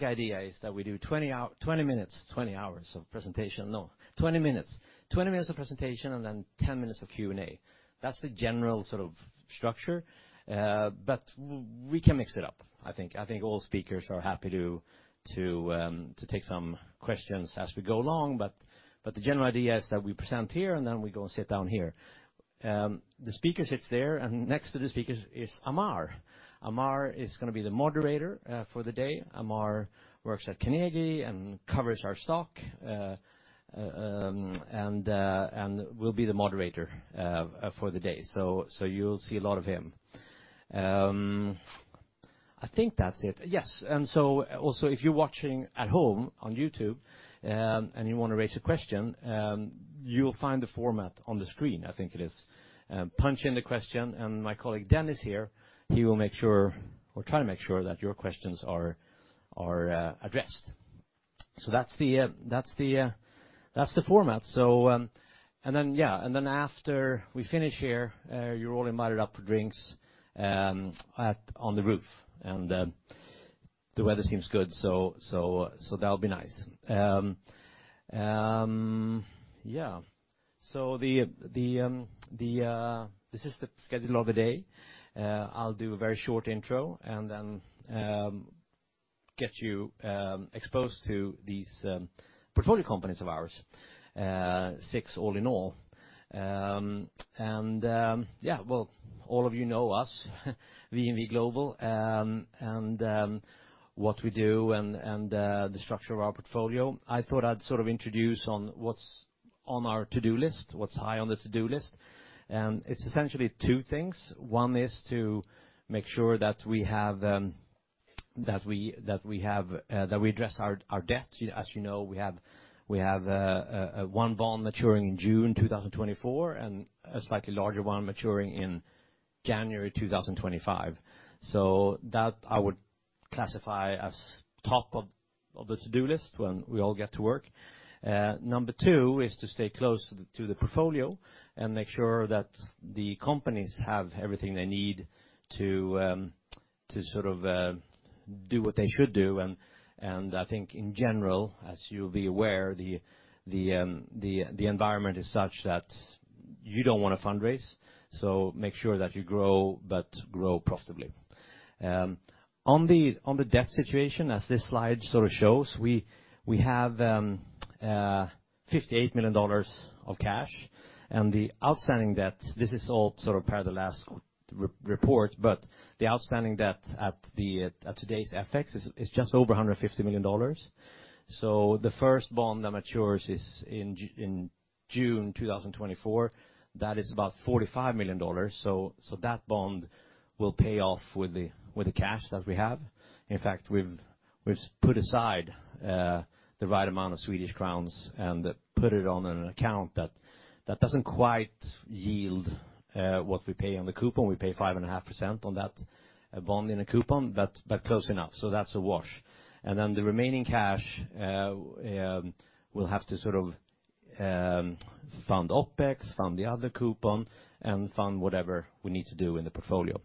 The idea is that we do 20 minutes of presentation. No, 20 minutes. 20 minutes of presentation, and then 10 minutes of Q&A. That's the general sort of structure, but we can mix it up, I think. I think all speakers are happy to take some questions as we go along, but the general idea is that we present here, and then we go and sit down here. The speaker sits there, and next to the speaker is Amar. Amar is gonna be the moderator for the day. Amar works at Carnegie and covers our stock, and will be the moderator for the day, so you'll see a lot of him. I think that's it. Yes, if you're watching at home on YouTube and you want to raise a question, you'll find the format on the screen, I think it is. Punch in the question, and my colleague, Dennis, here, he will make sure or try to make sure that your questions are addressed. That's the format. After we finish here, you're all invited up for drinks on the roof, and the weather seems good, so that'll be nice. Yeah. This is the schedule of the day. I'll do a very short intro and then get you exposed to these portfolio companies of ours, six all in all. All of you know us, VNV Global, and what we do and the structure of our portfolio. I thought I'd sort of introduce on what's on our to-do list, what's high on the to-do list, and it's essentially two things. One is to make sure that we address our debt. As you know, we have one bond maturing in June 2024 and a slightly larger one maturing in January 2025. So that I would classify as top of the to-do list when we all get to work. Number two is to stay close to the, to the portfolio and make sure that the companies have everything they need to, to sort of, do what they should do, and, and I think in general, as you'll be aware, the, the, the environment is such that you don't want to fundraise, so make sure that you grow, but grow profitably. On the, on the debt situation, as this slide sort of shows, we, we have, $58 million of cash, and the outstanding debt, this is all sort of per the last report, but the outstanding debt at the, at today's FX is, is just over $150 million. So the first bond that matures is in June 2024. That is about $45 million, so that bond will pay off with the cash that we have. In fact, we've put aside the right amount of Swedish crowns and put it on an account that doesn't quite yield what we pay on the coupon. We pay 5.5% on that bond in a coupon, but close enough, so that's a wash. And then the remaining cash will have to sort of fund OpEx, fund the other coupon, and fund whatever we need to do in the portfolio.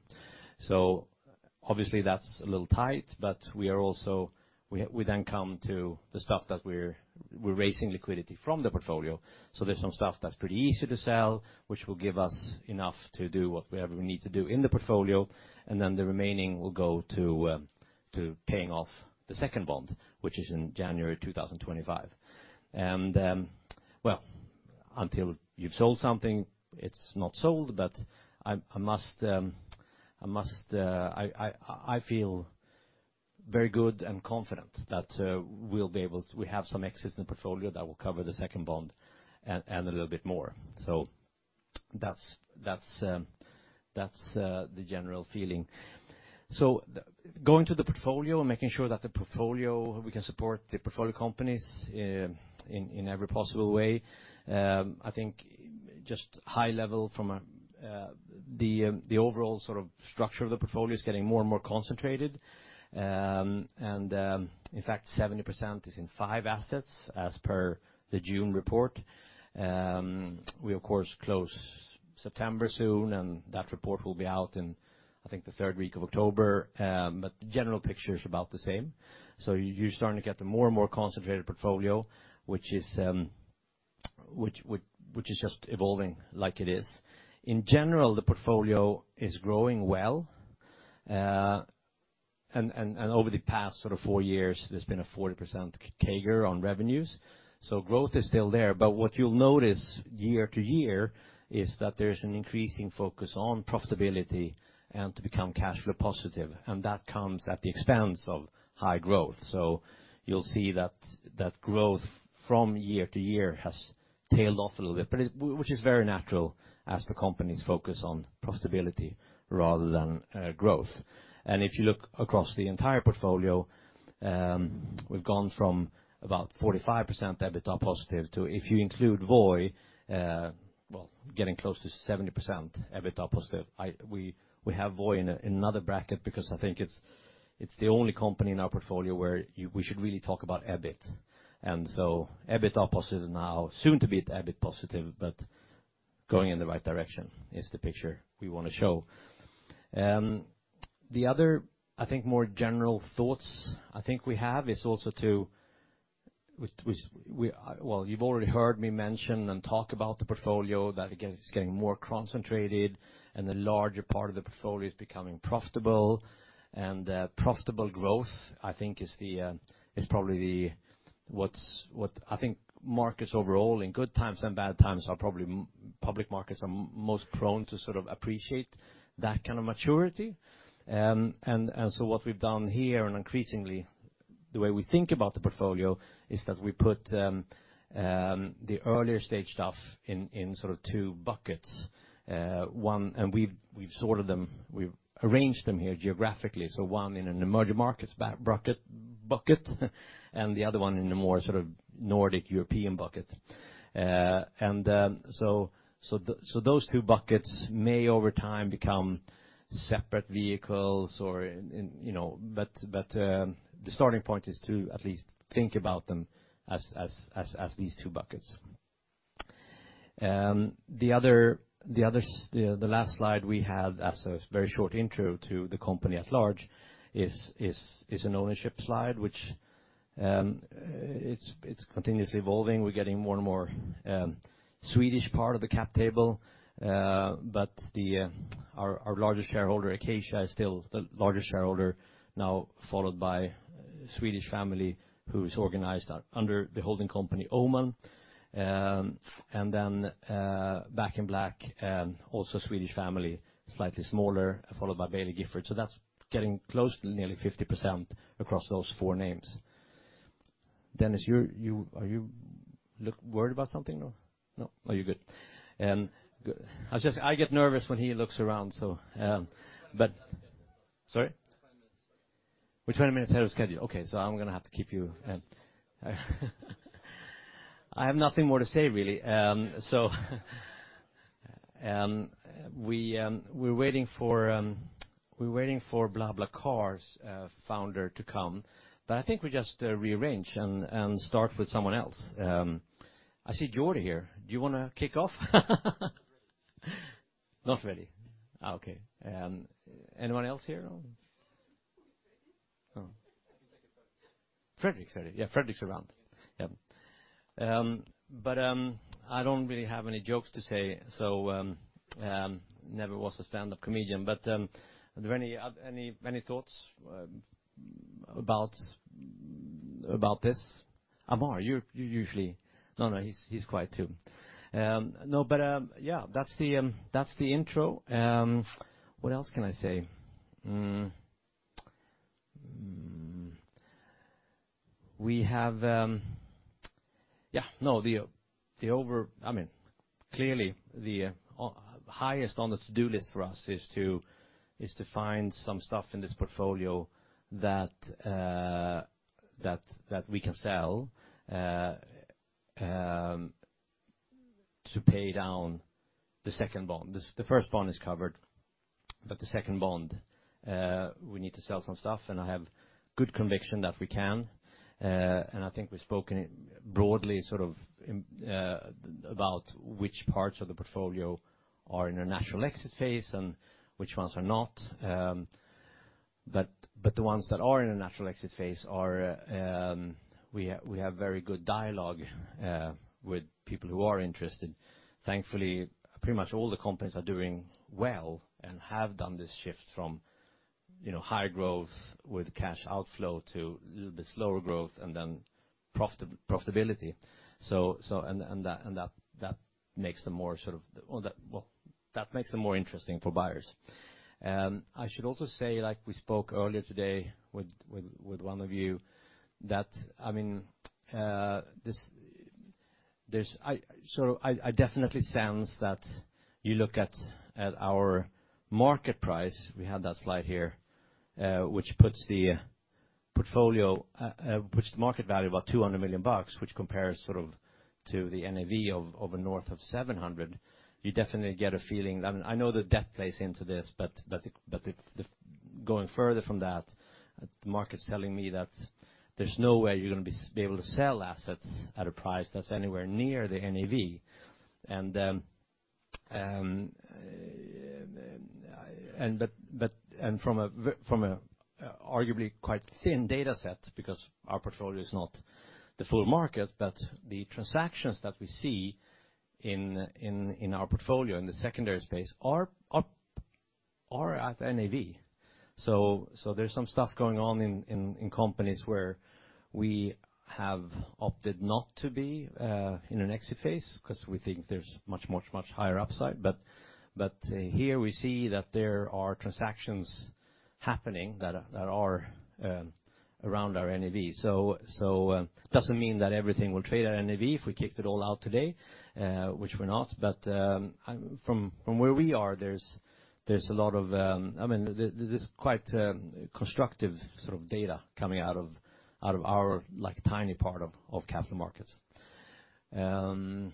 So obviously, that's a little tight, but we are also... We then come to the stuff that we're raising liquidity from the portfolio, so there's some stuff that's pretty easy to sell, which will give us enough to do whatever we need to do in the portfolio, and then the remaining will go to paying off the second bond, which is in January 2025. And, well, until you've sold something, it's not sold, but I must feel very good and confident that we'll be able to. We have some exits in the portfolio that will cover the second bond and a little bit more. So that's the general feeling. So the... Going to the portfolio and making sure that the portfolio, we can support the portfolio companies in every possible way, I think just high level from a, the overall sort of structure of the portfolio is getting more and more concentrated. In fact, 70% is in five assets as per the June report. We, of course, close September soon, and that report will be out in, I think, the third week of October, but the general picture is about the same. You're starting to get a more and more concentrated portfolio, which is just evolving like it is. In general, the portfolio is growing well, and over the past sort of four years, there's been a 40% CAGR on revenues, so growth is still there. But what you'll notice year to year is that there's an increasing focus on profitability and to become cash flow positive, and that comes at the expense of high growth. So you'll see that growth from year to year has tailed off a little bit, but it, which is very natural as the companies focus on profitability rather than growth. And if you look across the entire portfolio, we've gone from about 45% EBITDA positive to, if you include Voi, well, getting close to 70% EBITDA positive. We have Voi in another bracket because I think it's the only company in our portfolio where we should really talk about EBIT. And so EBITDA positive now, soon to be EBIT positive, but going in the right direction is the picture we want to show. The other, I think, more general thoughts, I think we have is also to, which, which we-- well, you've already heard me mention and talk about the portfolio, that, again, it's getting more concentrated, and the larger part of the portfolio is becoming profitable. Profitable growth, I think, is the, is probably what's, what I think markets overall, in good times and bad times, are probably- public markets are most prone to sort of appreciate that kind of maturity. What we've done here, and increasingly, the way we think about the portfolio, is that we put the earlier stage stuff in, in sort of two buckets. One, and we've, we've sorted them, we've arranged them here geographically, so one in an emerging markets bracket, bucket, and the other one in a more sort of Nordic European bucket. And those two buckets may, over time, become separate vehicles or, you know. But the starting point is to at least think about them as these two buckets. The last slide we had as a very short intro to the company at large is an ownership slide, which is continuously evolving. We're getting more and more Swedish part of the cap table, but our largest shareholder, Acacia, is still the largest shareholder, now followed by Swedish family, who's organized under the holding company, Öhman. And then Back in Black, also Swedish family, slightly smaller, followed by Baillie Gifford. So that's getting close to nearly 50% across those four names. Dennis, you look worried about something or? No? Oh, you're good. Good. I was just-- I get nervous when he looks around, so, but- 20 minutes ahead of schedule. Sorry? We're 20 minutes. We're 20 minutes ahead of schedule. Okay, so I'm going to have to keep you. I have nothing more to say, really. So, we're waiting for, we're waiting for BlaBlaCar's founder to come, but I think we just rearrange and start with someone else. I see Jordi here. Do you wanna kick off? Not ready. Not ready. Okay. Anyone else here? Oh, Fredrick. Fredrick's ready. Yeah, Fredrick's around. Yeah. I don't really have any jokes to say, so I never was a stand-up comedian. Are there any, any thoughts about this? Amar, you're usually... No, no, he's quiet, too. Yeah, that's the intro. What else can I say? We have... Yeah, no, the over-- I mean, clearly, the highest on the to-do list for us is to find some stuff in this portfolio that we can sell to pay down the second bond. The first bond is covered, but the second bond, we need to sell some stuff, and I have good conviction that we can. And I think we've spoken broadly, sort of, about which parts of the portfolio are in a natural exit phase and which ones are not. But the ones that are in a natural exit phase are, we have very good dialogue with people who are interested. Thankfully, pretty much all the companies are doing well and have done this shift from, you know, high growth with cash outflow to little bit slower growth and then profitability. And that makes them more sort of... Well, that makes them more interesting for buyers. I should also say, like we spoke earlier today with one of you, that, I mean, this, there's... I definitely sense that you look at our market price, we had that slide here, which puts the portfolio market value about $200 million, which compares sort of to the NAV of north of $700 million. You definitely get a feeling, I know the debt plays into this, but the... Going further from that, the market's telling me that there's no way you're going to be able to sell assets at a price that's anywhere near the NAV. And from an arguably quite thin data set, because our portfolio is not the full market, but the transactions that we see in our portfolio, in the secondary space, are at NAV. So there's some stuff going on in companies where we have opted not to be in an exit phase because we think there's much, much, much higher upside. But here, we see that there are transactions happening that are around our NAV. So doesn't mean that everything will trade at NAV if we kicked it all out today, which we're not. But from where we are, there's a lot of... I mean, there's quite a constructive sort of data coming out of our like tiny part of capital markets. Yeah.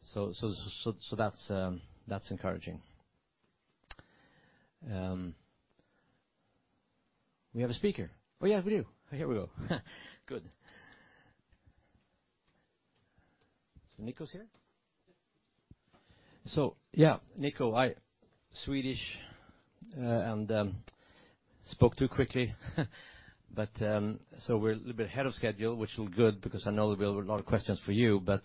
So that's encouraging. We have a speaker? Oh, yeah, we do. Here we go. Good. So Nico's here? So yeah, Nico, I Swedish and spoke too quickly. But, so we're a little bit ahead of schedule, which is good, because I know there'll be a lot of questions for you. But,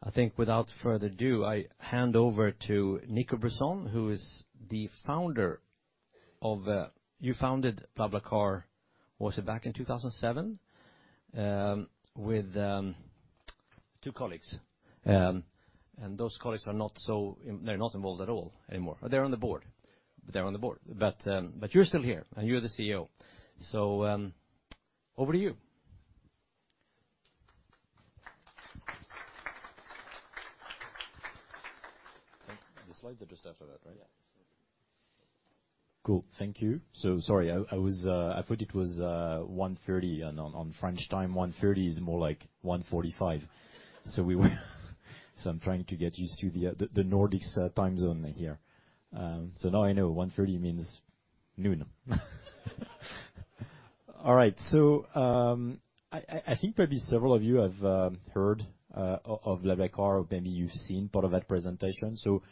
I think without further ado, I hand over to Nicolas Brusson, who is the founder of. You founded BlaBlaCar, was it back in 2007? With two colleagues, and those colleagues are not—they're not involved at all anymore. They're on the board. They're on the board, but, but you're still here, and you're the CEO. So, over to you. The slides are just after that, right? Yeah. Cool. Thank you. So sorry, I was... I thought it was 1:30, and on French time, 1:30 is more like 1:45. So I'm trying to get used to the Nordics' time zone here. So now I know 1:30 means noon. All right. So, I think probably several of you have heard of BlaBlaCar, or maybe you've seen part of that presentation. So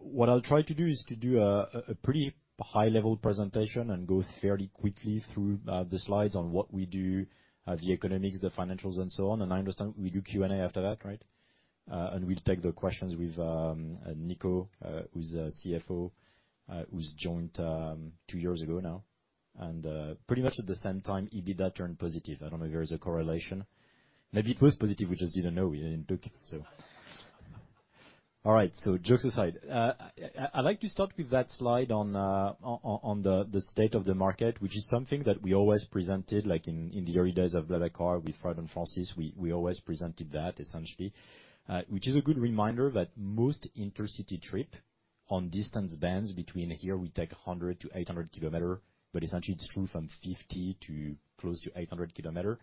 what I'll try to do is to do a pretty high-level presentation and go fairly quickly through the slides on what we do, the economics, the financials, and so on. And I understand we do Q&A after that, right? And we'll take the questions with Nico, who's the CFO, who's joined two years ago now. Pretty much at the same time, he did that turn positive. I don't know if there is a correlation. Maybe it was positive, we just didn't know. We didn't look, so. All right. Jokes aside, I'd like to start with that slide on the state of the market, which is something that we always presented, like in the early days of BlaBlaCar with Fred and Francis. We always presented that essentially, which is a good reminder that most intercity trip on distance bands between, here we take 100-800 km, but essentially it's true from 50 to close to 800 km,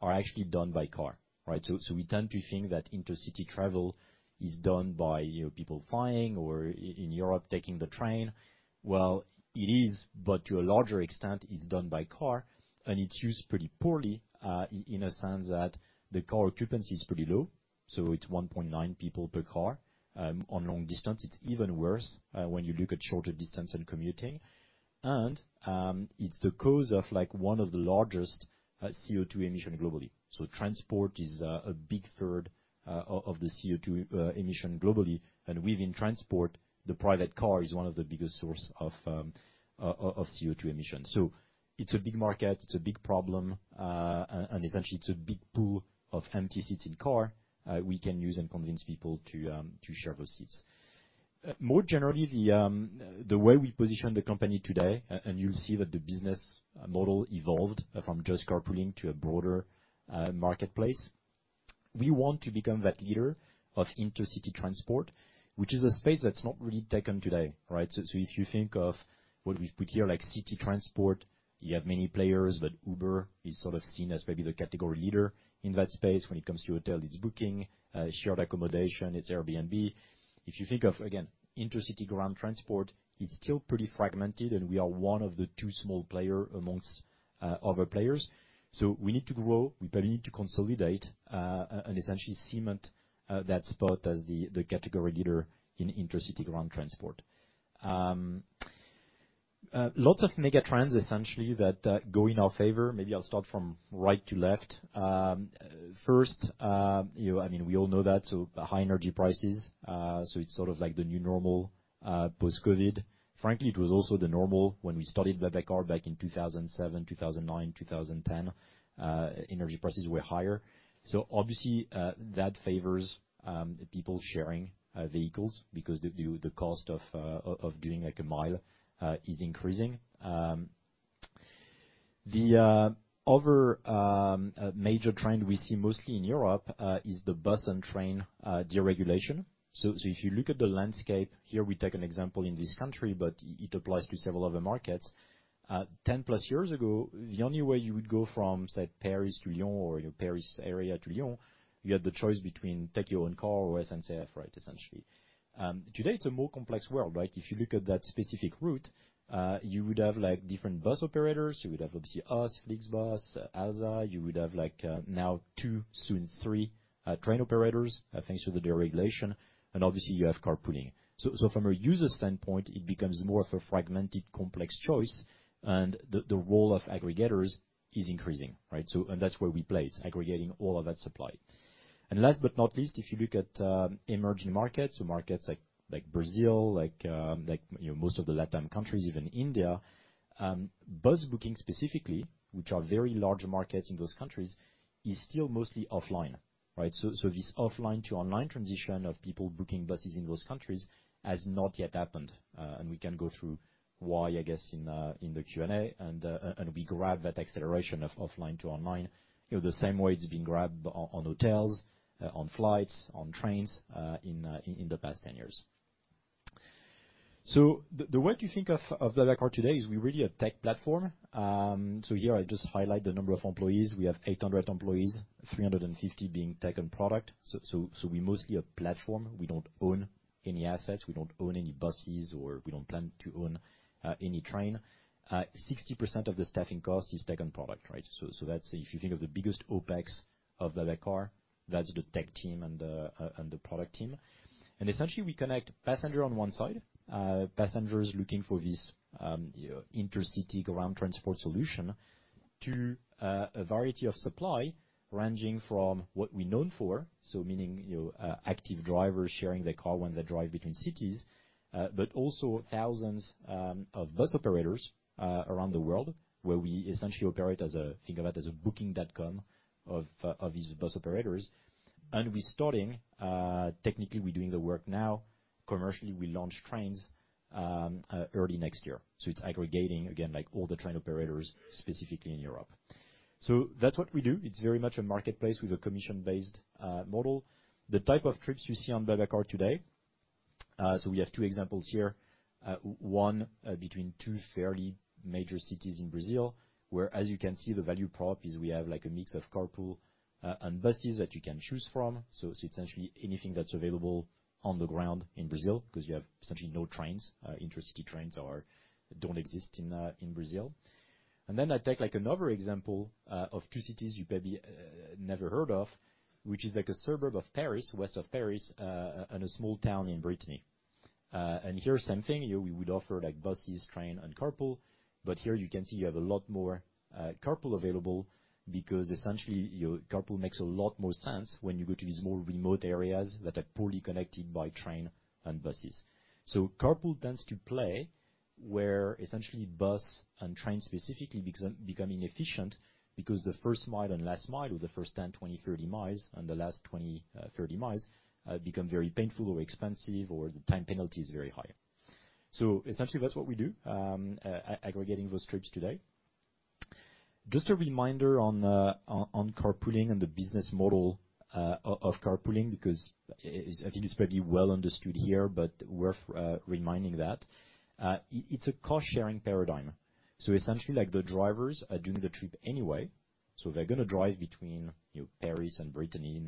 are actually done by car, right? We tend to think that intercity travel is done by, you know, people flying or in Europe, taking the train. Well, it is, but to a larger extent, it's done by car, and it's used pretty poorly, in a sense that the car occupancy is pretty low, so it's 1.9 people per car. On long distance, it's even worse when you look at shorter distance and commuting. It's the cause of, like, one of the largest CO₂ emission globally. Transport is a big third of the CO₂ emission globally, and within transport, the private car is one of the biggest source of CO₂ emissions. It's a big market, it's a big problem, and, and essentially, it's a big pool of empty seated car we can use and convince people to share those seats. More generally, the way we position the company today, and you'll see that the business model evolved from just carpooling to a broader marketplace. We want to become that leader of intercity transport, which is a space that's not really taken today, right? So if you think of what we've put here, like city transport, you have many players, but Uber is sort of seen as maybe the category leader in that space. When it comes to hotel, it's Booking, shared accommodation, it's Airbnb. If you think of, again, intercity ground transport, it's still pretty fragmented, and we are one of the two small player amongst other players. So we need to grow, we probably need to consolidate, and essentially cement that spot as the category leader in intercity ground transport. Lots of mega trends, essentially, that go in our favor. Maybe I'll start from right to left. First, you know, I mean, we all know that, so high energy prices, so it's sort of like the new normal, post-COVID. Frankly, it was also the normal when we started BlaBlaCar back in 2007, 2009, 2010, energy prices were higher. So obviously, that favors people sharing vehicles because the cost of doing, like, a mile is increasing. The other major trend we see mostly in Europe is the bus and train deregulation. So if you look at the landscape, here we take an example in this country, but it applies to several other markets. 10+ years ago, the only way you would go from, say, Paris to Lyon or Paris area to Lyon, you had the choice between take your own car or SNCF, right, essentially. Today, it's a more complex world, right? If you look at that specific route, you would have, like, different bus operators. You would have, obviously, us, FlixBus, Alsa. You would have, like, now 2, soon 3, train operators, thanks to the deregulation, and obviously, you have carpooling. So, so from a user standpoint, it becomes more of a fragmented, complex choice, and the, the role of aggregators is increasing, right? So, and that's where we play. It's aggregating all of that supply. Last but not least, if you look at emerging markets, so markets like Brazil, like most of the Latin countries, even India, bus booking specifically, which are very large markets in those countries, is still mostly offline, right? So this offline to online transition of people booking buses in those countries has not yet happened, and we can go through why, I guess, in the Q&A, and we grab that acceleration of offline to online, you know, the same way it's been grabbed on hotels, on flights, on trains, in the past 10 years. So the way to think of BlaBlaCar today is we're really a tech platform. So here I just highlight the number of employees. We have 800 employees, 350 being tech and product. So we're mostly a platform. We don't own any assets, we don't own any buses, or we don't plan to own any train. 60% of the staffing cost is tech and product, right? So that's if you think of the biggest OpEx of BlaBlaCar, that's the tech team and the product team. And essentially, we connect passenger on one side, passengers looking for this intercity ground transport solution, to a variety of supply, ranging from what we're known for, so meaning, you know, active drivers sharing their car when they drive between cities, but also thousands of bus operators around the world, where we essentially operate as a, think of it as a Booking.com of these bus operators. We're starting, technically, we're doing the work now. Commercially, we launch trains early next year. So it's aggregating, again, like all the train operators, specifically in Europe. So that's what we do. It's very much a marketplace with a commission-based model. The type of trips you see on BlaBlaCar today, so we have two examples here. One, between two fairly major cities in Brazil, where, as you can see, the value prop is we have, like, a mix of carpool and buses that you can choose from. So essentially anything that's available on the ground in Brazil, 'cause you have essentially no trains, intercity trains don't exist in Brazil. And then I take, like, another example of two cities you maybe never heard of, which is like a suburb of Paris, west of Paris, and a small town in Brittany. And here, same thing. Here, we would offer, like, buses, train, and carpool, but here you can see you have a lot more carpool available because essentially, your carpool makes a lot more sense when you go to these more remote areas that are poorly connected by train and buses. So carpool tends to play where essentially bus and train, specifically, become inefficient because the first mile and last mile, or the first 10, 20, 30 miles and the last 20, 30 miles, become very painful or expensive, or the time penalty is very high. So essentially, that's what we do, aggregating those trips today. Just a reminder on, on carpooling and the business model, o-of carpooling, because it's, I think it's probably well understood here, but worth reminding that. It's a cost-sharing paradigm. So essentially, like, the drivers are doing the trip anyway, so they're gonna drive between, you know, Paris and Brittany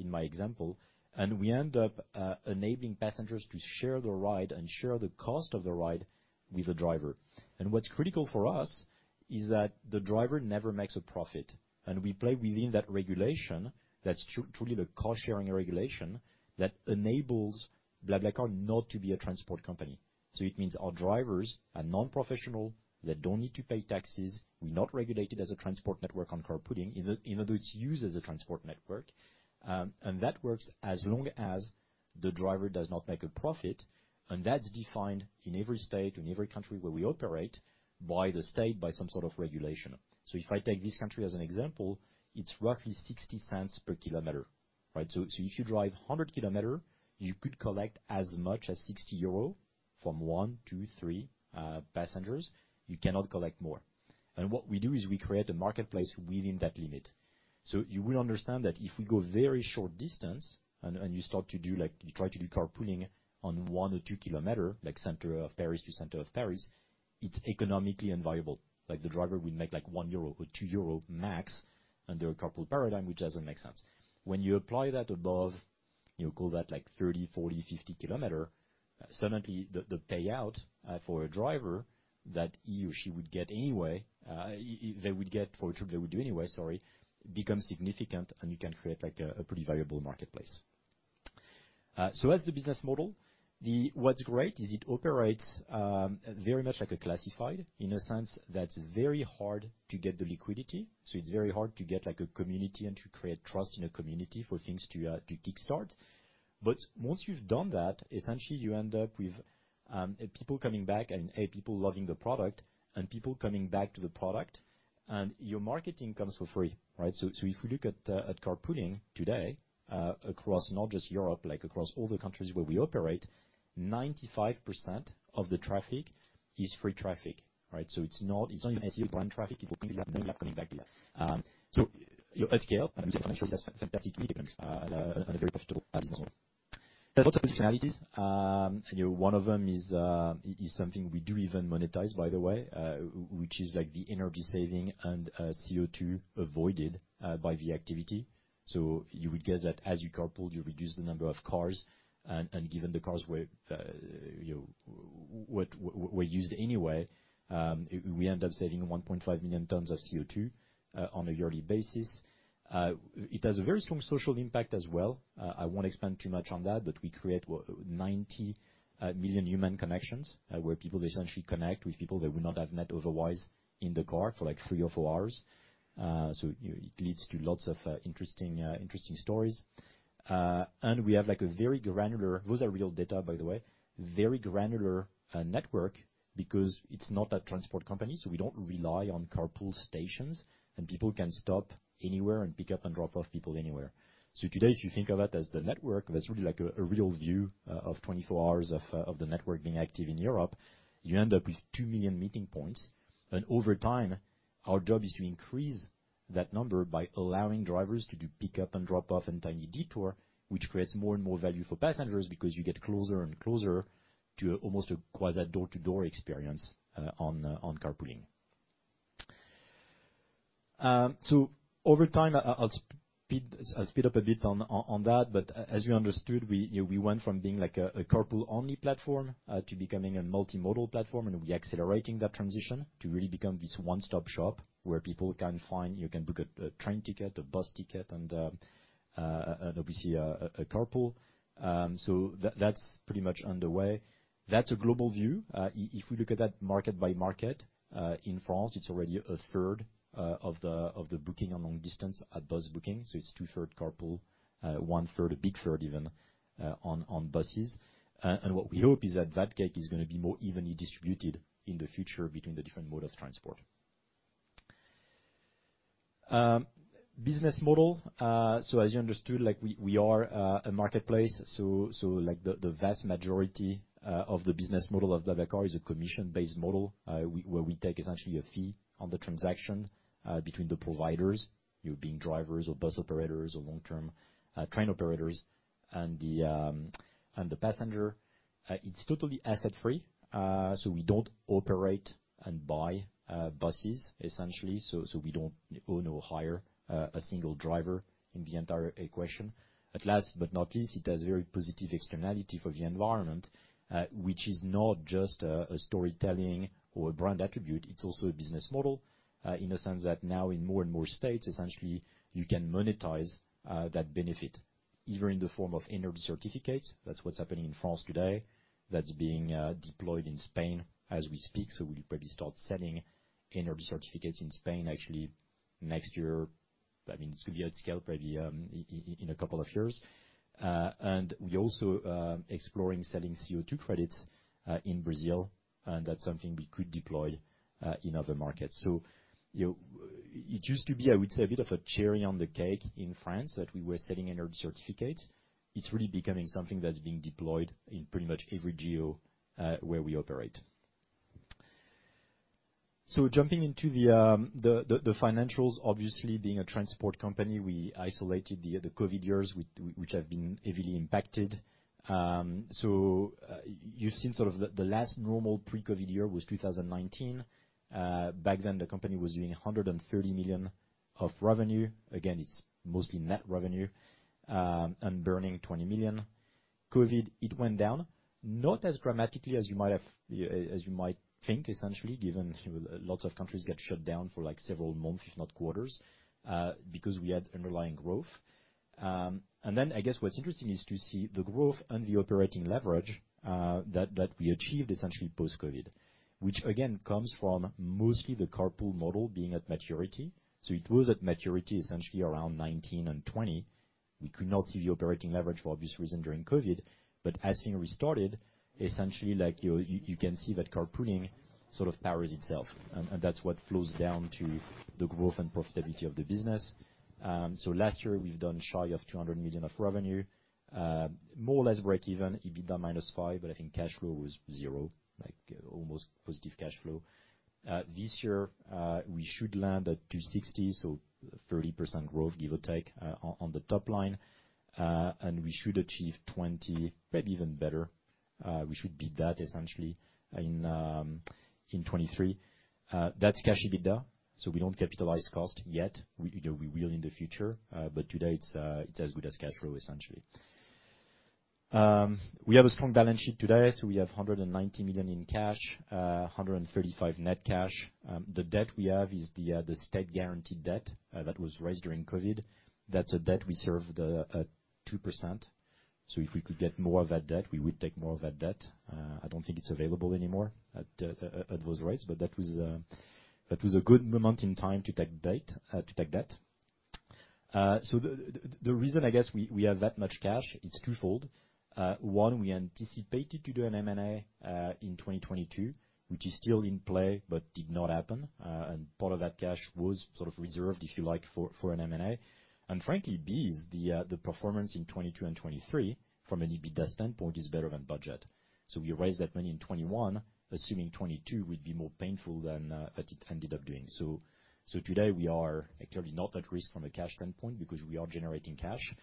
in my example, and we end up enabling passengers to share the ride and share the cost of the ride with the driver. What's critical for us is that the driver never makes a profit, and we play within that regulation. That's truly the cost-sharing regulation that enables BlaBlaCar not to be a transport company. It means our drivers are non-professional, they don't need to pay taxes. We're not regulated as a transport network on carpooling, even though it's used as a transport network. And that works as long as the driver does not make a profit, and that's defined in every state and every country where we operate by the state, by some sort of regulation. So if I take this country as an example, it's roughly 0.60 per kilometer, right? So, so if you drive 100 kilometer, you could collect as much as 60 euro from 1, 2, 3 passengers. You cannot collect more. And what we do is we create a marketplace within that limit. So you will understand that if we go very short distance and you start to do, like, you try to do carpooling on 1 or 2 kilometer, like center of Paris to center of Paris, it's economically unviable. Like, the driver will make, like, 1 euro or 2 euro max under a carpool paradigm, which doesn't make sense. When you apply that above, you call that, like, 30, 40, 50 km, suddenly the payout for a driver that he or she would get anyway, they would get for a trip they would do anyway, sorry, becomes significant, and you can create, like, a pretty valuable marketplace. That's the business model. What's great is it operates very much like a classified, in a sense that it's very hard to get the liquidity, so it's very hard to get, like, a community and to create trust in a community for things to kickstart. Once you've done that, essentially you end up with people coming back and, A, people loving the product and people coming back to the product, and your marketing comes for free, right? If you look at carpooling today, across not just Europe, like, across all the countries where we operate, 95% of the traffic is free traffic, right? It's not even SEO traffic. People coming back there. You upscale, and I'm sure that's fantastic news, and a very profitable business model. There's lots of functionalities. You know, one of them is something we do even monetize, by the way, which is, like, the energy saving and CO₂ avoided by the activity. You would guess that as you carpool, you reduce the number of cars and, given the cars were, you know, were used anyway, we end up saving 1.5 million tons of CO₂ on a yearly basis. It has a very strong social impact as well. I won't expand too much on that, but we create 90 million human connections, where people essentially connect with people they would not have met otherwise in the car for, like, three or four hours. So it leads to lots of interesting stories. And we have, like, a very granular... Those are real data, by the way, very granular network, because it's not a transport company, so we don't rely on carpool stations, and people can stop anywhere and pick up and drop off people anywhere. So today, if you think of it as the network, that's really like a real view of 24 hours of the network being active in Europe, you end up with 2 million meeting points. Over time, our job is to increase that number by allowing drivers to do pick up and drop off and tiny detour, which creates more and more value for passengers because you get closer and closer to almost a quasi door-to-door experience on carpooling. Over time, I'll speed up a bit on that, but as you understood, we went from being, like, a carpool-only platform to becoming a multimodal platform, and we're accelerating that transition to really become this one-stop shop where people can find-- you can book a train ticket, a bus ticket, and, obviously, a carpool. That, that's pretty much underway. That's a global view. If we look at that market by market, in France, it's already a third of the booking on long distance at bus booking. So it's two-thirds carpool, one-third, a big third even, on buses. And what we hope is that that cake is gonna be more evenly distributed in the future between the different modes of transport. Business model, so as you understood, like, we are a marketplace, so, like, the vast majority of the business model of BlaBlaCar is a commission-based model, where we take essentially a fee on the transaction between the providers, you being drivers or bus operators or long-term train operators, and the passenger. It's totally asset free, so we don't operate and buy buses, essentially, so we don't own or hire a single driver in the entire equation. Last but not least, it has very positive externality for the environment, which is not just a storytelling or a brand attribute. It's also a business model in a sense that now, in more and more states, essentially, you can monetize that benefit either in the form of energy certificates. That's what's happening in France today. That's being deployed in Spain as we speak, so we'll probably start selling energy certificates in Spain actually next year. I mean, it could be at scale, probably, in a couple of years. And we're also exploring selling CO₂ credits in Brazil, and that's something we could deploy in other markets. So, you know, it used to be, I would say, a bit of a cherry on the cake in France, that we were selling energy certificates. It's really becoming something that's being deployed in pretty much every geo, where we operate. So jumping into the financials. Obviously, being a transport company, we isolated the COVID years, which have been heavily impacted. So, you've seen sort of the last normal pre-COVID year was 2019. Back then, the company was doing 130 million of revenue. Again, it's mostly net revenue, and burning 20 million. COVID, it went down. Not as dramatically as you might have, as you might think, essentially, given, you know, lots of countries got shut down for, like, several months, if not quarters, because we had underlying growth. Then, I guess, what's interesting is to see the growth and the operating leverage that we achieved essentially post-Covid. Which, again, comes from mostly the carpool model being at maturity. So it was at maturity essentially around 2019 and 2020. We could not see the operating leverage for obvious reasons during Covid, but as being restarted, essentially, like, you can see that carpooling sort of powers itself, and that's what flows down to the growth and profitability of the business. So last year, we've done shy of 200 million of revenue, more or less break even, EBITDA minus 5 million, but I think cash flow was 0, like almost positive cash flow. This year, we should land at 260 million, so 30% growth, give or take, on the top line. We should achieve 20, maybe even better. We should beat that essentially in 2023. That's cash EBITDA, so we don't capitalize cost yet. We will in the future, but today it's as good as cash flow, essentially. We have a strong balance sheet today, so we have $190 million in cash, $135 million net cash. The debt we have is the state-guaranteed debt that was raised during Covid. That's a debt we served at 2%, so if we could get more of that debt, we would take more of that debt. I don't think it's available anymore at those rates, but that was a good moment in time to take debt, to take debt. So the reason, I guess, we have that much cash, it's twofold. One, we anticipated to do an M&A in 2022, which is still in play but did not happen, and part of that cash was sort of reserved, if you like, for an M&A. And frankly, the performance in 2022 and 2023, from an EBITDA standpoint, is better than budget. So we raised that money in 2021, assuming 2022 would be more painful than what it ended up doing. So today we are clearly not at risk from a cash standpoint because we are generating cash.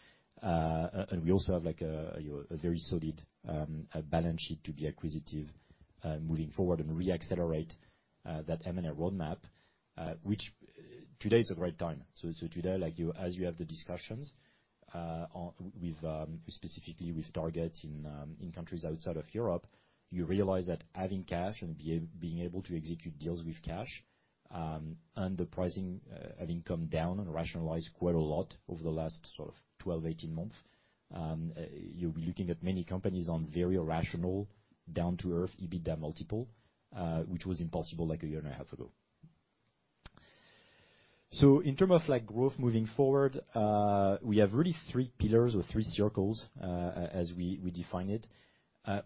And we also have, like, a very solid balance sheet to be acquisitive moving forward and reaccelerate that M&A roadmap, which today is the right time. Today, like, you-- as you have the discussions, like, with, specifically with Target in countries outside of Europe, you realize that having cash and being able to execute deals with cash, and the pricing, having come down and rationalized quite a lot over the last sort of 12, 18 months, you'll be looking at many companies on very rational, down-to-earth, EBITDA multiple, which was impossible, like, a year and a half ago. In terms of, like, growth moving forward, we have really three pillars or three circles, as we define it.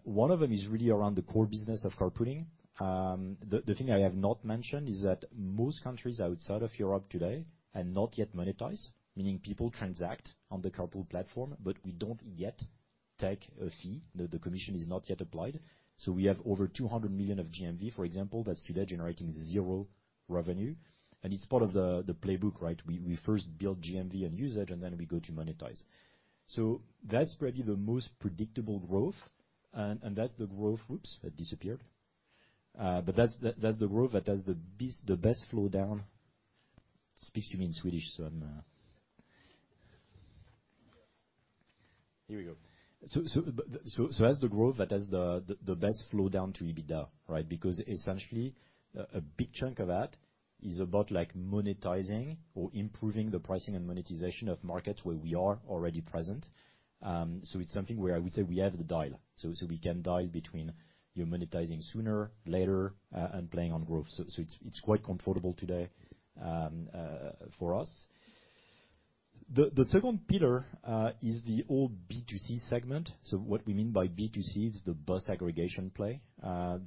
One of them is really around the core business of carpooling. The thing I have not mentioned is that most countries outside of Europe today are not yet monetized, meaning people transact on the carpool platform, but we don't yet take a fee. The commission is not yet applied. So we have over 200 million of GMV, for example. That's today generating zero revenue, and it's part of the playbook, right? We first build GMV and usage, and then we go to monetize. So that's probably the most predictable growth, and that's the growth that has the best flow down. But that's the growth that has the best flow down to EBITDA, right? Because essentially, a big chunk of that is about, like, monetizing or improving the pricing and monetization of markets where we are already present. So it's something where I would say we have the dial. So we can dial between you're monetizing sooner, later, and playing on growth. So it's quite comfortable today for us. The second pillar is the old B2C segment. So what we mean by B2C is the bus aggregation play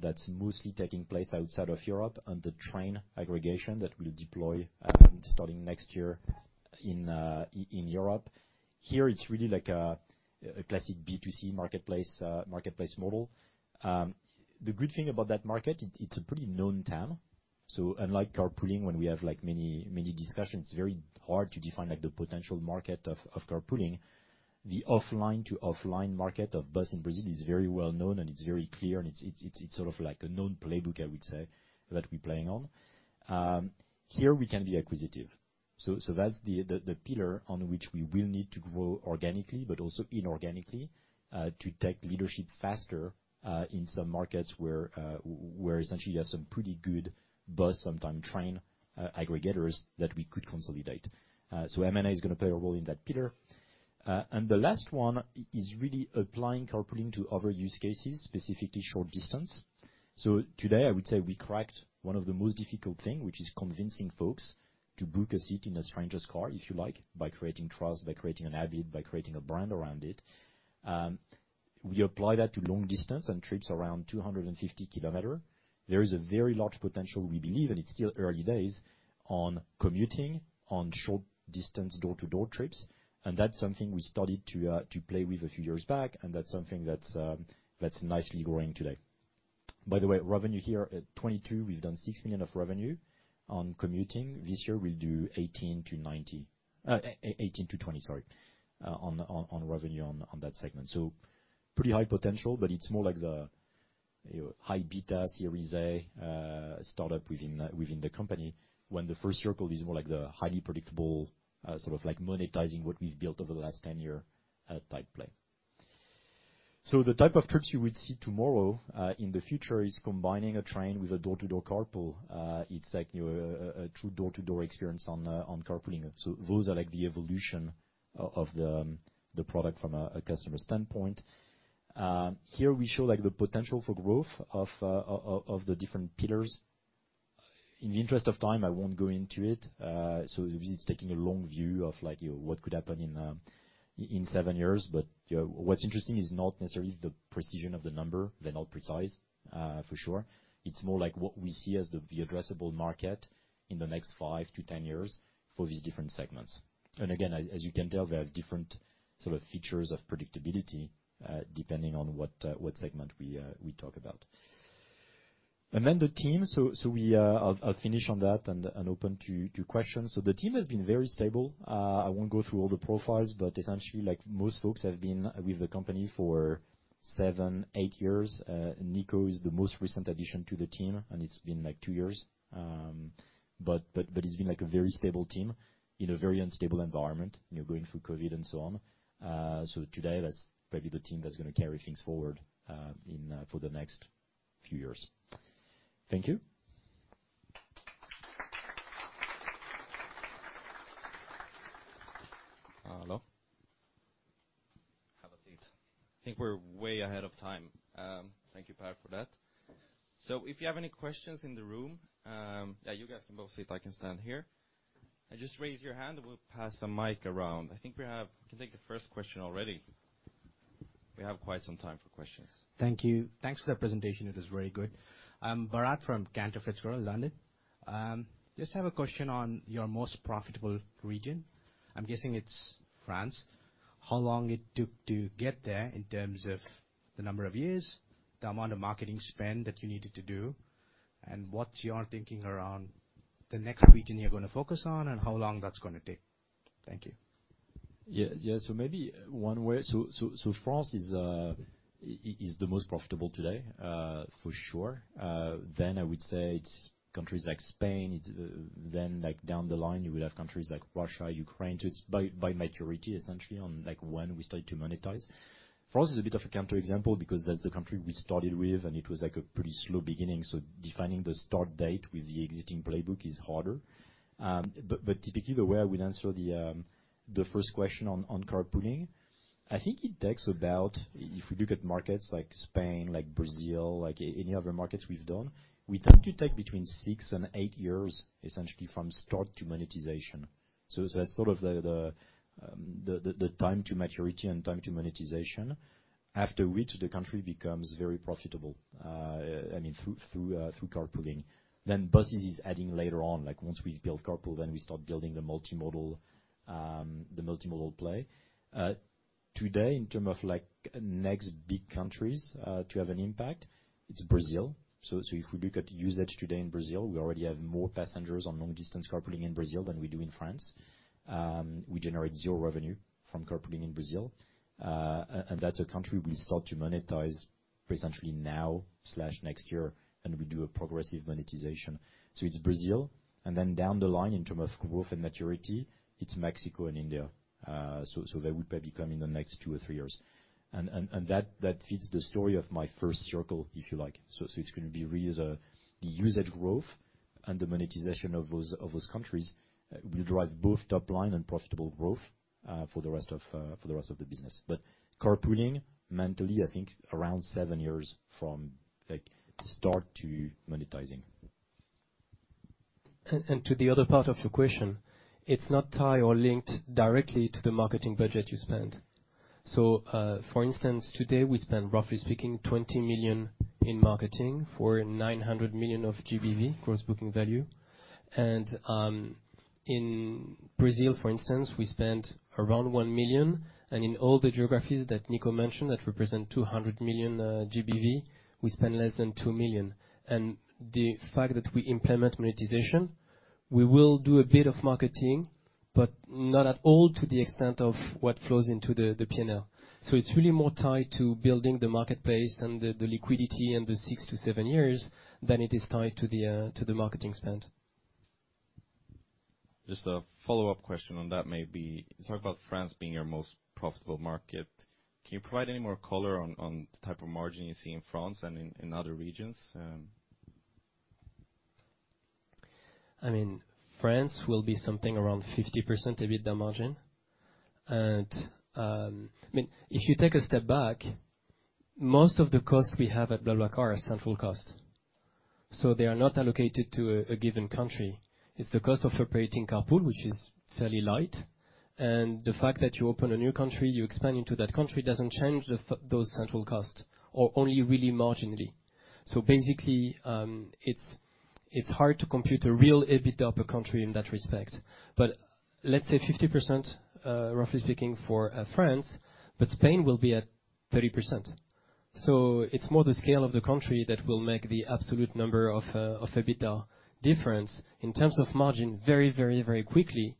that's mostly taking place outside of Europe, and the train aggregation that we'll deploy starting next year in Europe. Here, it's really like a classic B2C marketplace model. The good thing about that market, it's a pretty known town. So unlike carpooling, when we have, like, many, many discussions, it's very hard to define, like, the potential market of carpooling. The offline-to-offline market of bus in Brazil is very well known, and it's very clear, and it's sort of like a known playbook, I would say, that we're playing on. Here we can be acquisitive. So that's the pillar on which we will need to grow organically, but also inorganically, to take leadership faster, in some markets where essentially you have some pretty good bus, sometime train, aggregators that we could consolidate. So M&A is gonna play a role in that pillar. And the last one is really applying carpooling to other use cases, specifically short distance. So today, I would say we cracked one of the most difficult thing, which is convincing folks to book a seat in a stranger's car, if you like, by creating trust, by creating an habit, by creating a brand around it. We apply that to long distance and trips around 250 km. There is a very large potential, we believe, and it's still early days, on commuting, on short distance door-to-door trips, and that's something we started to play with a few years back, and that's something that's nicely growing today. By the way, revenue here at 2022, we've done 6 million of revenue on commuting. This year, we'll do 18 million-20 million, sorry, on revenue on that segment. So pretty high potential, but it's more like the, you know, high beta Series A startup within the company, when the first circle is more like the highly predictable, sort of like monetizing what we've built over the last 10-year type play. So the type of trips you would see tomorrow in the future is combining a train with a door-to-door carpool. It's like, you know, a true door-to-door experience on carpooling. So those are, like, the evolution of the product from a customer standpoint. Here we show, like, the potential for growth of the different pillars. In the interest of time, I won't go into it. So it's taking a long view of, like, you know, what could happen in seven years. But, you know, what's interesting is not necessarily the precision of the number. They're not precise, for sure. It's more like what we see as the addressable market in the next five to 10 years for these different segments. And again, as you can tell, they have different sort of features of predictability, depending on what segment we talk about. And then the team, so we... I'll finish on that and open to questions. So the team has been very stable. I won't go through all the profiles, but essentially, like most folks, have been with the company for seven, eight years. Nico is the most recent addition to the team, and it's been, like, two years. But it's been, like, a very stable team in a very unstable environment, you know, going through COVID and so on. So today, that's probably the team that's gonna carry things forward, you know, for the next few years. Thank you. Hello. Have a seat. I think we're way ahead of time. Thank you, Pat, for that. So if you have any questions in the room... Yeah, you guys can both sit. I can stand here. And just raise your hand, and we'll pass a mic around. I think we have. Can take the first question already. We have quite some time for questions. Thank you. Thanks for that presentation. It is very good. I'm Bharat from Cantor Fitzgerald, London. Just have a question on your most profitable region. I'm guessing it's France. How long it took to get there in terms of the number of years, the amount of marketing spend that you needed to do, and what you're thinking around the next region you're gonna focus on and how long that's gonna take? Thank you. Yeah, yeah. Maybe one way... France is the most profitable today, for sure. I would say it's countries like Spain. Then, down the line, you will have countries like Russia, Ukraine. Just by maturity, essentially, on when we start to monetize. France is a bit of a counterexample because that's the country we started with, and it was a pretty slow beginning, so defining the start date with the existing playbook is harder. Typically, the way I would answer the first question on carpooling, I think it takes about... If you look at markets like Spain, like Brazil, like any other markets we've done, we tend to take between 6-8 years, essentially, from start to monetization.... So, that's sort of the time to maturity and time to monetization, after which the country becomes very profitable, I mean, through carpooling. Then buses is adding later on, like once we build carpool, then we start building the multimodal, the multimodal play. Today, in term of like next big countries to have an impact, it's Brazil. So, if we look at usage today in Brazil, we already have more passengers on long-distance carpooling in Brazil than we do in France. We generate zero revenue from carpooling in Brazil. And, that's a country we start to monetize essentially now/next year, and we do a progressive monetization. So it's Brazil, and then down the line, in term of growth and maturity, it's Mexico and India. So, they would probably come in the next two or three years. And that feeds the story of my first circle, if you like. So, it's gonna be really the usage growth and the monetization of those countries will drive both top line and profitable growth for the rest of the business. But carpooling, eventually, I think around seven years from, like, start to monetizing. And to the other part of your question, it's not tied or linked directly to the marketing budget you spend. So, for instance, today we spend, roughly speaking, 20 million in marketing for 900 million of GBV, gross booking value. And, in Brazil, for instance, we spent around 1 million, and in all the geographies that Nico mentioned, that represent 200 million, GBV, we spend less than 2 million. And the fact that we implement monetization, we will do a bit of marketing, but not at all to the extent of what flows into the, the P&L. So it's really more tied to building the marketplace and the, the liquidity in the 6-7 years than it is tied to the, to the marketing spend. Just a follow-up question on that, maybe. You talk about France being your most profitable market. Can you provide any more color on, on the type of margin you see in France and in, in other regions? I mean, France will be something around 50% EBITDA margin. And, I mean, if you take a step back, most of the costs we have at BlaBlaCar are central costs, so they are not allocated to a given country. It's the cost of operating carpool, which is fairly light, and the fact that you open a new country, you expand into that country, doesn't change those central costs, or only really marginally. So basically, it's hard to compute a real EBITDA per country in that respect. But let's say 50%, roughly speaking, for France, but Spain will be at 30%. So it's more the scale of the country that will make the absolute number of EBITDA difference. In terms of margin, very, very, very quickly,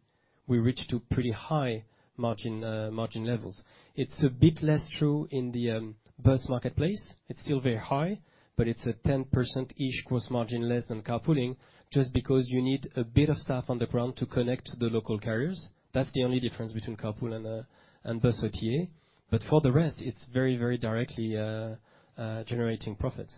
we reach to pretty high margin levels. It's a bit less true in the bus marketplace. It's still very high, but it's a 10%-ish gross margin less than carpooling, just because you need a bit of staff on the ground to connect the local carriers. That's the only difference between carpool and bus OTA. But for the rest, it's very, very directly generating profits.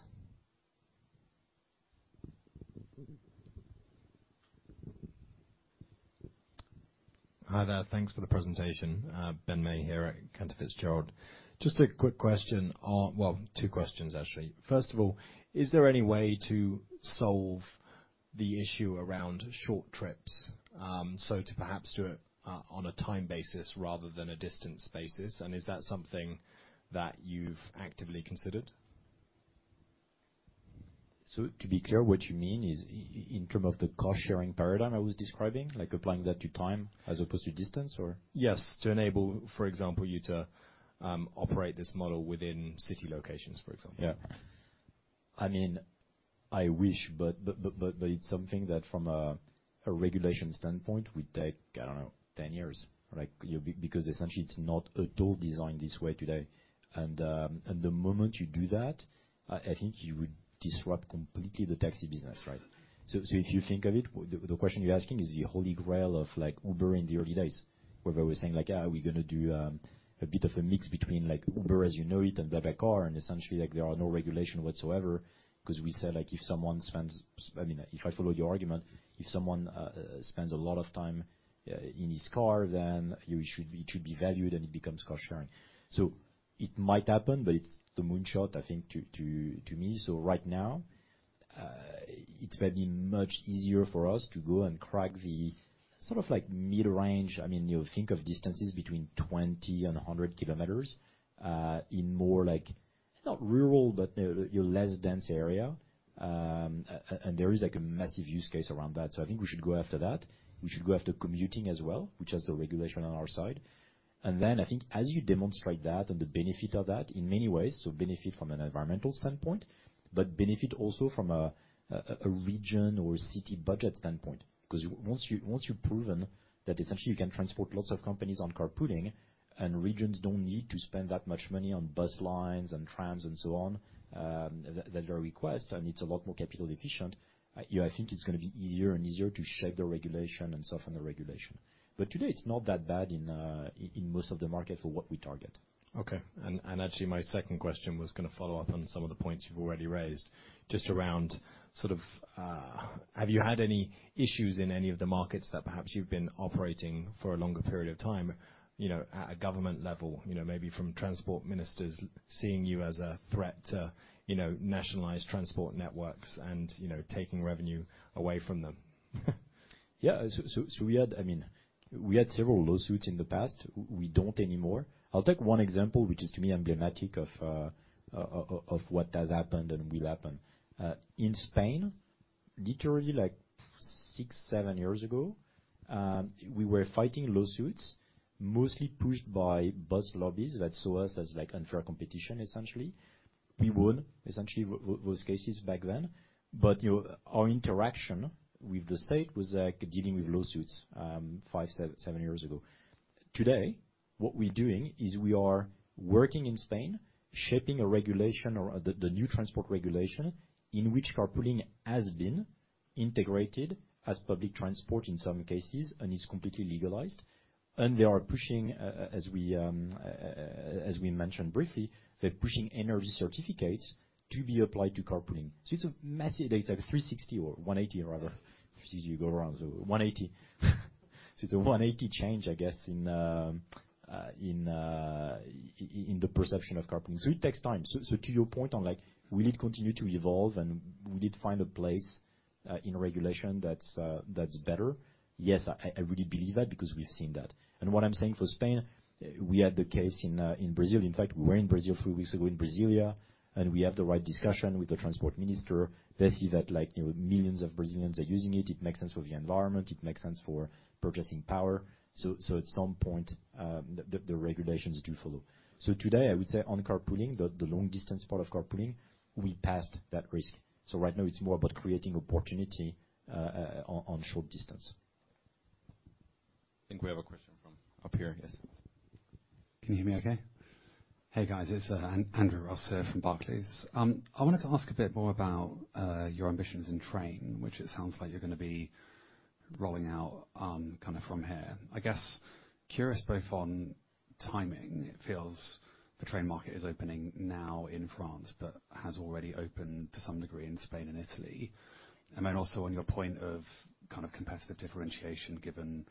Hi there. Thanks for the presentation. Ben May here at Cantor Fitzgerald. Just a quick question on... Well, two questions, actually. First of all, is there any way to solve the issue around short trips, so to perhaps do it on a time basis rather than a distance basis? And is that something that you've actively considered? To be clear, what you mean is in terms of the cost-sharing paradigm I was describing, like applying that to time as opposed to distance, or? Yes, to enable, for example, you to, operate this model within city locations, for example. Yeah. I mean, I wish, but it's something that from a regulation standpoint, would take, I don't know, 10 years, right? Because essentially, it's not at all designed this way today. And the moment you do that, I think you would disrupt completely the taxi business, right? So if you think of it, the question you're asking is the Holy Grail of, like, Uber in the early days, where they were saying, like, "Ah, we're gonna do a bit of a mix between, like, Uber as you know it and BlaBlaCar," and essentially, like, there are no regulation whatsoever, 'cause we say, like, if someone spends... I mean, if I follow your argument, if someone spends a lot of time in his car, then you should – it should be valued, and it becomes cost sharing. So it might happen, but it's the moonshot, I think, to me. So right now, it may be much easier for us to go and crack the sort of like mid-range, I mean, you think of distances between 20 and 100 kilometers, in more like, not rural, but, your less dense area. And there is, like, a massive use case around that. So I think we should go after that. We should go after commuting as well, which has the regulation on our side. And then I think as you demonstrate that and the benefit of that in many ways, so benefit from an environmental standpoint, but benefit also from a region or a city budget standpoint. 'Cause once you've proven that essentially you can transport lots of companies on carpooling and regions don't need to spend that much money on bus lines and trams and so on, that they request, and it's a lot more capital efficient, yeah, I think it's gonna be easier and easier to shape the regulation and soften the regulation. But today, it's not that bad in most of the market for what we target. Okay. And, and actually, my second question was gonna follow up on some of the points you've already raised. Just around sort of, have you had any issues in any of the markets that perhaps you've been operating for a longer period of time, you know, at a government level, you know, maybe from transport ministers seeing you as a threat to, you know, nationalized transport networks and, you know, taking revenue away from them?... Yeah, so we had, I mean, we had several lawsuits in the past. We don't anymore. I'll take one example, which is, to me, emblematic of what has happened and will happen. In Spain, literally, like 6-7 years ago, we were fighting lawsuits mostly pushed by bus lobbies that saw us as, like, unfair competition, essentially. We won, essentially, those cases back then. But, you know, our interaction with the state was like dealing with lawsuits 5-7 years ago. Today, what we're doing is we are working in Spain, shaping a regulation or the new transport regulation, in which carpooling has been integrated as public transport in some cases and is completely legalized. And they are pushing, as we mentioned briefly, they're pushing energy certificates to be applied to carpooling. So it's a massive data, 360 or 180, rather, since you go around, so 180. So it's a 180 change, I guess, in the perception of carpooling, so it takes time. So, to your point on, like, we did continue to evolve, and we did find a place in regulation that's better. Yes, I really believe that, because we've seen that. And what I'm saying for Spain, we had the case in Brazil. In fact, we were in Brazil a few weeks ago in Brasília, and we had the right discussion with the transport minister. They see that, like, you know, millions of Brazilians are using it. It makes sense for the environment, it makes sense for purchasing power. So, at some point, the regulations do follow. So today, I would say on carpooling, the long distance part of carpooling, we passed that risk. So right now, it's more about creating opportunity on short distance. I think we have a question from up here. Yes. Can you hear me okay? Hey, guys, it's Andrew Russell from Barclays. I wanted to ask a bit more about your ambitions in train, which it sounds like you're gonna be rolling out, kind of from here. I guess, curious both on timing. It feels the train market is opening now in France, but has already opened to some degree in Spain and Italy. And then also on your point of kind of competitive differentiation, given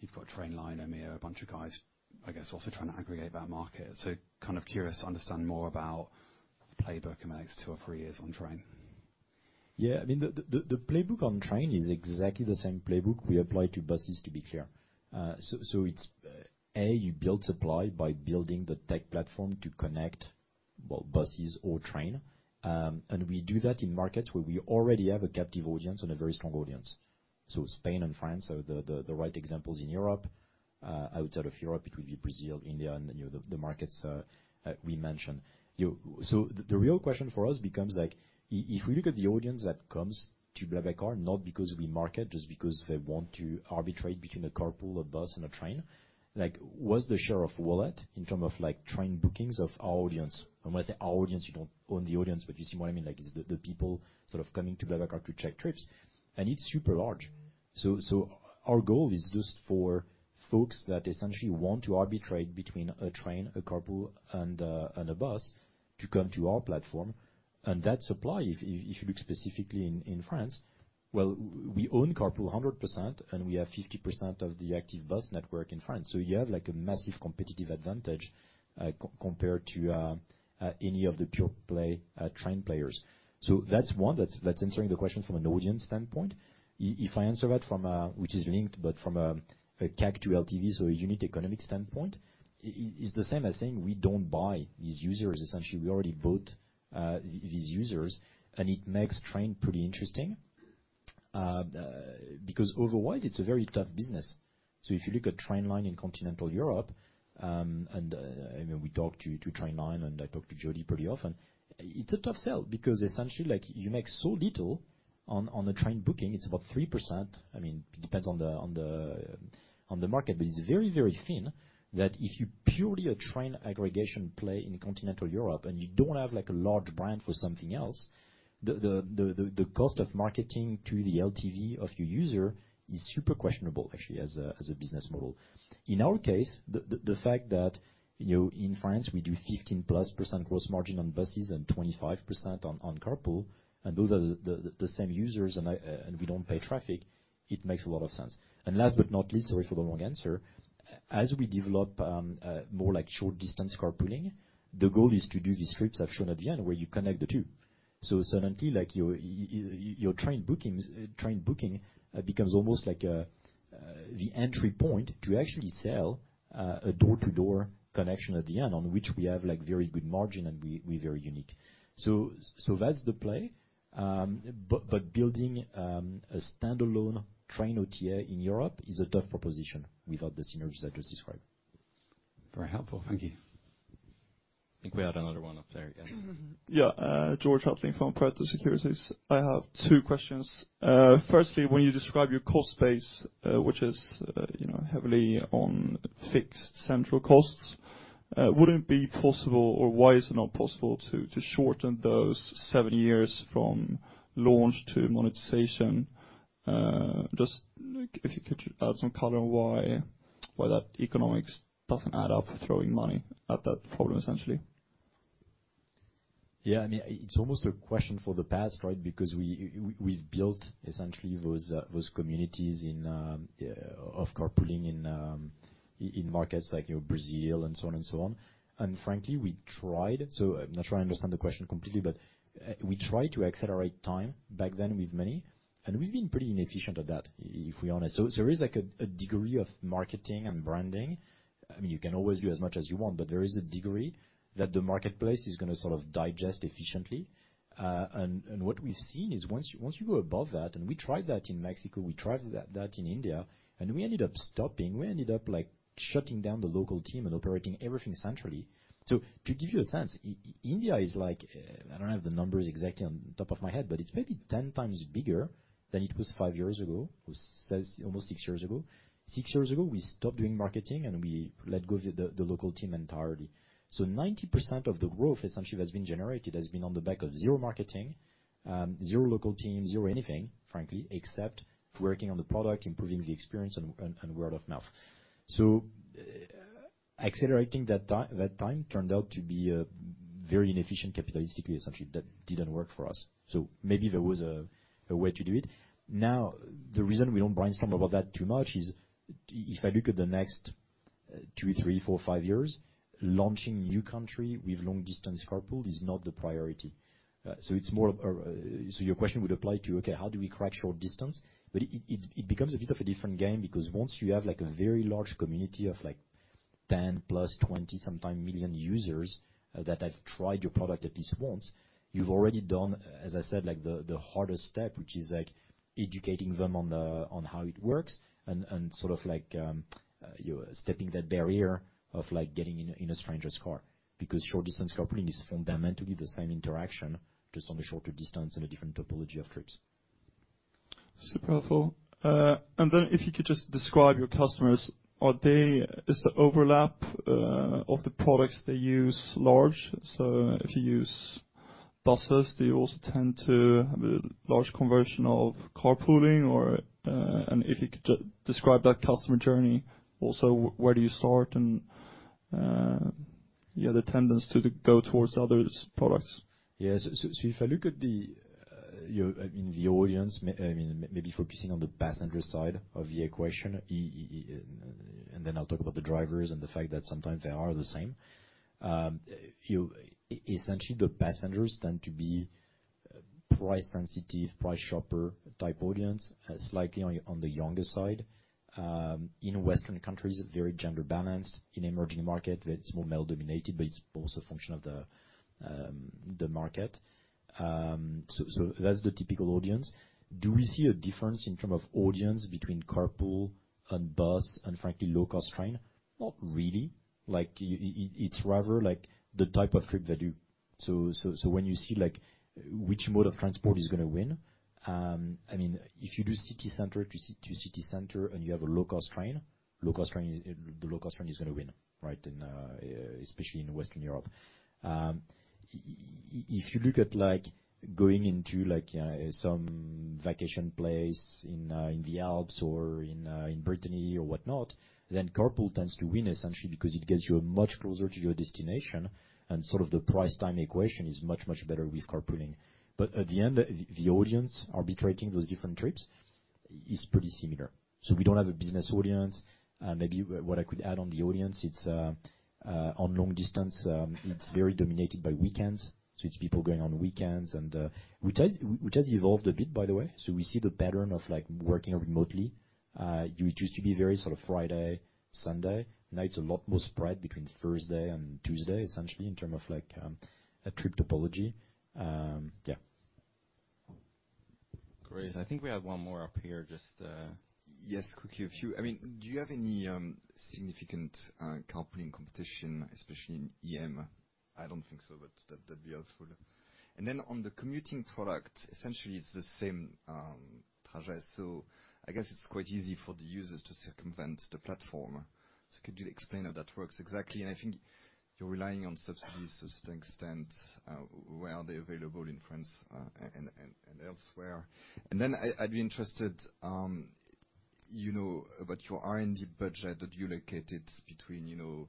you've got Trainline, I mean, a bunch of guys, I guess, also trying to aggregate that market. So kind of curious to understand more about playbook in the next two or three years on train. Yeah, I mean, the playbook on train is exactly the same playbook we applied to buses, to be clear. It's, A, you build supply by building the tech platform to connect, well, buses or train. We do that in markets where we already have a captive audience and a very strong audience. Spain and France are the right examples in Europe. Outside of Europe, it would be Brazil, India, and, you know, the markets we mentioned. You-- So the real question for us becomes like, if we look at the audience that comes to BlaBlaCar, not because we market, just because they want to arbitrate between a carpool, a bus, and a train. Like, what's the share of wallet in term of, like, train bookings of our audience? When I say our audience, you don't own the audience, but you see what I mean, like, it's the people sort of coming to BlaBlaCar to check trips, and it's super large. So our goal is just for folks that essentially want to arbitrate between a train, a carpool and a bus, to come to our platform. And that supply, if you look specifically in France, well, we own carpool 100%, and we have 50% of the active bus network in France. So you have, like, a massive competitive advantage compared to any of the pure play train players. So that's one, that's answering the question from an audience standpoint. If I answer that from a... Which is linked, but from a CAC to LTV, so a unique economic standpoint, it's the same as saying we don't buy these users. Essentially, we already bought these users, and it makes Trainline pretty interesting. Because otherwise, it's a very tough business. So if you look at Trainline in continental Europe, and I mean, we talked to Trainline, and I talk to Jody pretty often. It's a tough sell because essentially, like, you make so little on a train booking. It's about 3%. I mean, it depends on the market, but it's very, very thin. That if you're purely a train aggregation play in continental Europe, and you don't have, like, a large brand for something else, the cost of marketing to the LTV of your user is super questionable, actually, as a business model. In our case, the fact that, you know, in France, we do 15%+ gross margin on buses and 25% on carpool, and those are the same users, and we don't pay traffic, it makes a lot of sense. And last but not least, sorry for the long answer. As we develop more like short distance carpooling, the goal is to do these trips I've shown at the end, where you connect the two. So suddenly, like, your train bookings becomes almost like a the entry point to actually sell a door-to-door connection at the end, on which we have, like, very good margin, and we, we're very unique. So, so that's the play. But building a standalone train OTA in Europe is a tough proposition without the synergies I just described. Very helpful. Thank you. I think we had another one up there, yes. Mm-hmm. Yeah, George Hutling from Pareto Securities. I have two questions. Firstly, when you describe your cost base, which is, you know, heavily on fixed central costs, would it be possible, or why is it not possible to shorten those seven years from launch to monetization? Just, like, if you could add some color on why that economics doesn't add up for throwing money at that problem, essentially? Yeah, I mean, it's almost a question for the past, right? Because we've built essentially those communities of carpooling in markets like, you know, Brazil and so on and so on. And frankly, we tried. So I'm not sure I understand the question completely, but we tried to accelerate time back then with many, and we've been pretty inefficient at that, if we're honest. So there is, like, a degree of marketing and branding. I mean, you can always do as much as you want, but there is a degree that the marketplace is gonna sort of digest efficiently. And what we've seen is once you go above that, and we tried that in Mexico, we tried that in India, and we ended up stopping. We ended up, like, shutting down the local team and operating everything centrally. So to give you a sense, India is like... I don't have the numbers exactly on top of my head, but it's maybe 10 times bigger than it was five years ago, or six, almost six years ago. Six years ago, we stopped doing marketing, and we let go the local team entirely. So 90% of the growth, essentially, that's been generated, has been on the back of zero marketing, zero local teams, zero anything, frankly, except working on the product, improving the experience, and word of mouth. So, accelerating that time, that time turned out to be a very inefficient capitalistically, essentially, that didn't work for us. So maybe there was a way to do it. Now, the reason we don't brainstorm about that too much is if I look at the next two, three, four, five years, launching new country with long-distance carpool is not the priority. So it's more of a, so your question would apply to, okay, how do we crack short distance? But it becomes a bit of a different game, because once you have, like, a very large community of, like, 10+, 20, sometimes million users that have tried your product at least once, you've already done, as I said, like, the hardest step, which is, like, educating them on how it works and sort of like, you're stepping that barrier of, like, getting in a stranger's car. Because short-distance carpooling is fundamentally the same interaction, just on a shorter distance and a different topology of trips. Super helpful. And then, if you could just describe your customers, is the overlap of the products they use large? So if you use buses, do you also tend to have a large conversion of carpooling? And if you could describe that customer journey, also, where do you start, and yeah, the tendency to go towards other products? Yes. So, so if I look at the, you know, I mean, the audience, I mean, maybe focusing on the passenger side of the equation, and then I'll talk about the drivers and the fact that sometimes they are the same. You essentially, the passengers tend to be, price sensitive, price shopper type audience, slightly on, on the younger side. In Western countries, very gender balanced. In emerging market, it's more male-dominated, but it's also a function of the, the market. So, so that's the typical audience. Do we see a difference in terms of audience between carpool and bus and, frankly, low-cost train? Not really. Like, it's rather, like, the type of trip that you... So when you see, like, which mode of transport is gonna win, I mean, if you do city center to city center, and you have a low-cost train, the low-cost train is gonna win, right? And especially in Western Europe. If you look at, like, going into, like, some vacation place in, in the Alps or in, in Brittany or whatnot, then carpool tends to win, essentially, because it gets you much closer to your destination, and sort of the price-time equation is much, much better with carpooling. But at the end, the audience arbitrating those different trips is pretty similar. So we don't have a business audience. Maybe what I could add on the audience, it's on long distance, it's very dominated by weekends, so it's people going on weekends. Which has evolved a bit, by the way. So we see the pattern of, like, working remotely. It used to be very sort of Friday, Sunday. Now, it's a lot more spread between Thursday and Tuesday, essentially, in terms of like, a trip topology. Yeah. Great. I think we have one more up here, just, Yes, quickly, a few. I mean, do you have any significant carpooling competition, especially in EM? I don't think so, but that'd be helpful. And then on the commuting product, essentially, it's the same trajectory, so I guess it's quite easy for the users to circumvent the platform. So could you explain how that works exactly? And I think you're relying on subsidies to some extent, where are they available in France, and elsewhere? And then I'd be interested, you know, about your R&D budget that you allocated between, you know,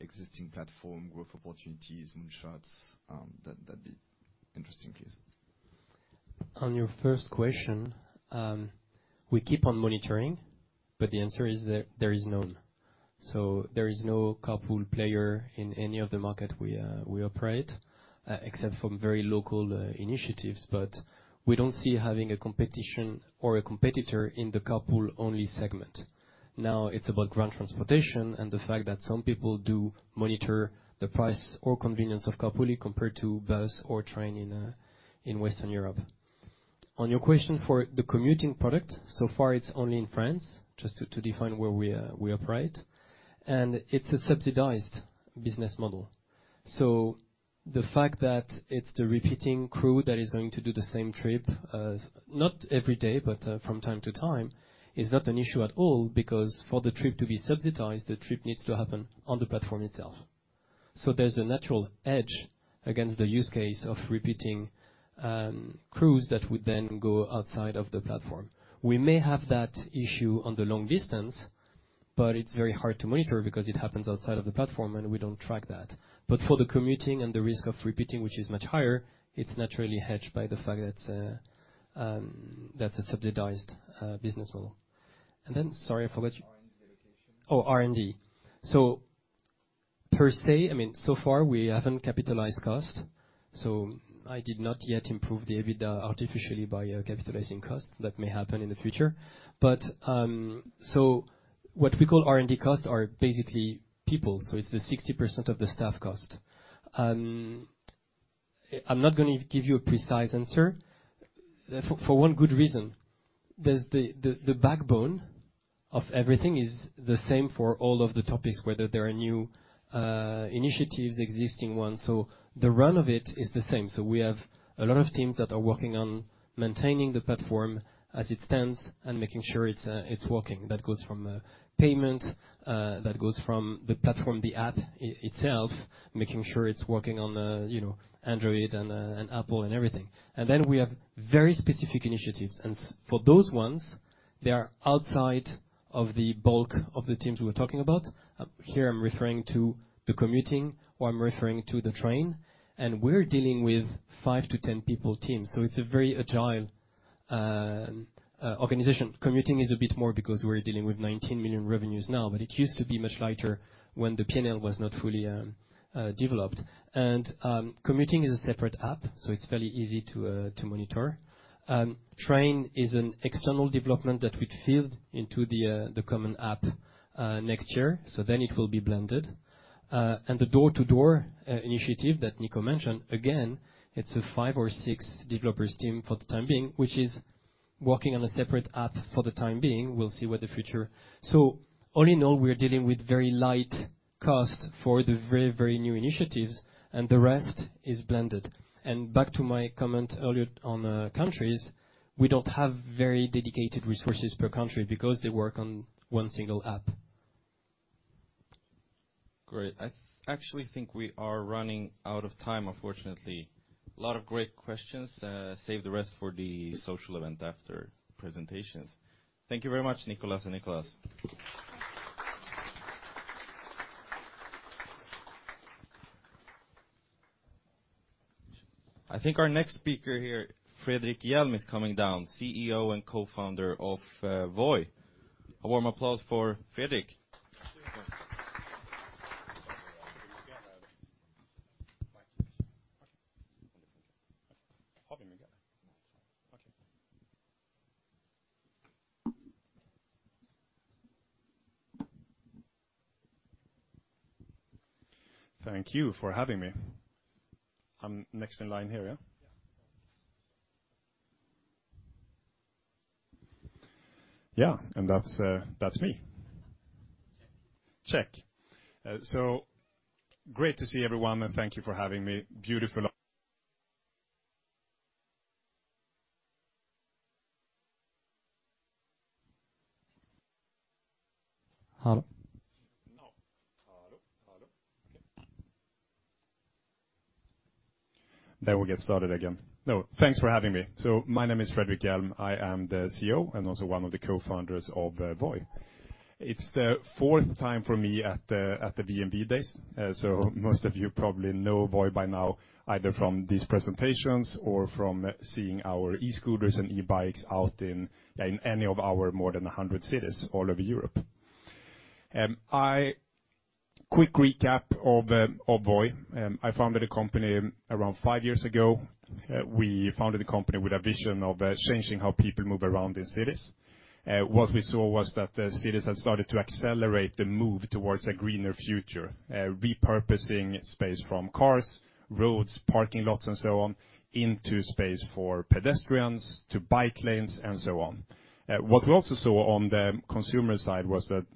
existing platform growth opportunities, moonshots. That'd be interesting case. On your first question, we keep on monitoring, but the answer is there, there is none. So there is no carpool player in any of the market we operate, except from very local initiatives, but we don't see having a competition or a competitor in the carpool-only segment. Now, it's about ground transportation and the fact that some people do monitor the price or convenience of carpooling compared to bus or train in Western Europe. On your question for the commuting product, so far, it's only in France, just to define where we operate, and it's a subsidized business model. So the fact that it's the repeating crew that is going to do the same trip, not every day, but, from time to time, is not an issue at all, because for the trip to be subsidized, the trip needs to happen on the platform itself. So there's a natural edge against the use case of repeating, crews that would then go outside of the platform. We may have that issue on the long distance. But it's very hard to monitor because it happens outside of the platform, and we don't track that. But for the commuting and the risk of repeating, which is much higher, it's naturally hedged by the fact that, that's a subsidized, business model. And then, sorry, I forgot- R&D allocation. Oh, R&D. So per se, I mean, so far, we haven't capitalized costs, so I did not yet improve the EBITDA artificially by capitalizing costs. That may happen in the future. But so what we call R&D costs are basically people, so it's the 60% of the staff cost. I'm not gonna give you a precise answer, for one good reason: there's the backbone of everything is the same for all of the topics, whether they are new initiatives, existing ones, so the run of it is the same. So we have a lot of teams that are working on maintaining the platform as it stands and making sure it's working. That goes from payments, that goes from the platform, the app itself, making sure it's working on the, you know, Android and and Apple and everything. And then we have very specific initiatives, and for those ones, they are outside of the bulk of the teams we're talking about. Here, I'm referring to the commuting, or I'm referring to the train, and we're dealing with 5-10 people teams, so it's a very agile organization. Commuting is a bit more because we're dealing with 19 million revenues now, but it used to be much lighter when the P&L was not fully developed. And commuting is a separate app, so it's fairly easy to monitor. Train is an external development that we'd field into the common app next year, so then it will be blended. And the door-to-door initiative that Nico mentioned, again, it's a 5 or 6 developers team for the time being, which is working on a separate app for the time being. We'll see what the future... So all in all, we're dealing with very light costs for the very, very new initiatives, and the rest is blended. Back to my comment earlier on countries, we don't have very dedicated resources per country because they work on one single app. Great. I actually think we are running out of time, unfortunately. A lot of great questions. Save the rest for the social event after presentations. Thank you very much, Nicolas and Nicolas. I think our next speaker here, Fredrik Hjelm, is coming down, CEO and co-founder of Voi. A warm applause for Fredrik. Thank you for having me. I'm next in line here, yeah? Yeah. Yeah, and that's, that's me. Check. Check. So great to see everyone, and thank you for having me. Beautiful- Hello? No. Hello. Hello. Okay. Then we'll get started again. No, thanks for having me. So my name is Fredrik Hjelm. I am the CEO and also one of the co-founders of Voi. It's the fourth time for me at the VNV Days. So most of you probably know Voi by now, either from these presentations or from seeing our e-scooters and e-bikes out in any of our more than 100 cities all over Europe. Quick recap of Voi. I founded a company around five years ago. We founded the company with a vision of changing how people move around in cities. What we saw was that the cities had started to accelerate the move towards a greener future, repurposing space from cars, roads, parking lots, and so on, into space for pedestrians, to bike lanes, and so on. What we also saw on the consumer side was that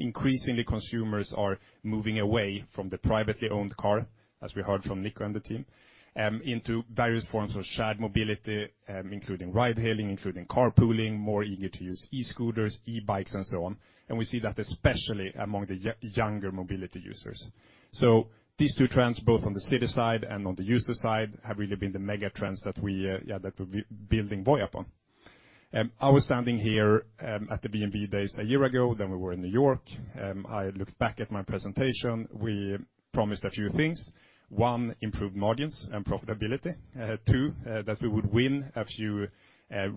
increasingly consumers are moving away from the privately owned car, as we heard from Nico and the team, into various forms of shared mobility, including ride-hailing, including carpooling, more eager to use e-scooters, e-bikes, and so on. And we see that especially among the younger mobility users. So these two trends, both on the city side and on the user side, have really been the mega trends that we, that we're building Voi upon. I was standing here, at the VNV Days a year ago, then we were in New York. I looked back at my presentation. We promised a few things. One, improved margins and profitability. Two, that we would win a few,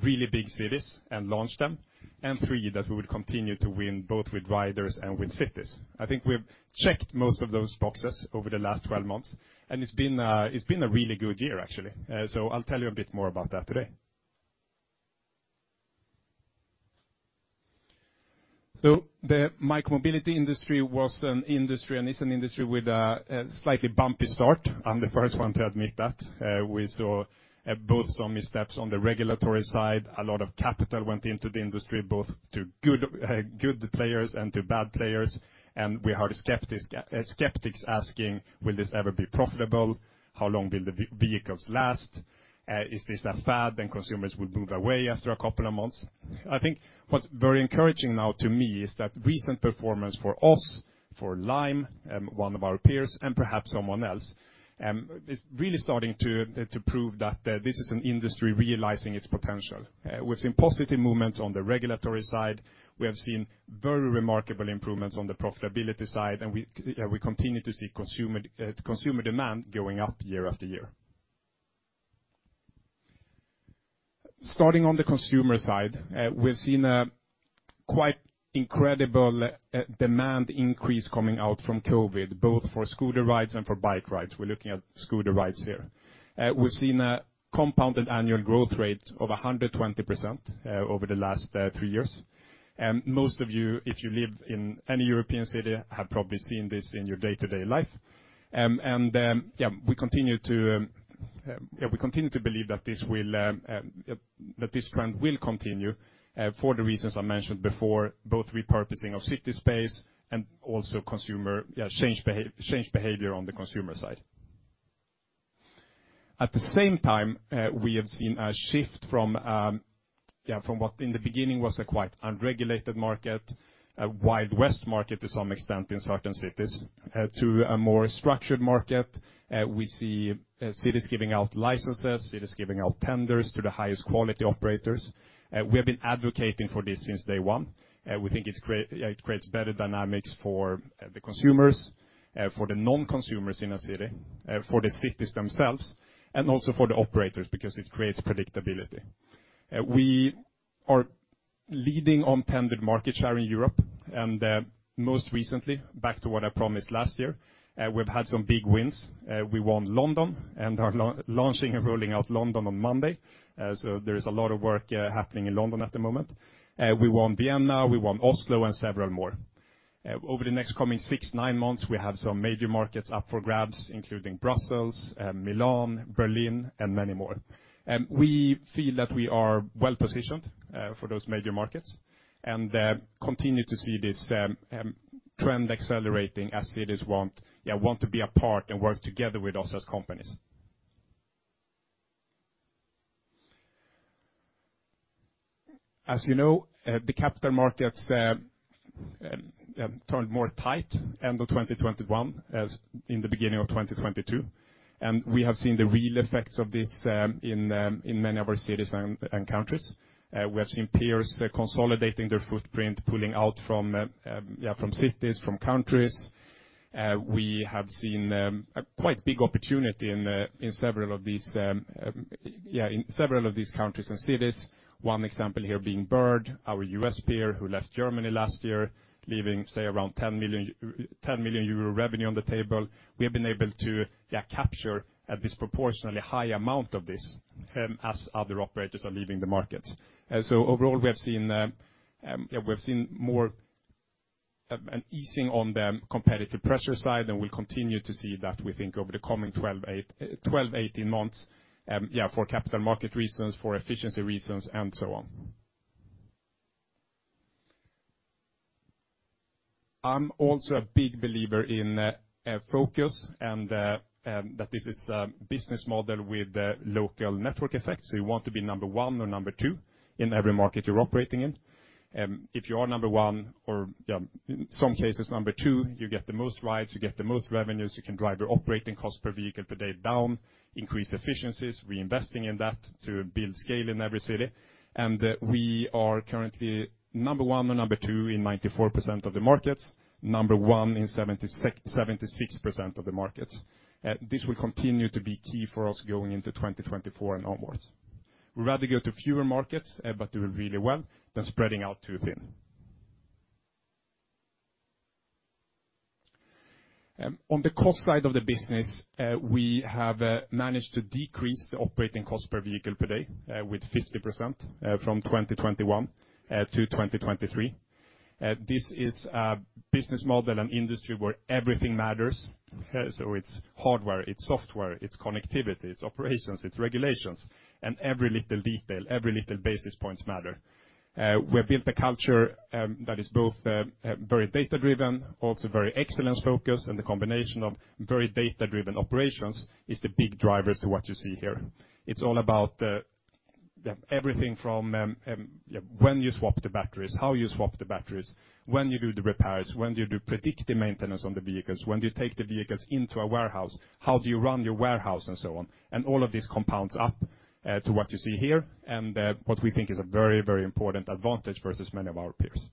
really big cities and launch them. And three, that we would continue to win, both with riders and with cities. I think we've checked most of those boxes over the last 12 months, and it's been a really good year, actually. So I'll tell you a bit more about that today. So the micromobility industry was an industry and is an industry with a slightly bumpy start. I'm the first one to admit that. We saw both some missteps on the regulatory side. A lot of capital went into the industry, both to good players and to bad players. And we heard skeptics asking: Will this ever be profitable? How long will the vehicles last? Is this a fad, and consumers would move away after a couple of months? I think what's very encouraging now to me is that recent performance for Lime, one of our peers, and perhaps someone else. It's really starting to prove that this is an industry realizing its potential. We've seen positive movements on the regulatory side. We have seen very remarkable improvements on the profitability side, and we continue to see consumer demand going up year after year. Starting on the consumer side, we've seen a quite incredible demand increase coming out from COVID, both for scooter rides and for bike rides. We're looking at scooter rides here. We've seen a compound annual growth rate of 100% over the last three years. And most of you, if you live in any European city, have probably seen this in your day-to-day life. And we continue to believe that this trend will continue for the reasons I mentioned before, both repurposing of city space and also consumer changed behavior on the consumer side. At the same time, we have seen a shift from what in the beginning was a quite unregulated market, a Wild West market to some extent in certain cities, to a more structured market. We see cities giving out licenses, cities giving out tenders to the highest quality operators. We have been advocating for this since day one. We think it creates better dynamics for the consumers, for the non-consumers in a city, for the cities themselves, and also for the operators, because it creates predictability. We are leading on tendered market share in Europe, and most recently, back to what I promised last year, we've had some big wins. We won London and are launching and rolling out London on Monday, so there is a lot of work happening in London at the moment. We won Vienna, we won Oslo, and several more. Over the next coming 6-9 months, we have some major markets up for grabs, including Brussels, Milan, Berlin, and many more. And we feel that we are well-positioned for those major markets, and continue to see this trend accelerating as cities want, yeah, want to be a part and work together with us as companies. As you know, the capital markets turned more tight end of 2021, as in the beginning of 2022, and we have seen the real effects of this, in, in many of our cities and countries. We have seen peers consolidating their footprint, pulling out from, from cities, from countries. We have seen a quite big opportunity in, in several of these, in several of these countries and cities. One example here being Bird, our U.S. peer, who left Germany last year, leaving, say, around 10 million euro revenue on the table. We have been able to capture a disproportionately high amount of this, as other operators are leaving the market. So overall, we have seen, we've seen more... An easing on the competitive pressure side, and we'll continue to see that, we think, over the coming 12, 8, 12, 18 months, yeah, for capital market reasons, for efficiency reasons, and so on. I'm also a big believer in focus and that this is a business model with a local network effect. So you want to be number one or number two in every market you're operating in. If you are number one or, in some cases, number two, you get the most rides, you get the most revenues, you can drive your operating cost per vehicle per day down, increase efficiencies, reinvesting in that to build scale in every city. And we are currently number one or number two in 94% of the markets, number one in 76, 76% of the markets. This will continue to be key for us going into 2024 and onwards. We'd rather go to fewer markets, but do really well than spreading out too thin. On the cost side of the business, we have managed to decrease the operating cost per vehicle per day with 50%, from 2021 to 2023. This is a business model and industry where everything matters. So it's hardware, it's software, it's connectivity, it's operations, it's regulations, and every little detail, every little basis points matter. We've built a culture that is both very data-driven, also very excellence-focused, and the combination of very data-driven operations is the big drivers to what you see here. It's all about the, yeah, everything from, yeah, when you swap the batteries, how you swap the batteries, when you do the repairs, when you do predictive maintenance on the vehicles, when you take the vehicles into a warehouse, how do you run your warehouse, and so on. All of these compounds up to what you see here, and what we think is a very, very important advantage versus many of our peers.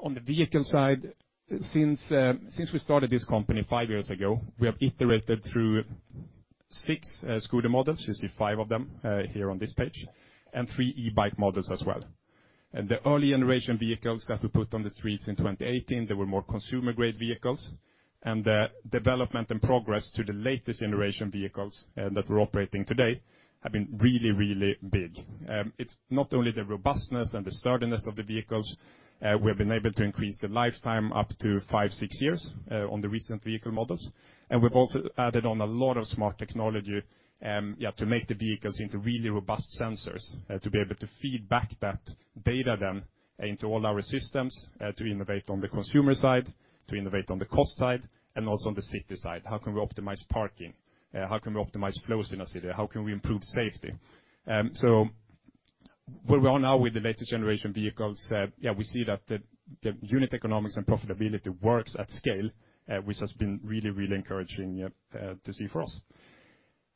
On the vehicle side, since we started this company five years ago, we have iterated through six scooter models, you see five of them here on this page, and three e-bike models as well. The early generation vehicles that we put on the streets in 2018, they were more consumer-grade vehicles, and the development and progress to the latest generation vehicles that we're operating today have been really, really big. It's not only the robustness and the sturdiness of the vehicles, we've been able to increase the lifetime up to 5-6 years on the recent vehicle models. And we've also added on a lot of smart technology to make the vehicles into really robust sensors to be able to feed back that data then into all our systems to innovate on the consumer side, to innovate on the cost side, and also on the city side. How can we optimize parking? How can we optimize flows in a city? How can we improve safety? So-... Where we are now with the latest generation vehicles, we see that the unit economics and profitability works at scale, which has been really, really encouraging to see for us.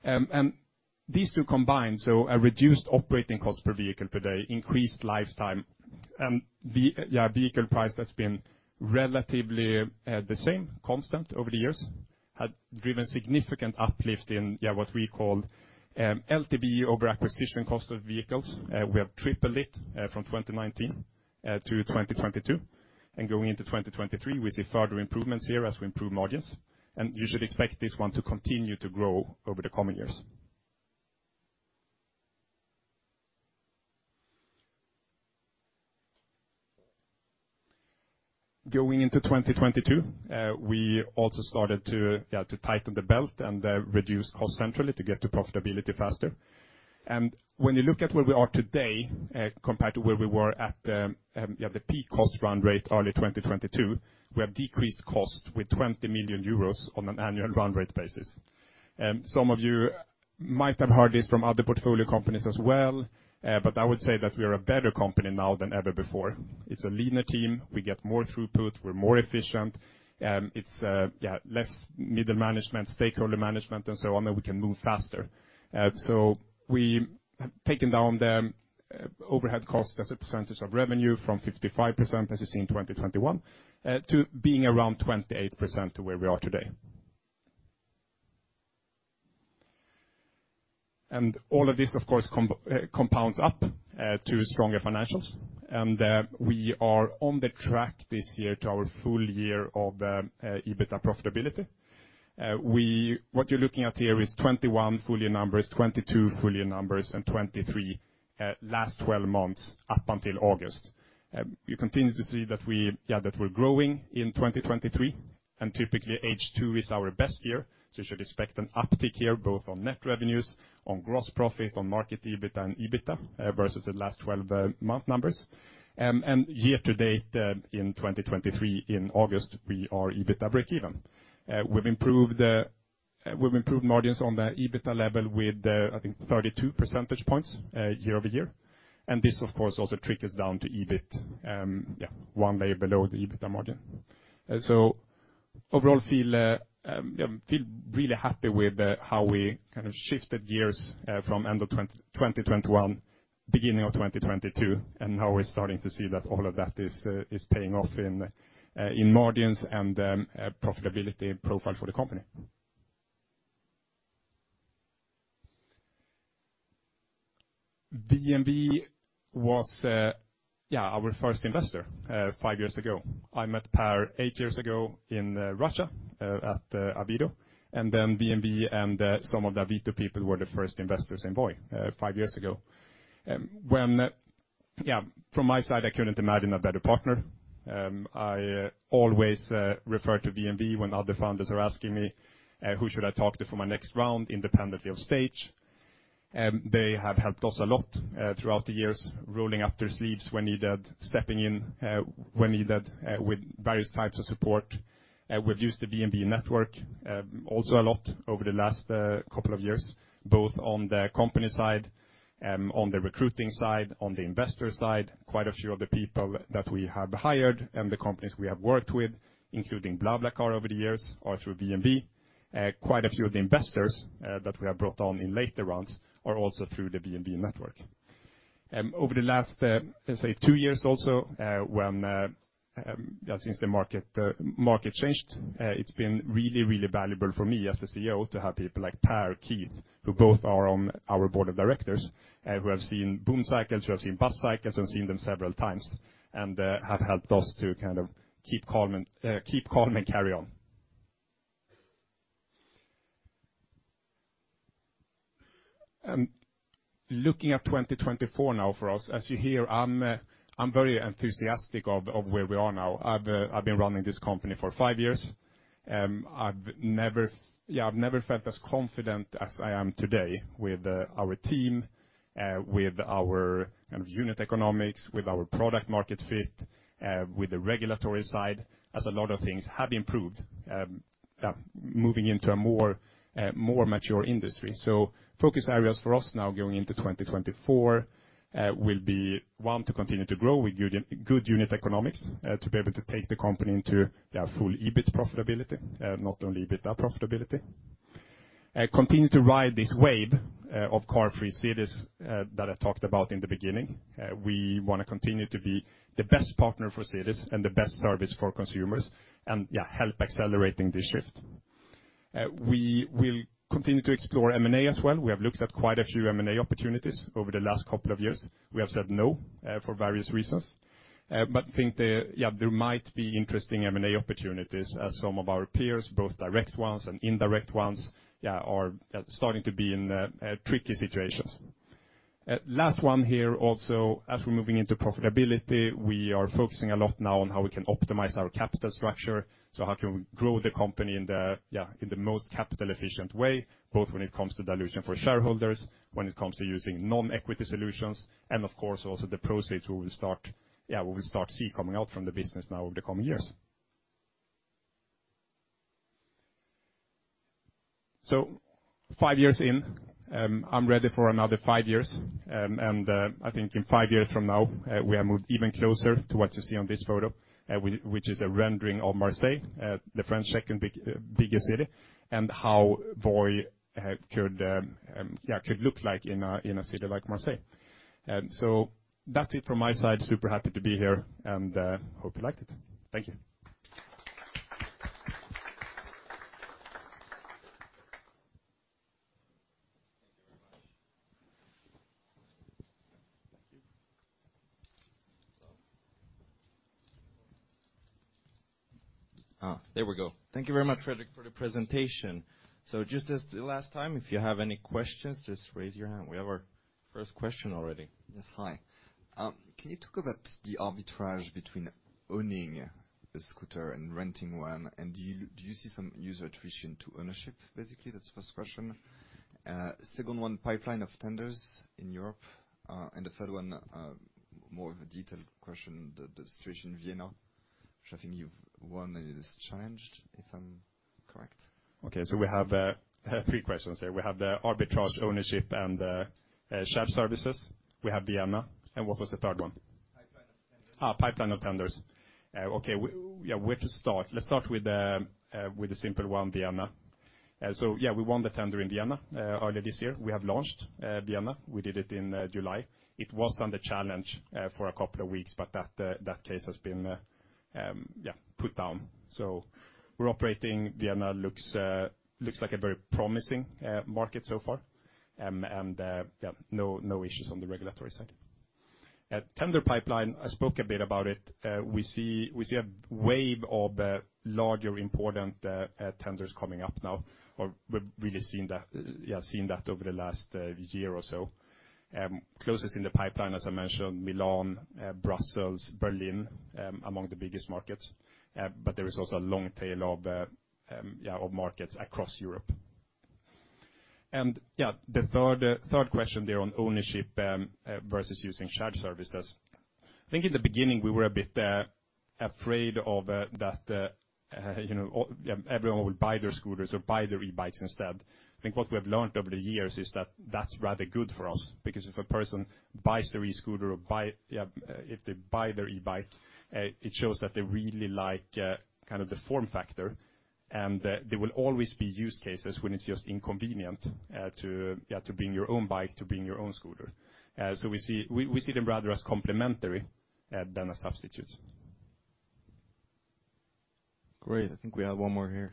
And these two combined, so a reduced operating cost per vehicle per day, increased lifetime, and vehicle price that's been relatively the same, constant over the years, had driven significant uplift in what we call LTV over acquisition cost of vehicles. We have tripled it from 2019 to 2022, and going into 2023, we see further improvements here as we improve margins. And you should expect this one to continue to grow over the coming years. Going into 2022, we also started to tighten the belt and reduce cost centrally to get to profitability faster. When you look at where we are today, compared to where we were at the peak cost run rate early 2022, we have decreased cost with 20 million euros on an annual run rate basis. Some of you might have heard this from other portfolio companies as well, but I would say that we are a better company now than ever before. It's a leaner team, we get more throughput, we're more efficient, it's less middle management, stakeholder management, and so on, and we can move faster. So we have taken down the overhead cost as a percentage of revenue from 55%, as you see in 2021, to being around 28% to where we are today. And all of this, of course, compounds up to stronger financials, and we are on the track this year to our full year of EBITDA profitability. What you're looking at here is 2021 full year numbers, 2022 full year numbers, and 2023 last twelve months up until August. You continue to see that we, yeah, that we're growing in 2023, and typically H2 is our best year, so you should expect an uptick here, both on net revenues, on gross profit, on market EBITDA and EBITDA versus the last twelve month numbers. And year to date in 2023, in August, we are EBITDA breakeven. We've improved margins on the EBITDA level with I think 32 percentage points year over year. This, of course, also trickles down to EBIT, yeah, one layer below the EBITDA margin. Overall, feel really happy with how we kind of shifted gears from end of 2020, 2021, beginning of 2022, and now we're starting to see that all of that is paying off in margins and profitability profile for the company. VNV was, yeah, our first investor, five years ago. I met Per eight years ago in Russia at Avito, and then VNV and some of the Avito people were the first investors in Voi, five years ago. From my side, I couldn't imagine a better partner. I always refer to VNV when other founders are asking me, "Who should I talk to for my next round, independently of stage?" They have helped us a lot throughout the years, rolling up their sleeves when needed, stepping in when needed, with various types of support. We've used the VNV network also a lot over the last couple of years, both on the company side, on the recruiting side, on the investor side. Quite a few of the people that we have hired and the companies we have worked with, including BlaBlaCar over the years, are through VNV. Quite a few of the investors that we have brought on in later rounds are also through the VNV network. Over the last, say, two years also, since the market changed, it's been really, really valuable for me as the CEO to have people like Per, Keith, who both are on our board of directors, who have seen boom cycles, who have seen bust cycles and seen them several times, and have helped us to kind of keep calm and keep calm and carry on. Looking at 2024 now for us, as you hear, I'm very enthusiastic of where we are now. I've been running this company for five years. I've never, yeah, I've never felt as confident as I am today with our team, with our kind of unit economics, with our product market fit, with the regulatory side, as a lot of things have improved, moving into a more mature industry. So focus areas for us now going into 2024 will be, one, to continue to grow with good unit economics, to be able to take the company into, yeah, full EBIT profitability, not only EBITDA profitability. Continue to ride this wave of car-free cities that I talked about in the beginning. We wanna continue to be the best partner for cities and the best service for consumers, and, yeah, help accelerating this shift. We will continue to explore M&A as well. We have looked at quite a few M&A opportunities over the last couple of years. We have said no for various reasons, but think that, yeah, there might be interesting M&A opportunities as some of our peers, both direct ones and indirect ones, yeah, are starting to be in tricky situations. Last one here, also, as we're moving into profitability, we are focusing a lot now on how we can optimize our capital structure. So how can we grow the company in the, yeah, in the most capital efficient way, both when it comes to dilution for shareholders, when it comes to using non-equity solutions, and of course, also the proceeds we will start... Yeah, we will start to see coming out from the business now over the coming years.... So five years in, I'm ready for another five years. I think in five years from now, we are moved even closer to what you see on this photo, which is a rendering of Marseille, the French second big, biggest city, and how Voi could, yeah, could look like in a, in a city like Marseille. So that's it from my side. Super happy to be here, and hope you liked it. Thank you. Thank you very much. Thank you. Thank you very much, Fredrik, for the presentation. So just as the last time, if you have any questions, just raise your hand. We have our first question already. Yes, hi. Can you talk about the arbitrage between owning a scooter and renting one? And do you see some user attrition to ownership, basically? That's the first question. Second one, pipeline of tenders in Europe. And the third one, more of a detailed question, the situation in Vienna, which I think you've won, and it is challenged, if I'm correct. Okay, so we have three questions here. We have the arbitrage, ownership, and shop services. We have Vienna, and what was the third one? Pipeline of tenders. Ah, pipeline of tenders. Okay, yeah, where to start? Let's start with the, with the simple one, Vienna. So yeah, we won the tender in Vienna, earlier this year. We have launched, Vienna. We did it in, July. It was under challenge, for a couple of weeks, but that, that case has been, yeah, put down. So we're operating. Vienna looks, looks like a very promising, market so far. And, yeah, no, no issues on the regulatory side. Tender pipeline, I spoke a bit about it. We see, we see a wave of larger important, tenders coming up now, or we've really seen that, yeah, seen that over the last, year or so. Closest in the pipeline, as I mentioned, Milan, Brussels, Berlin, among the biggest markets, but there is also a long tail of, yeah, of markets across Europe. Yeah, the third question there on ownership versus using shared services. I think in the beginning, we were a bit afraid of that, you know, all... Yeah, everyone would buy their scooters or buy their e-bikes instead. I think what we have learned over the years is that that's rather good for us, because if a person buys their e-scooter or buy, yeah, if they buy their e-bike, it shows that they really like kind of the form factor, and there will always be use cases when it's just inconvenient to, yeah, to bring your own bike, to bring your own scooter. We see them rather as complementary than a substitute. Great. I think we have one more here,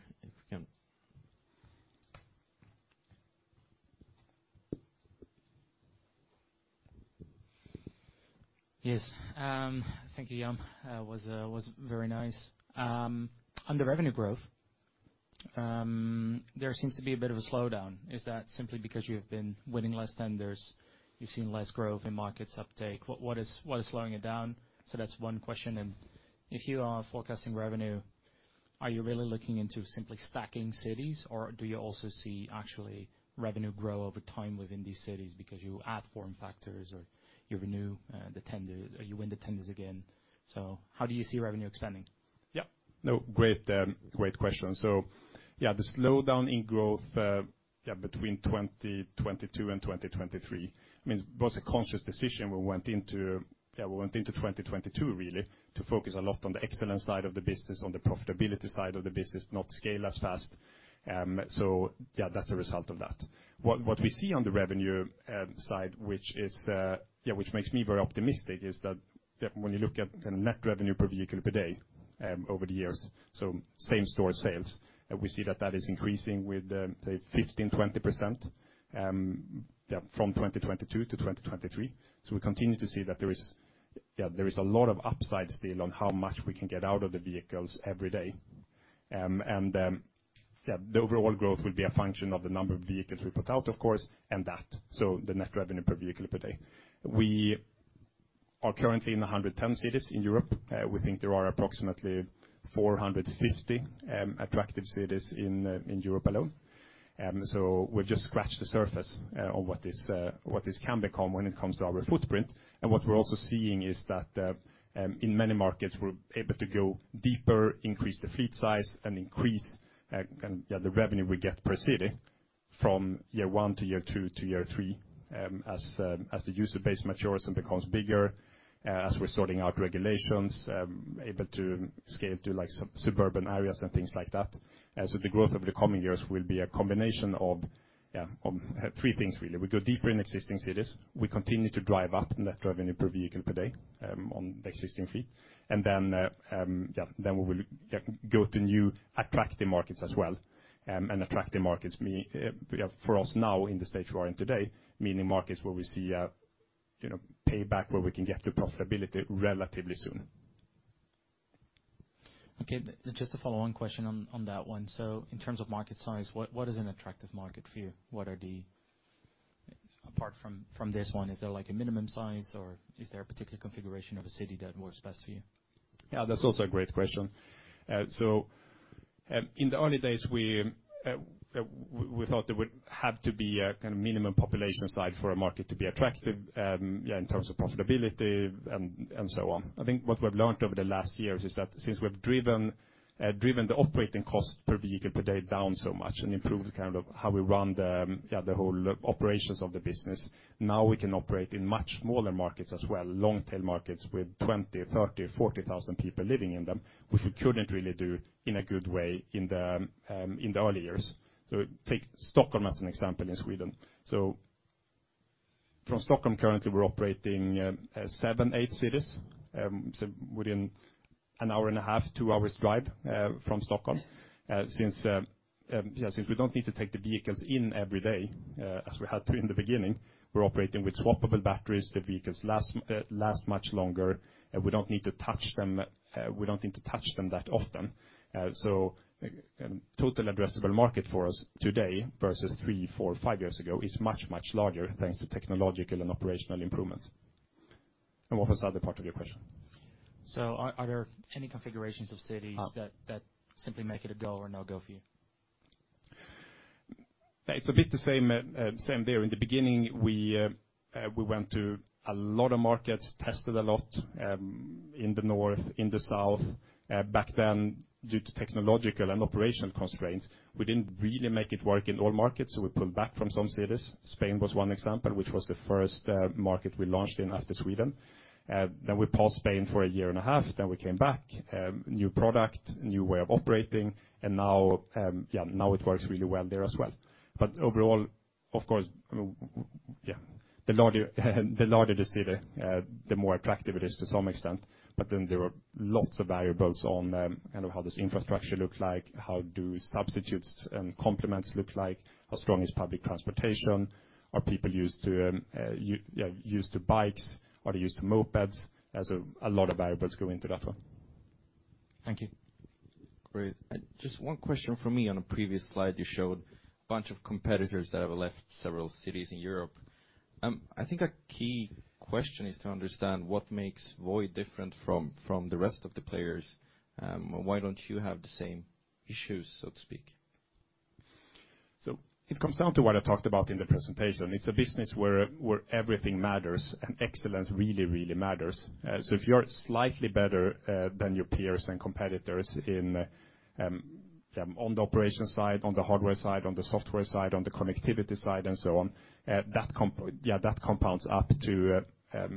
if we can. Yes, thank you, Jan. It was very nice. On the revenue growth, there seems to be a bit of a slowdown. Is that simply because you've been winning less tenders, you've seen less growth in markets uptake? What is slowing it down? So that's one question. And if you are forecasting revenue, are you really looking into simply stacking cities, or do you also see actually revenue grow over time within these cities because you add form factors, or you renew the tender, or you win the tenders again? So how do you see revenue expanding? Yeah. No, great, great question. So yeah, the slowdown in growth, yeah, between 2022 and 2023, I mean, was a conscious decision. We went into, yeah, we went into 2022, really, to focus a lot on the excellence side of the business, on the profitability side of the business, not scale as fast. So yeah, that's a result of that. What, what we see on the revenue, side, which is, yeah, which makes me very optimistic, is that, yeah, when you look at the net revenue per vehicle per day, over the years, so same-store sales, we see that that is increasing with, say, 15%-20%, yeah, from 2022 to 2023. So we continue to see that there is a lot of upside still on how much we can get out of the vehicles every day. And the overall growth will be a function of the number of vehicles we put out, of course, and that, so the net revenue per vehicle per day. We are currently in 110 cities in Europe. We think there are approximately 450 attractive cities in Europe alone. So we've just scratched the surface on what this can become when it comes to our footprint. And what we're also seeing is that in many markets, we're able to go deeper, increase the fleet size, and increase the revenue we get per city from year one to year two to year three. As the user base matures and becomes bigger, as we're sorting out regulations, able to scale to, like, suburban areas and things like that. And so the growth over the coming years will be a combination of three things, really. We go deeper in existing cities, we continue to drive up net revenue per vehicle per day on the existing fleet, and then we will go to new attractive markets as well. And attractive markets mean for us now in the stage we are in today, meaning markets where we see a you know payback, where we can get to profitability relatively soon. Okay, just a follow-on question on, on that one. So in terms of market size, what, what is an attractive market for you? What are the... Apart from, from this one, is there like a minimum size, or is there a particular configuration of a city that works best for you? Yeah, that's also a great question. In the early days, we, we thought there would have to be a kind of minimum population slide for a market to be attractive, yeah, in terms of profitability and, and so on. I think what we've learned over the last years is that since we've driven, driven the operating cost per vehicle per day down so much and improved kind of how we run the, the whole operations of the business, now we can operate in much smaller markets as well, long-tail markets with 20,000, 30,000, 40,000 people living in them, which we couldn't really do in a good way in the, in the early years. So take Stockholm as an example, in Sweden. So from Stockholm, currently, we're operating 7, 8 cities, so within an hour and a half, 2 hours drive, from Stockholm. Since, yeah, since we don't need to take the vehicles in every day, as we had to in the beginning, we're operating with swappable batteries. The vehicles last much longer, and we don't need to touch them, we don't need to touch them that often. So, total addressable market for us today versus 3, 4, 5 years ago is much, much larger, thanks to technological and operational improvements. And what was the other part of your question? Are there any configurations of cities- Uh. that simply make it a go or no-go for you? It's a bit the same, same there. In the beginning, we, we went to a lot of markets, tested a lot, in the north, in the south. Back then, due to technological and operational constraints, we didn't really make it work in all markets, so we pulled back from some cities. Spain was one example, which was the first market we launched in after Sweden. Then we paused Spain for a year and a half, then we came back. New product, new way of operating, and now, now it works really well there as well. But overall, of course, the larger, the larger the city, the more attractive it is to some extent. But then there are lots of variables on, kind of how this infrastructure looks like, how do substitutes and complements look like, how strong is public transportation? Are people used to, used to bikes? Are they used to mopeds? There's a lot of variables go into that one. Thank you. Great. Just one question from me. On a previous slide, you showed a bunch of competitors that have left several cities in Europe. I think a key question is to understand what makes Voi different from the rest of the players, and why don't you have the same issues, so to speak? So it comes down to what I talked about in the presentation. It's a business where everything matters, and excellence really, really matters. So if you're slightly better than your peers and competitors in, yeah, on the operation side, on the hardware side, on the software side, on the connectivity side, and so on, that compounds up to,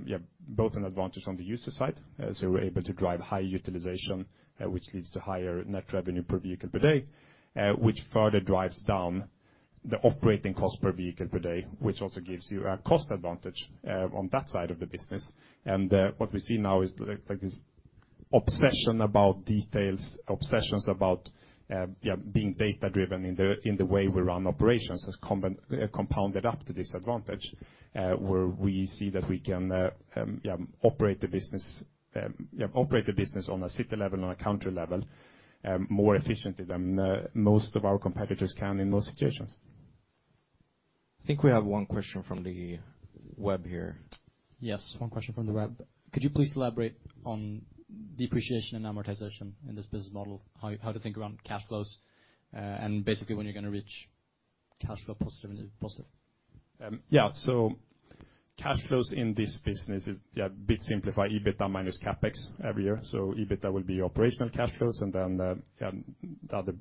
yeah, both an advantage on the user side, as we're able to drive high utilization, which leads to higher net revenue per vehicle per day, which further drives down the operating cost per vehicle per day, which also gives you a cost advantage on that side of the business. What we see now is the, like, this obsession about details, obsessions about, yeah, being data-driven in the, in the way we run operations has compounded up to this advantage, where we see that we can, yeah, operate the business, yeah, operate the business on a city level and a country level, more efficiently than most of our competitors can in most situations. I think we have one question from the web here. Yes, one question from the web. Could you please elaborate on depreciation and amortization in this business model? How to think around cash flows, and basically when you're going to reach cash flow positive? Yeah. Cash flows in this business is, yeah, bit simplify EBITDA- CapEx every year. EBITDA will be operational cash flows, and then the, the other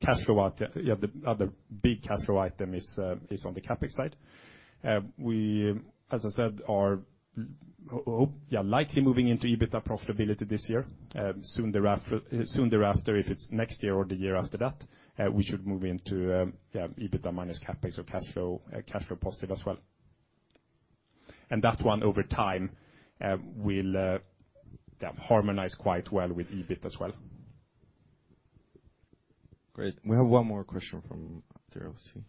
cash flow out item... Yeah, the other big cash flow item is, is on the CapEx side. We, as I said, are o- yeah, likely moving into EBITDA profitability this year. Soon thereafter, soon thereafter, if it's next year or the year after that, we should move into, yeah, EBITDA- CapEx, so cash flow, cash flow positive as well. That one, over time, will, yeah, harmonize quite well with EBIT as well. Great. We have one more question from the RC.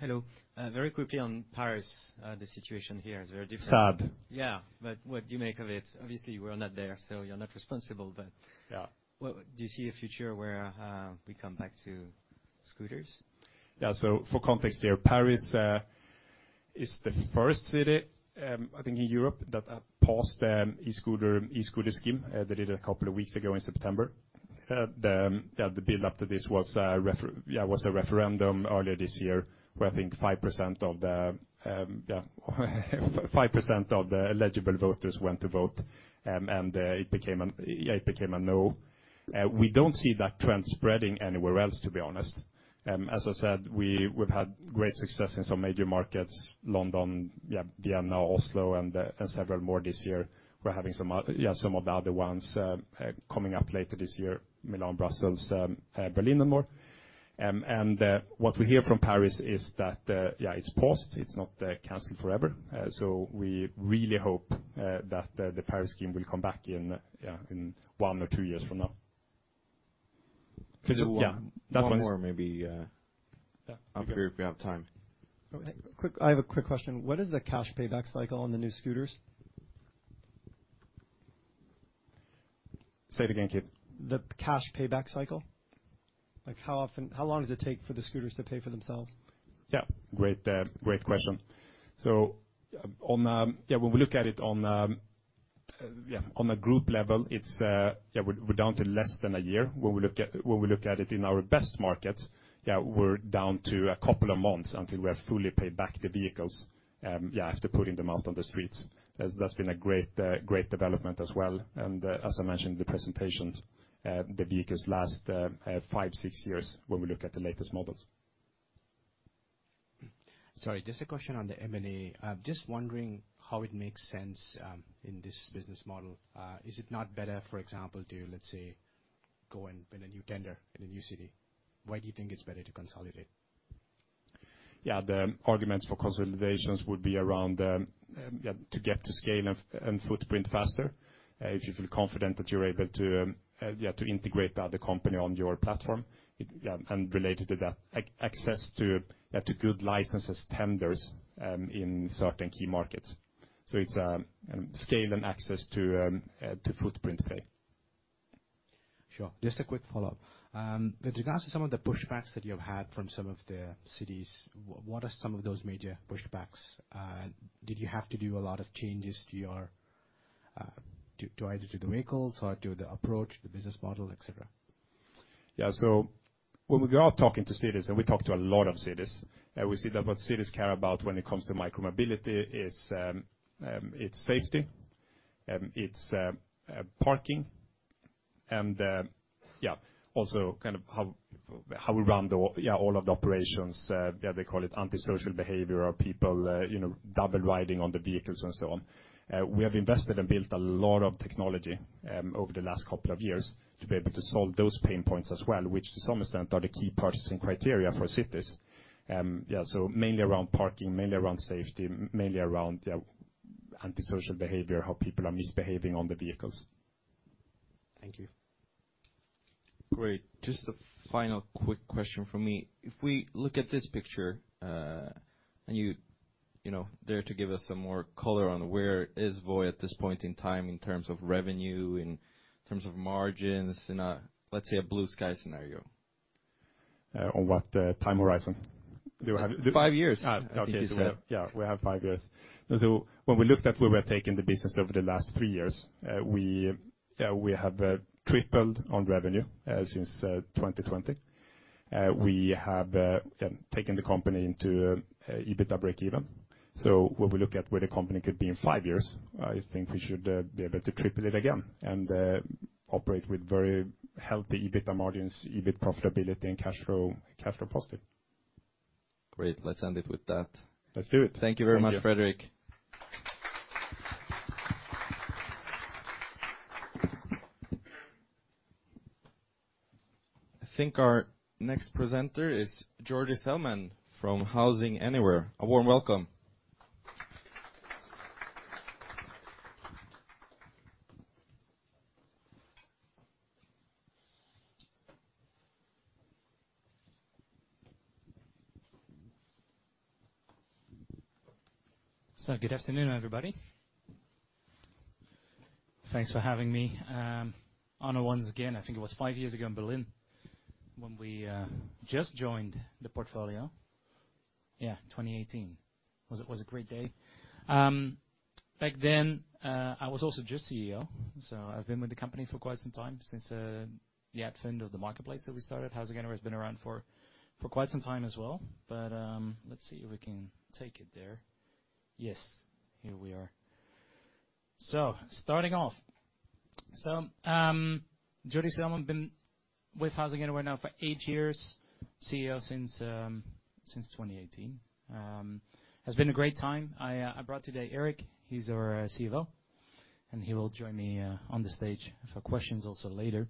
Hello. Very quickly on Paris, the situation here is very different. Sad. Yeah, but what do you make of it? Obviously, we're not there, so you're not responsible, but- Yeah. Well, do you see a future where we come back to scooters? Yeah, so for context there, Paris is the first city, I think in Europe, that paused e-scooter scheme. They did a couple of weeks ago in September. The build up to this was a referendum earlier this year, where I think 5% of the eligible voters went to vote, and it became a no. We don't see that trend spreading anywhere else, to be honest. As I said, we've had great success in some major markets, London, Vienna, Oslo, and several more this year. We're having some of the other ones coming up later this year: Milan, Brussels, Berlin, and more. What we hear from Paris is that, yeah, it's paused. It's not canceled forever. We really hope that the Paris scheme will come back in, yeah, in one or two years from now. Could you- Yeah. One more, maybe, Yeah. I'm curious if we have time. I have a quick question. What is the cash payback cycle on the new scooters?... Say it again, Keith? The cash payback cycle. Like how often, how long does it take for the scooters to pay for themselves? Yeah, great, great question. So on, yeah, when we look at it on, yeah, on a group level, it's yeah, we're, we're down to less than a year. When we look at, when we look at it in our best markets, yeah, we're down to a couple of months until we have fully paid back the vehicles, yeah, after putting them out on the streets. As that's been a great, great development as well. And, as I mentioned in the presentation, the vehicles last 5-6 years when we look at the latest models. Sorry, just a question on the M&A. I'm just wondering how it makes sense, in this business model. Is it not better, for example, to, let's say, go in win a new tender in a new city? Why do you think it's better to consolidate? Yeah, the arguments for consolidations would be around to get to scale and footprint faster. If you feel confident that you're able to to integrate the other company on your platform, it... Yeah, and related to that, access to to good licenses, tenders in certain key markets. So it's scale and access to to footprint play. Sure. Just a quick follow-up. With regards to some of the pushbacks that you've had from some of the cities, what are some of those major pushbacks? Did you have to do a lot of changes to your, to either the vehicles or to the approach, the business model, et cetera? Yeah, so when we go out talking to cities, and we talk to a lot of cities, we see that what cities care about when it comes to micro mobility is, it's safety, it's parking, and yeah, also kind of how we run the yeah, all of the operations. Yeah, they call it antisocial behavior or people, you know, double riding on the vehicles and so on. We have invested and built a lot of technology over the last couple of years to be able to solve those pain points as well, which to some extent are the key purchasing criteria for cities. Yeah, so mainly around parking, mainly around safety, mainly around yeah, antisocial behavior, how people are misbehaving on the vehicles. Thank you. Great. Just a final quick question from me. If we look at this picture, you know, there to give us some more color on where is Voi at this point in time in terms of revenue, in terms of margins, in a, let's say, a blue sky scenario. On what time horizon? Do I have- Five years. Ah, okay. So- Yeah, we have five years. So when we looked at where we are taking the business over the last three years, we have tripled on revenue since 2020. We have, yeah, taken the company into EBITDA breakeven. So when we look at where the company could be in five years, I think we should be able to triple it again and operate with very healthy EBITDA margins, EBIT profitability, and cash flow, cash flow positive. Great. Let's end it with that. Let's do it. Thank you very much, Fredrik. I think our next presenter is Djordy Seelmann from Housing Anywhere. A warm welcome. So good afternoon, everybody. Thanks for having me on once again. I think it was five years ago in Berlin when we just joined the portfolio. Yeah, 2018. Was a great day. Back then, I was also just CEO, so I've been with the company for quite some time, since the upfront of the marketplace that we started. HousingAnywhere has been around for quite some time as well, but let's see if we can take it there. Yes, here we are. So starting off. So, Djordy Seelmann. Been with HousingAnywhere now for eight years, CEO since 2018. It's been a great time. I brought today Erik, he's our CFO, and he will join me on the stage for questions also later.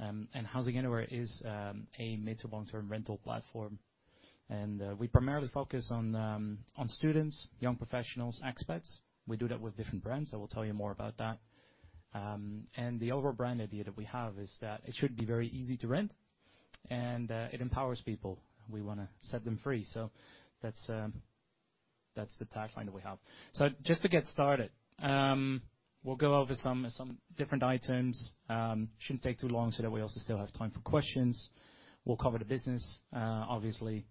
HousingAnywhere is a mid to long-term rental platform, and we primarily focus on students, young professionals, expats. We do that with different brands, I will tell you more about that. The overall brand idea that we have is that it should be very easy to rent, and it empowers people. We wanna set them free. That's the tagline that we have. Just to get started, we'll go over some different items. Shouldn't take too long so that we also still have time for questions. We'll cover the business, obviously,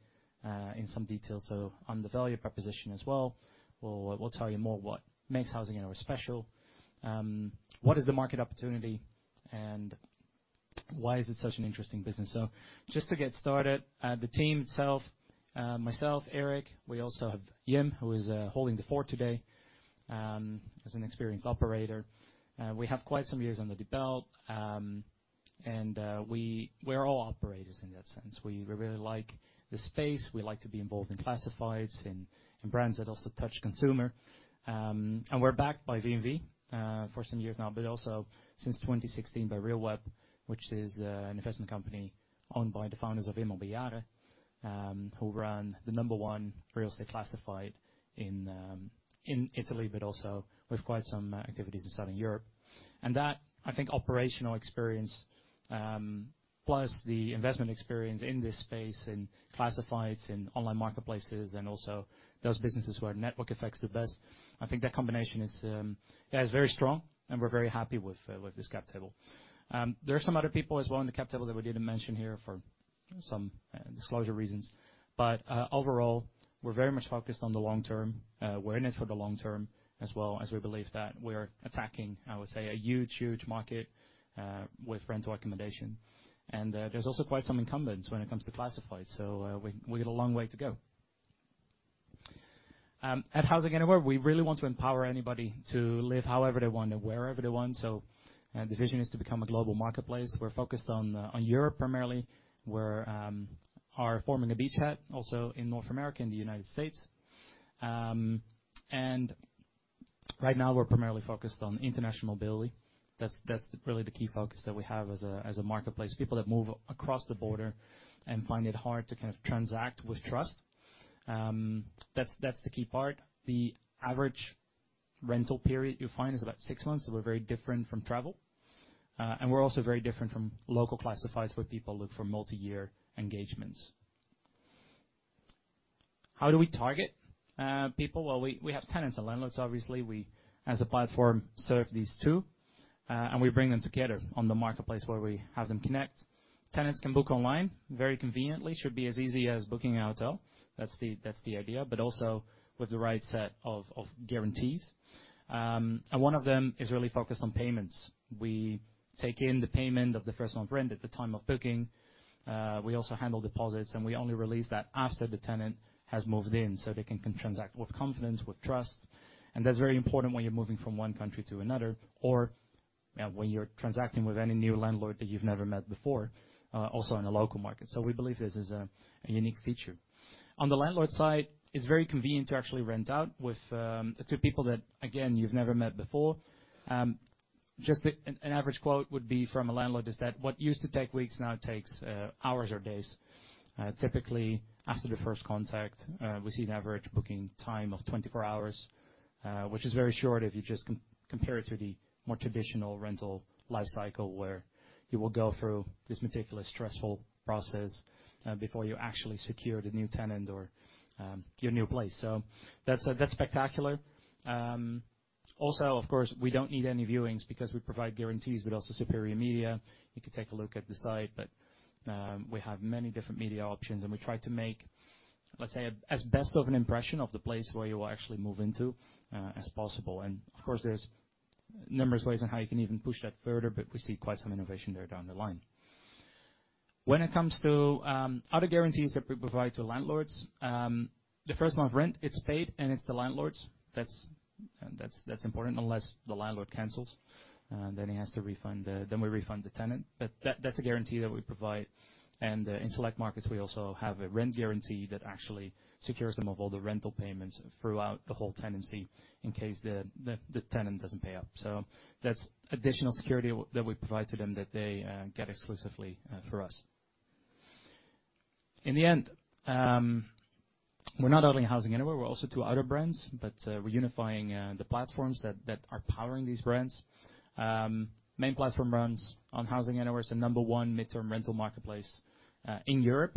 in some detail, so on the value proposition as well. We'll tell you more what makes HousingAnywhere special, what is the market opportunity, and why is it such an interesting business? So just to get started, the team itself, myself, Erik, we also have Jim, who is holding the fort today, as an experienced operator. We have quite some years under the belt, and we are all operators in that sense. We really like the space. We like to be involved in classifieds and brands that also touch consumer. And we're backed by VNV, for some years now, but also since 2016 by Realweb, which is an investment company owned by the founders of Immobiliare, who run the number one real estate classified in Italy, but also with quite some activities in Southern Europe. And that, I think, operational experience, plus the investment experience in this space, in classifieds, in online marketplaces, and also those businesses where network effects the best, I think that combination is, yeah, is very strong, and we're very happy with, with this cap table. There are some other people as well in the cap table that we didn't mention here for some disclosure reasons. But, overall, we're very much focused on the long term. We're in it for the long term as well, as we believe that we're attacking, I would say, a huge, huge market, with rental accommodation. And, there's also quite some incumbents when it comes to classified, so, we got a long way to go. At HousingAnywhere, we really want to empower anybody to live however they want and wherever they want. So, the vision is to become a global marketplace. We're focused on Europe, primarily, where are forming a beachhead, also in North America, in the United States. And right now, we're primarily focused on international mobility. That's really the key focus that we have as a marketplace. People that move across the border and find it hard to kind of transact with trust. That's the key part. The average rental period you find is about 6 months, so we're very different from travel. And we're also very different from local classifieds, where people look for multi-year engagements. How do we target people? Well, we have tenants and landlords, obviously. We, as a platform, serve these two, and we bring them together on the marketplace where we have them connect. Tenants can book online very conveniently. It should be as easy as booking a hotel. That's the idea, but also with the right set of guarantees. And one of them is really focused on payments. We take in the payment of the first month rent at the time of booking. We also handle deposits, and we only release that after the tenant has moved in, so they can transact with confidence, with trust. And that's very important when you're moving from one country to another, or when you're transacting with any new landlord that you've never met before, also in a local market. So we believe this is a unique feature. On the landlord side, it's very convenient to actually rent out with, to people that, again, you've never met before. Just the... An average quote from a landlord is what used to take weeks; now takes hours or days. Typically, after the first contact, we see an average booking time of 24 hours, which is very short if you just compare it to the more traditional rental life cycle, where you will go through this meticulous, stressful process, before you actually secure the new tenant or your new place. So that's, that's spectacular. Also, of course, we don't need any viewings because we provide guarantees, but also superior media. You can take a look at the site, but we have many different media options, and we try to make, let's say, as best of an impression of the place where you will actually move into, as possible. And of course, there's numerous ways on how you can even push that further, but we see quite some innovation there down the line. When it comes to other guarantees that we provide to landlords, the first month rent, it's paid, and it's the landlords. That's that's important, unless the landlord cancels, then he has to refund the... Then we refund the tenant. But that's a guarantee that we provide. And in select markets, we also have a rent guarantee that actually secures them of all the rental payments throughout the whole tenancy in case the tenant doesn't pay up. So that's additional security that we provide to them that they get exclusively for us. In the end, we're not only HousingAnywhere, we're also two other brands, but we're unifying the platforms that are powering these brands. Main platform runs on HousingAnywhere, it's the number one midterm rental marketplace in Europe.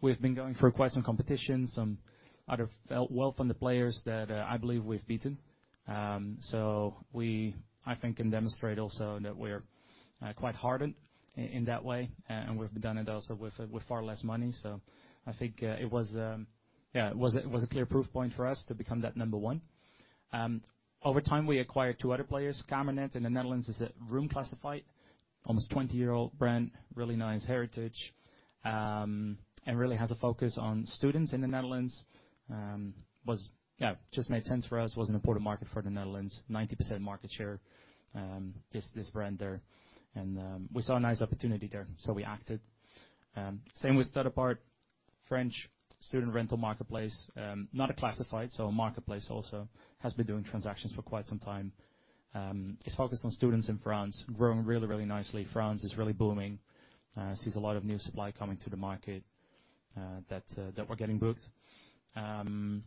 We've been going through quite some competition, some other well-funded players that I believe we've beaten. We, I think, can demonstrate also that we're quite hardened in that way, and we've done it also with far less money. I think it was, yeah, it was a clear proof point for us to become that number one. Over time, we acquired two other players. Kamernet in the Netherlands is a room classified, almost 20-year-old brand, really nice heritage, and really has a focus on students in the Netherlands. Yeah, just made sense for us. Was an important market for the Netherlands, 90% market share, this brand there. And we saw a nice opportunity there, so we acted. Same with Studapart, French student rental marketplace, not a classified, so a marketplace also, has been doing transactions for quite some time. It's focused on students in France, growing really, really nicely. France is really booming. Sees a lot of new supply coming to the market, that we're getting booked. And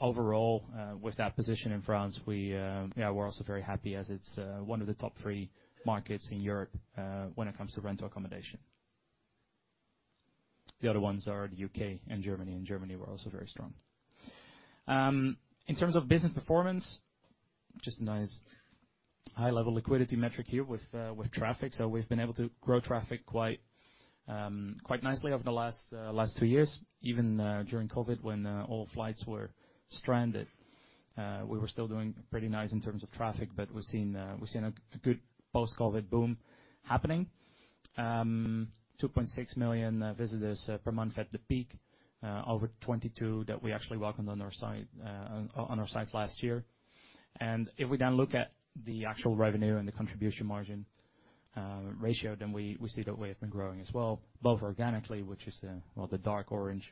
overall, with that position in France, yeah, we're also very happy as it's one of the top three markets in Europe, when it comes to rental accommodation. The other ones are the UK and Germany. In Germany, we're also very strong. In terms of business performance, just a nice high-level liquidity metric here with traffic. So we've been able to grow traffic quite, quite nicely over the last two years. Even during COVID, when all flights were stranded, we were still doing pretty nice in terms of traffic, but we've seen, we've seen a good post-COVID boom happening. 2.6 million visitors per month at the peak over 2022 that we actually welcomed on our site, on our sites last year. And if we then look at the actual revenue and the contribution margin ratio, then we see that we have been growing as well, both organically, which is the, well, the dark orange,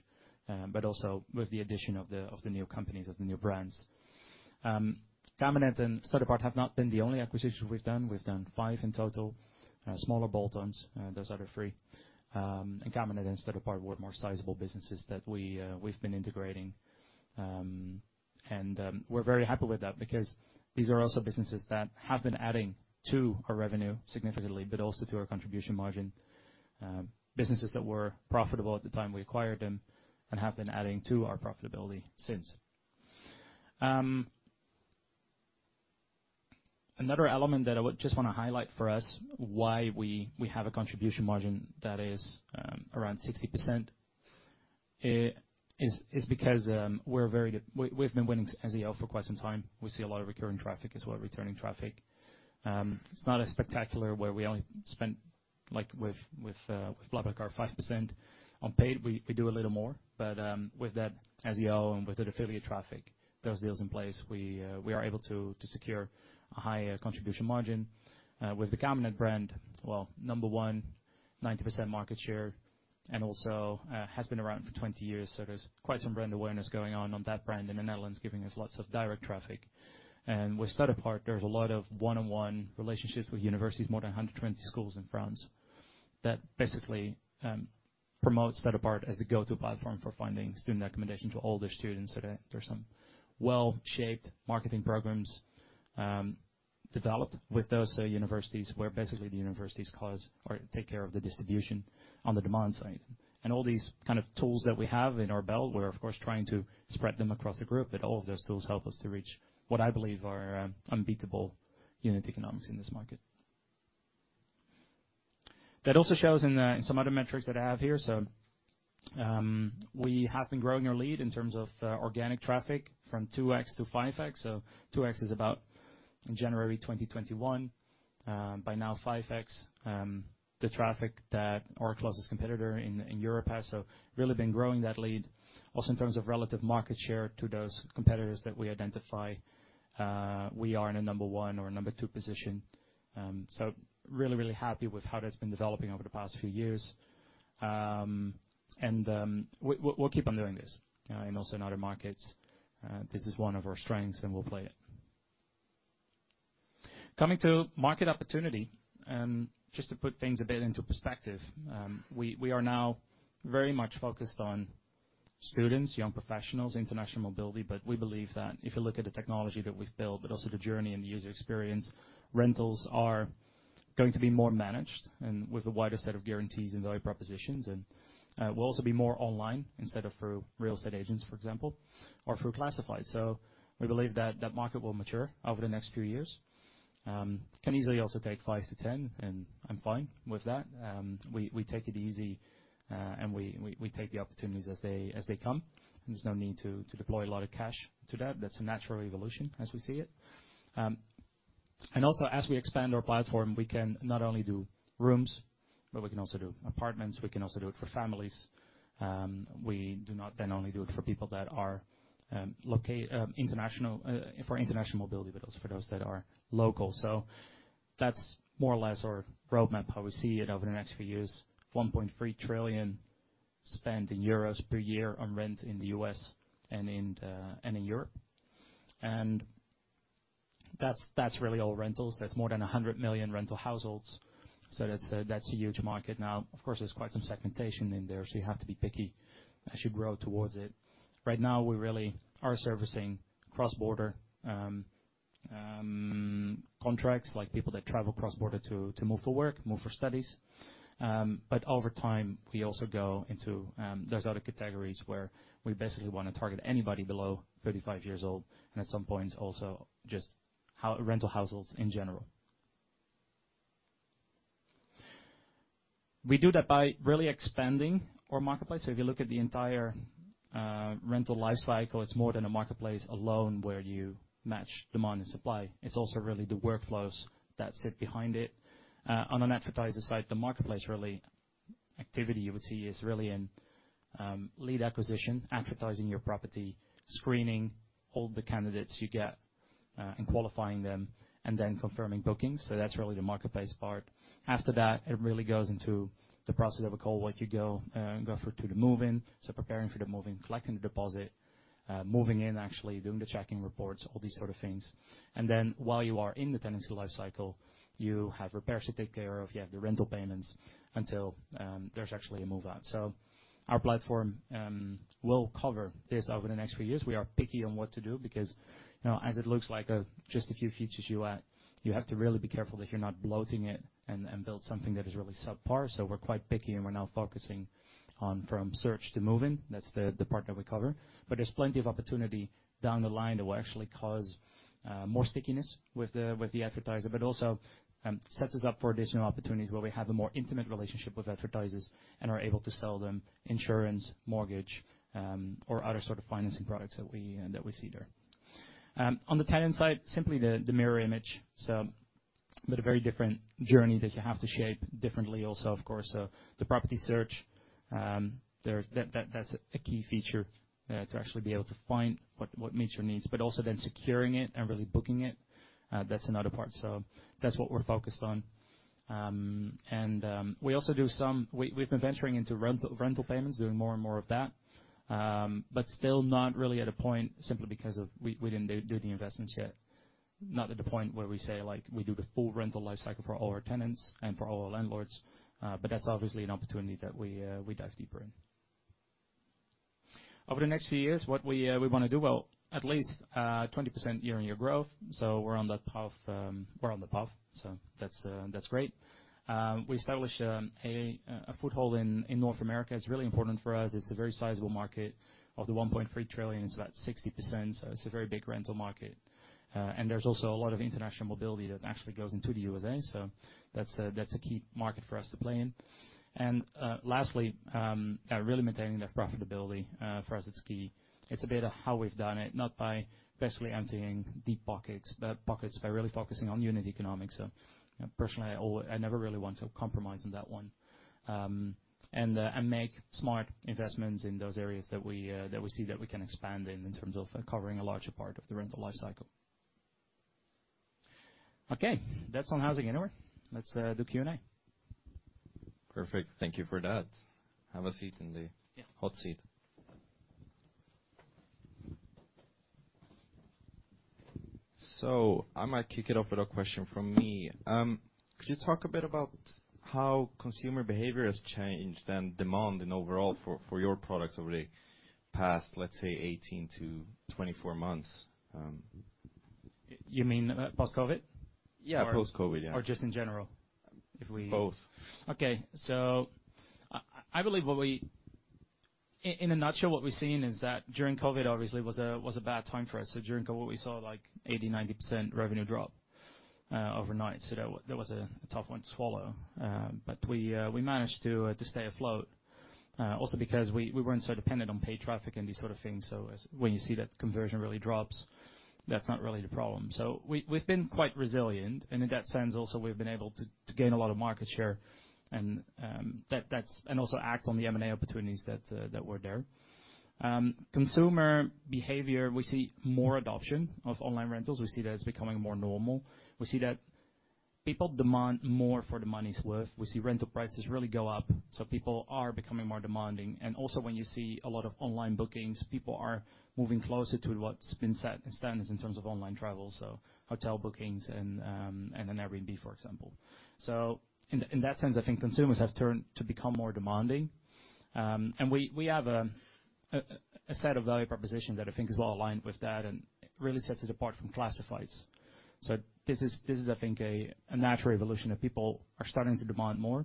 but also with the addition of the new companies, of the new brands. Kamernet and Studapart have not been the only acquisitions we've done. We've done 5 in total, smaller bolt-ons, those other 3. Kamernet and Studapart were more sizable businesses that we've been integrating. We're very happy with that because these are also businesses that have been adding to our revenue significantly, but also to our contribution margin. Businesses that were profitable at the time we acquired them and have been adding to our profitability since. Another element that I would just want to highlight for us, why we have a contribution margin that is around 60%, is because we're very good. We've been winning SEO for quite some time. We see a lot of recurring traffic as well, returning traffic. It's not as spectacular where we only spend, like, with BlaBlaCar, 5% on paid. We do a little more, but with that SEO and with that affiliate traffic, those deals in place, we are able to secure a higher contribution margin with the Kamernet brand. Well, number one, 90% market share, and also has been around for 20 years, so there's quite some brand awareness going on on that brand in the Netherlands, giving us lots of direct traffic. And with Studapart, there's a lot of one-on-one relationships with universities, more than 120 schools in France, that basically promote Studapart as the go-to platform for finding student accommodation to all their students. So there, there's some well-shaped marketing programs, developed with those universities, where basically the universities cause or take care of the distribution on the demand side. And all these kind of tools that we have in our belt, we're of course, trying to spread them across the group, but all of those tools help us to reach what I believe are unbeatable unit economics in this market. That also shows in some other metrics that I have here. So, we have been growing our lead in terms of organic traffic from 2x to 5x. So 2x is about January 2021, by now, 5x the traffic that our closest competitor in Europe has, so really been growing that lead. Also, in terms of relative market share to those competitors that we identify, we are in a number one or number two position. So really, really happy with how that's been developing over the past few years. And, we, we'll keep on doing this, and also in other markets. This is one of our strengths, and we'll play it. Coming to market opportunity, just to put things a bit into perspective, we, we are now very much focused on students, young professionals, international mobility, but we believe that if you look at the technology that we've built, but also the journey and the user experience, rentals are going to be more managed and with a wider set of guarantees and value propositions, and, will also be more online instead of through real estate agents, for example, or through classified. So we believe that market will mature over the next few years. It can easily also take 5-10, and I'm fine with that. We take it easy, and we take the opportunities as they come, and there's no need to deploy a lot of cash to that. That's a natural evolution as we see it. Also as we expand our platform, we can not only do rooms, but we can also do apartments, we can also do it for families. We do not then only do it for people that are international for international mobility, but also for those that are local. So that's more or less our roadmap, how we see it over the next few years. €1.3 trillion spent per year on rent in the U.S. and in Europe. That's really all rentals. That's more than 100 million rental households. That's a huge market. Now, of course, there's quite some segmentation in there, so you have to be picky as you grow towards it. Right now, we really are servicing cross-border contracts, like people that travel cross-border to move for work, move for studies. Over time, we also go into those other categories where we basically want to target anybody below 35 years old, and at some point also just how... rental households in general. We do that by really expanding our marketplace. If you look at the entire rental life cycle, it's more than a marketplace alone where you match demand and supply. It's also really the workflows that sit behind it. On an advertiser side, the marketplace really, activity you would see is really in lead acquisition, advertising your property, screening all the candidates you get, and qualifying them, and then confirming bookings. So that's really the marketplace part. After that, it really goes into the process of a call where you go through to the move-in, so preparing for the move-in, collecting the deposit, moving in, actually doing the checking reports, all these sort of things. And then, while you are in the tenancy life cycle, you have repairs to take care of. You have the rental payments until there's actually a move-out. So our platform will cover this over the next few years. We are picky on what to do because, you know, as it looks like, just a few features you add, you have to really be careful that you're not bloating it and build something that is really subpar. We're quite picky, and we're now focusing on from search to move-in. That's the part that we cover. There's plenty of opportunity down the line that will actually cause more stickiness with the advertiser, but also sets us up for additional opportunities where we have a more intimate relationship with advertisers and are able to sell them insurance, mortgage, or other sort of financing products that we see there. On the tenant side, simply the mirror image, but a very different journey that you have to shape differently also, of course. The property search, that's a key feature to actually be able to find what meets your needs, but also then securing it and really booking it, that's another part. That's what we're focused on. We also do some... We've been venturing into rental payments, doing more and more of that, but still not really at a point simply because we didn't do the investments yet. Not at the point where we say, like, we do the full rental life cycle for all our tenants and for all our landlords, that's obviously an opportunity that we dive deeper in. Over the next few years, what we want to do, well, at least 20% year-on-year growth, so we're on that path. We're on the path, so that's great. We establish a foothold in North America. It's really important for us. It's a very sizable market. Of the $1.3 trillion, it's about 60%, so it's a very big rental market. And there's also a lot of international mobility that actually goes into the USA, so that's a key market for us to play in. And lastly, really maintaining that profitability for us, it's key. It's a bit of how we've done it, not by basically emptying deep pockets, but by really focusing on unit economics. So personally, I never really want to compromise on that one. And make smart investments in those areas that we see that we can expand in, in terms of covering a larger part of the rental life cycle. Okay, that's on HousingAnywhere. Let's do Q&A. Perfect. Thank you for that. Have a seat in the- Yeah. hot seat. So I might kick it off with a question from me. Could you talk a bit about how consumer behavior has changed and demand in overall for, for your products over the past, let's say, 18-24 months? You mean, post-COVID? Yeah, post-COVID, yeah. Or just in general, if we- Both. Okay. So I believe what we've seen is that during COVID, obviously, was a bad time for us. So during COVID, we saw, like, an 80%-90% revenue drop overnight. So that was a tough one to swallow. But we managed to stay afloat, also because we weren't so dependent on paid traffic and these sort of things. So when you see that conversion really drops, that's not really the problem. So we've been quite resilient, and in that sense, also, we've been able to gain a lot of market share, and that's. And also act on the M&A opportunities that were there. Consumer behavior, we see more adoption of online rentals. We see that it's becoming more normal. We see that people demand more for the money's worth. We see rental prices really go up, so people are becoming more demanding. When you see a lot of online bookings, people are moving closer to what's been set as standards in terms of online travel, hotel bookings, and Airbnb, for example. In that sense, I think consumers have turned to become more demanding. We have a set of value propositions that I think is well-aligned with that and really sets it apart from classifieds. This is, I think, a natural evolution of people starting to demand more.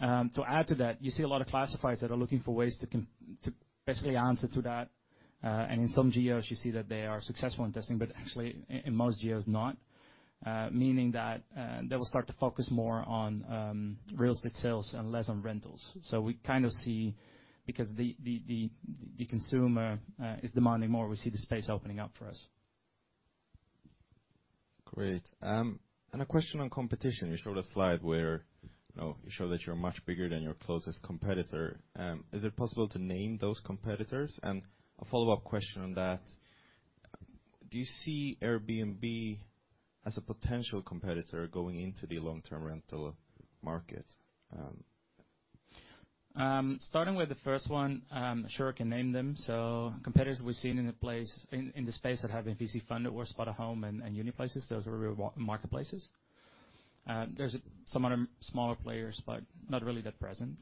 To add to that, you see a lot of classifieds that are looking for ways to basically answer to that. And in some geos, you see that they are successful in testing, but actually, in most geos, not. Meaning that, they will start to focus more on real estate sales and less on rentals. So we kind of see, because the consumer is demanding more, we see the space opening up for us. Great. And a question on competition. You showed a slide where, you know, you show that you're much bigger than your closest competitor. Is it possible to name those competitors? And a follow-up question on that: Do you see Airbnb as a potential competitor going into the long-term rental market? Starting with the first one, sure, I can name them. So competitors we've seen in the space that have VC funded were Spotahome and Uniplaces. Those were real marketplaces. There's some other smaller players, but not really that present.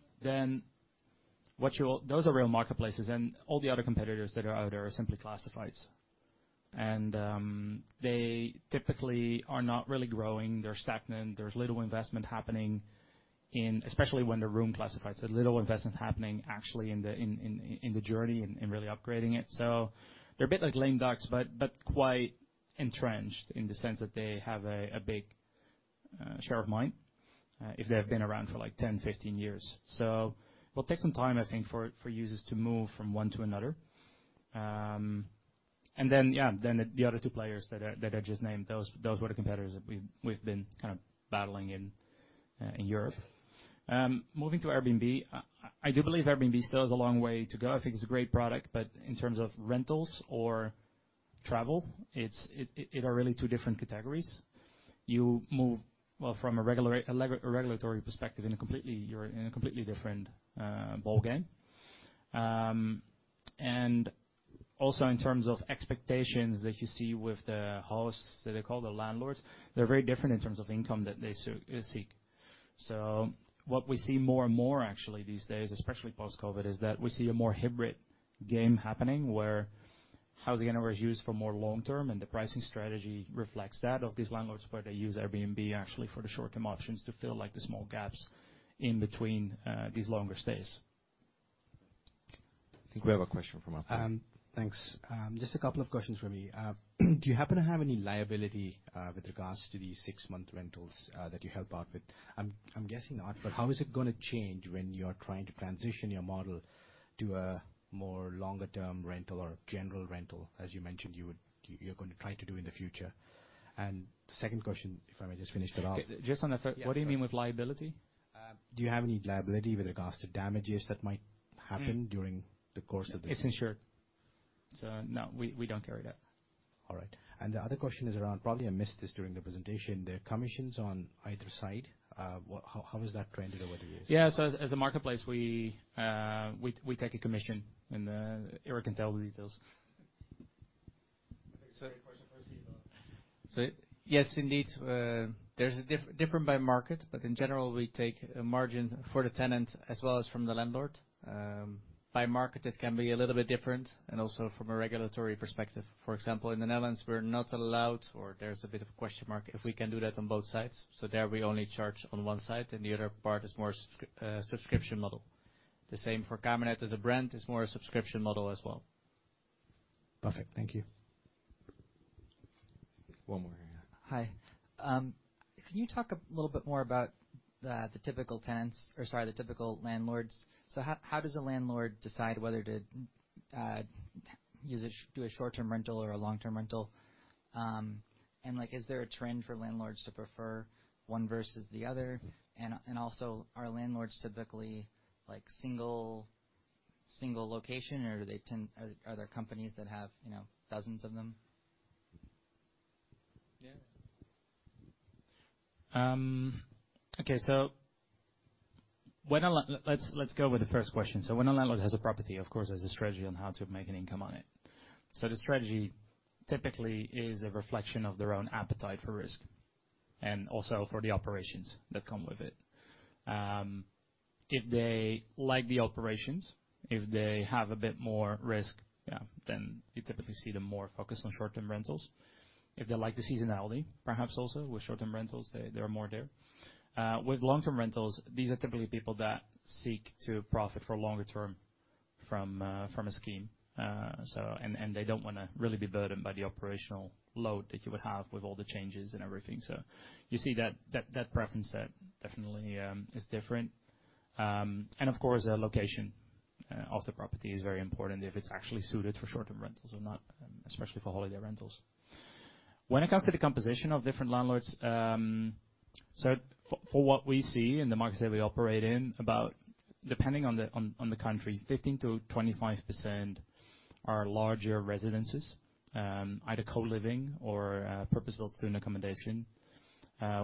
What you'll-- Those are real marketplaces, and all the other competitors that are out there are simply classifieds. They typically are not really growing. They're stagnant. There's little investment happening in... Especially when they're room classifieds, so little investment happening actually in the journey and really upgrading it. They're a bit like lame ducks, but quite entrenched in the sense that they have a big share of mind, if they've been around for like 10, 15 years. So it will take some time, I think, for users to move from one to another. And then, yeah, then the other two players that I just named, those were the competitors that we've been kind of battling in Europe. Moving to Airbnb, I do believe Airbnb still has a long way to go. I think it's a great product, but in terms of rentals or travel, it's it are really two different categories. You move, well, from a regular, a regulatory perspective in a completely, you're in a completely different ballgame. And also in terms of expectations that you see with the hosts, that they call the landlords, they're very different in terms of income that they seek. So what we see more and more actually these days, especially post-COVID, is that we see a more hybrid game happening, where housing unit is used for more long term, and the pricing strategy reflects that of these landlords, where they use Airbnb actually for the short-term options to fill, like, the small gaps in between these longer stays. I think we have a question from our- Thanks. Just a couple of questions from me. Do you happen to have any liability with regards to these six-month rentals that you help out with? I'm guessing not, but how is it gonna change when you're trying to transition your model to a more longer-term rental or general rental, as you mentioned, you're going to try to do in the future? And second question, if I may just finish that off- Just on the first- Yeah. What do you mean with liability? Do you have any liability with regards to damages that might happen- Mm. -during the course of the- It's insured. So no, we don't carry that. All right. The other question is around, probably I missed this during the presentation, the commissions on either side. How is that trending over the years? Yeah, so as a marketplace, we take a commission, and Erik can tell the details. So yes, indeed, there's a difference by market, but in general, we take a margin for the tenant as well as from the landlord. By market, it can be a little bit different and also from a regulatory perspective. For example, in the Netherlands, we're not allowed, or there's a bit of a question mark, if we can do that on both sides. So there we only charge on one side, and the other part is more subscription model. The same for Kamernet as a brand is more a subscription model as well. Perfect. Thank you. One more. Hi. Can you talk a little bit more about the typical tenants—sorry, the typical landlords? How does a landlord decide whether to use a, do a short-term rental or a long-term rental? And like, is there a trend for landlords to prefer one versus the other? Also, are landlords typically, like, single, single location, or do they tend... Are there companies that have, you know, dozens of them? Yeah. Okay, so let's, let's go with the first question. So when a landlord has a property, of course, there's a strategy on how to make an income on it. So the strategy typically is a reflection of their own appetite for risk and also for the operations that come with it. If they like the operations, if they have a bit more risk, yeah, then you typically see them more focused on short-term rentals. If they like the seasonality, perhaps also with short-term rentals, they, they are more there. With long-term rentals, these are typically people that seek to profit for longer term from, from a scheme. So, and, and they don't wanna really be burdened by the operational load that you would have with all the changes and everything. So you see that preference set definitely is different. And of course, the location of the property is very important, if it's actually suited for short-term rentals or not, especially for holiday rentals. When it comes to the composition of different landlords, so for what we see in the markets that we operate in, about, depending on the country, 15-25% are larger residences, either co-living or purposeful student accommodation,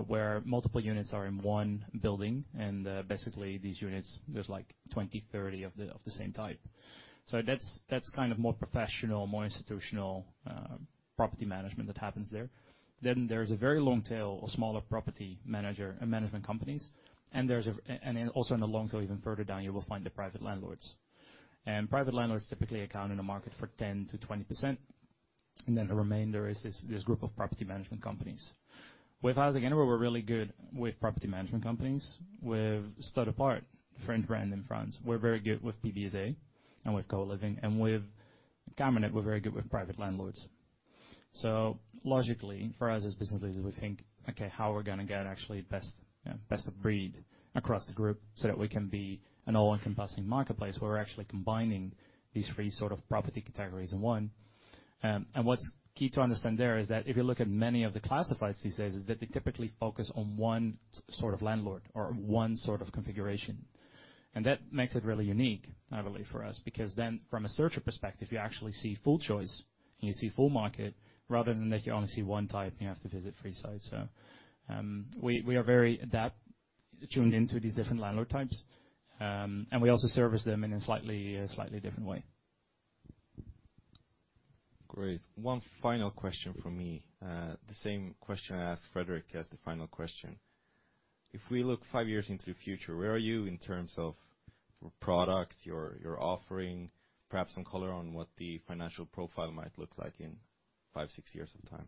where multiple units are in one building, and basically these units, there's like 20, 30 of the same type. So that's kind of more professional, more institutional property management that happens there. Then there's a very long tail of smaller property manager and management companies, and there's a... Also in the long tail, even further down, you will find the private landlords. Private landlords typically account in the market for 10%-20%, and then the remainder is this group of property management companies. With HousingAnywhere, we're really good with property management companies. With Studapart, French brand in France, we're very good with PBSA and with co-living, and with Kamernet, we're very good with private landlords. So logically, for us as business leaders, we think, "Okay, how are we gonna get actually best, best of breed across the group so that we can be an all-encompassing marketplace where we're actually combining these three sort of property categories in one?" And what's key to understand there is that if you look at many of the classifieds these days, is that they typically focus on one sort of landlord or one sort of configuration. And that makes it really unique, I believe, for us, because then from a searcher perspective, you actually see full choice and you see full market, rather than that you only see one type, and you have to visit three sites. So, we are very attuned into these different landlord types, and we also service them in a slightly different way. Great. One final question from me. The same question I asked Fredrik as the final question. If we look five years into the future, where are you in terms of your product, your, your offering? Perhaps some color on what the financial profile might look like in five, six years' time.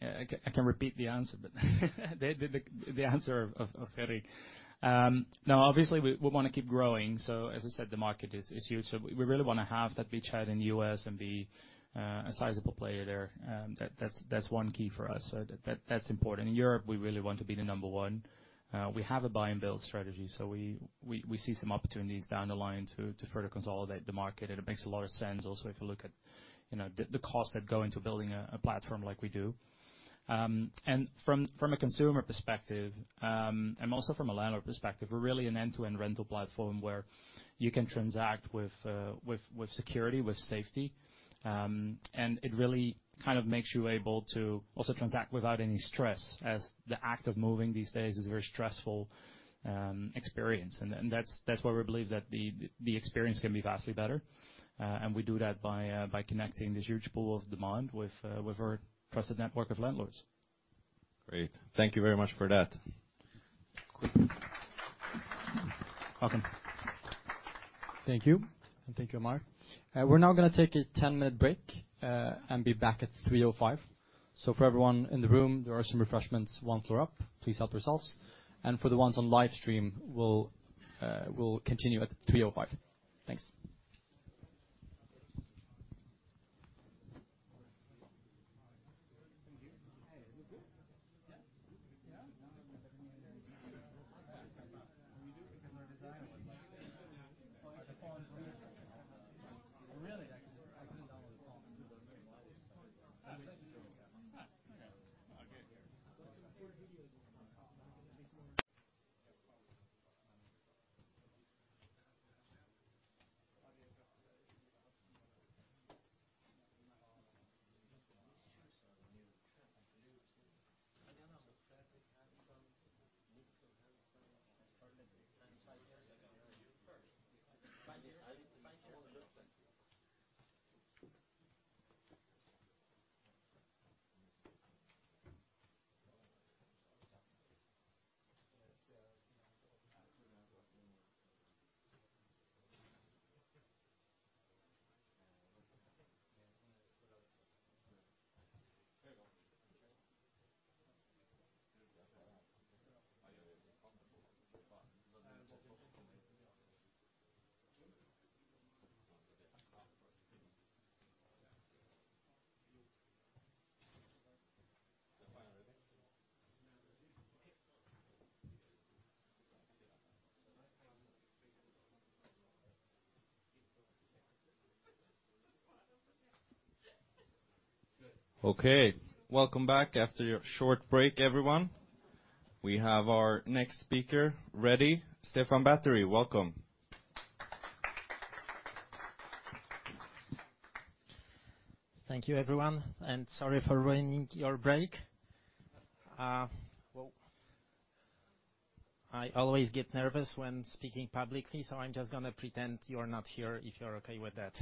Yeah, I can repeat the answer, but the answer of Fredrik. No, obviously, we wanna keep growing, so as I said, the market is huge. So we really wanna have that beachhead in the U.S. and be a sizable player there. That, that's one key for us. So that's important. In Europe, we really want to be the number one. We have a buy and build strategy, so we see some opportunities down the line to further consolidate the market, and it makes a lot of sense also, if you look at, you know, the costs that go into building a platform like we do. From a consumer perspective, and also from a landlord perspective, we're really an end-to-end rental platform where you can transact with security, with safety. It really kind of makes you able to also transact without any stress, as the act of moving these days is a very stressful experience. That's why we believe that the experience can be vastly better, and we do that by connecting this huge pool of demand with our trusted network of landlords. Great. Thank you very much for that. Welcome. Thank you, and thank you, Mark. We're now gonna take a 10-minute break, and be back at 3:05 P.M. So for everyone in the room, there are some refreshments one floor up. Please help yourselves. And for the ones on live stream, we'll continue at 3:05 P.M. Thanks.... Okay, welcome back after your short break, everyone. We have our next speaker ready. Stefan Batory, welcome. Thank you, everyone, and sorry for ruining your break. Well, I always get nervous when speaking publicly, so I'm just gonna pretend you're not here, if you're okay with that.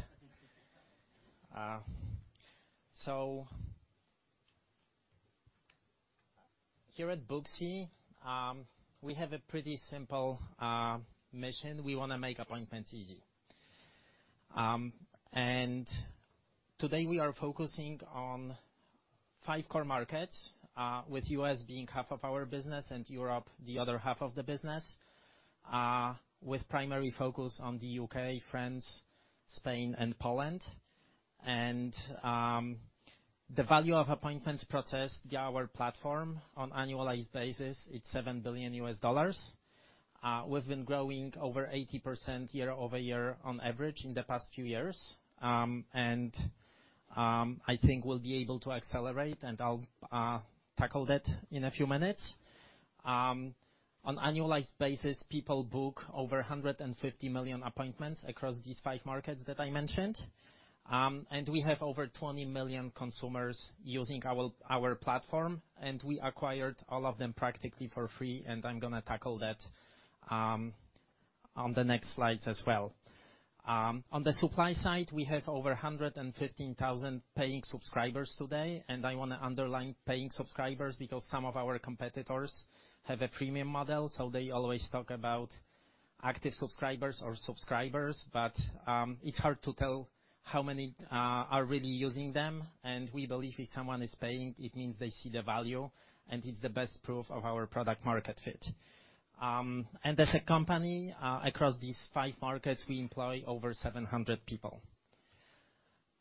So here at Booksy, we have a pretty simple mission. We want to make appointments easy. And today we are focusing on five core markets, with U.S. being half of our business and Europe, the other half of the business, with primary focus on the UK, France, Spain, and Poland. And, the value of appointments processed via our platform on an annualized basis, it's $7 billion. We've been growing over 80% year-over-year on average in the past few years. And, I think we'll be able to accelerate, and I'll tackle that in a few minutes. On an annualized basis, people book over 150 million appointments across these five markets that I mentioned. And we have over 20 million consumers using our, our platform, and we acquired all of them practically for free, and I'm gonna tackle that, on the next slides as well. On the supply side, we have over 115,000 paying subscribers today, and I want to underline paying subscribers because some of our competitors have a premium model, so they always talk about active subscribers or subscribers. But, it's hard to tell how many, are really using them, and we believe if someone is paying, it means they see the value, and it's the best proof of our product market fit. And as a company, across these five markets, we employ over 700 people.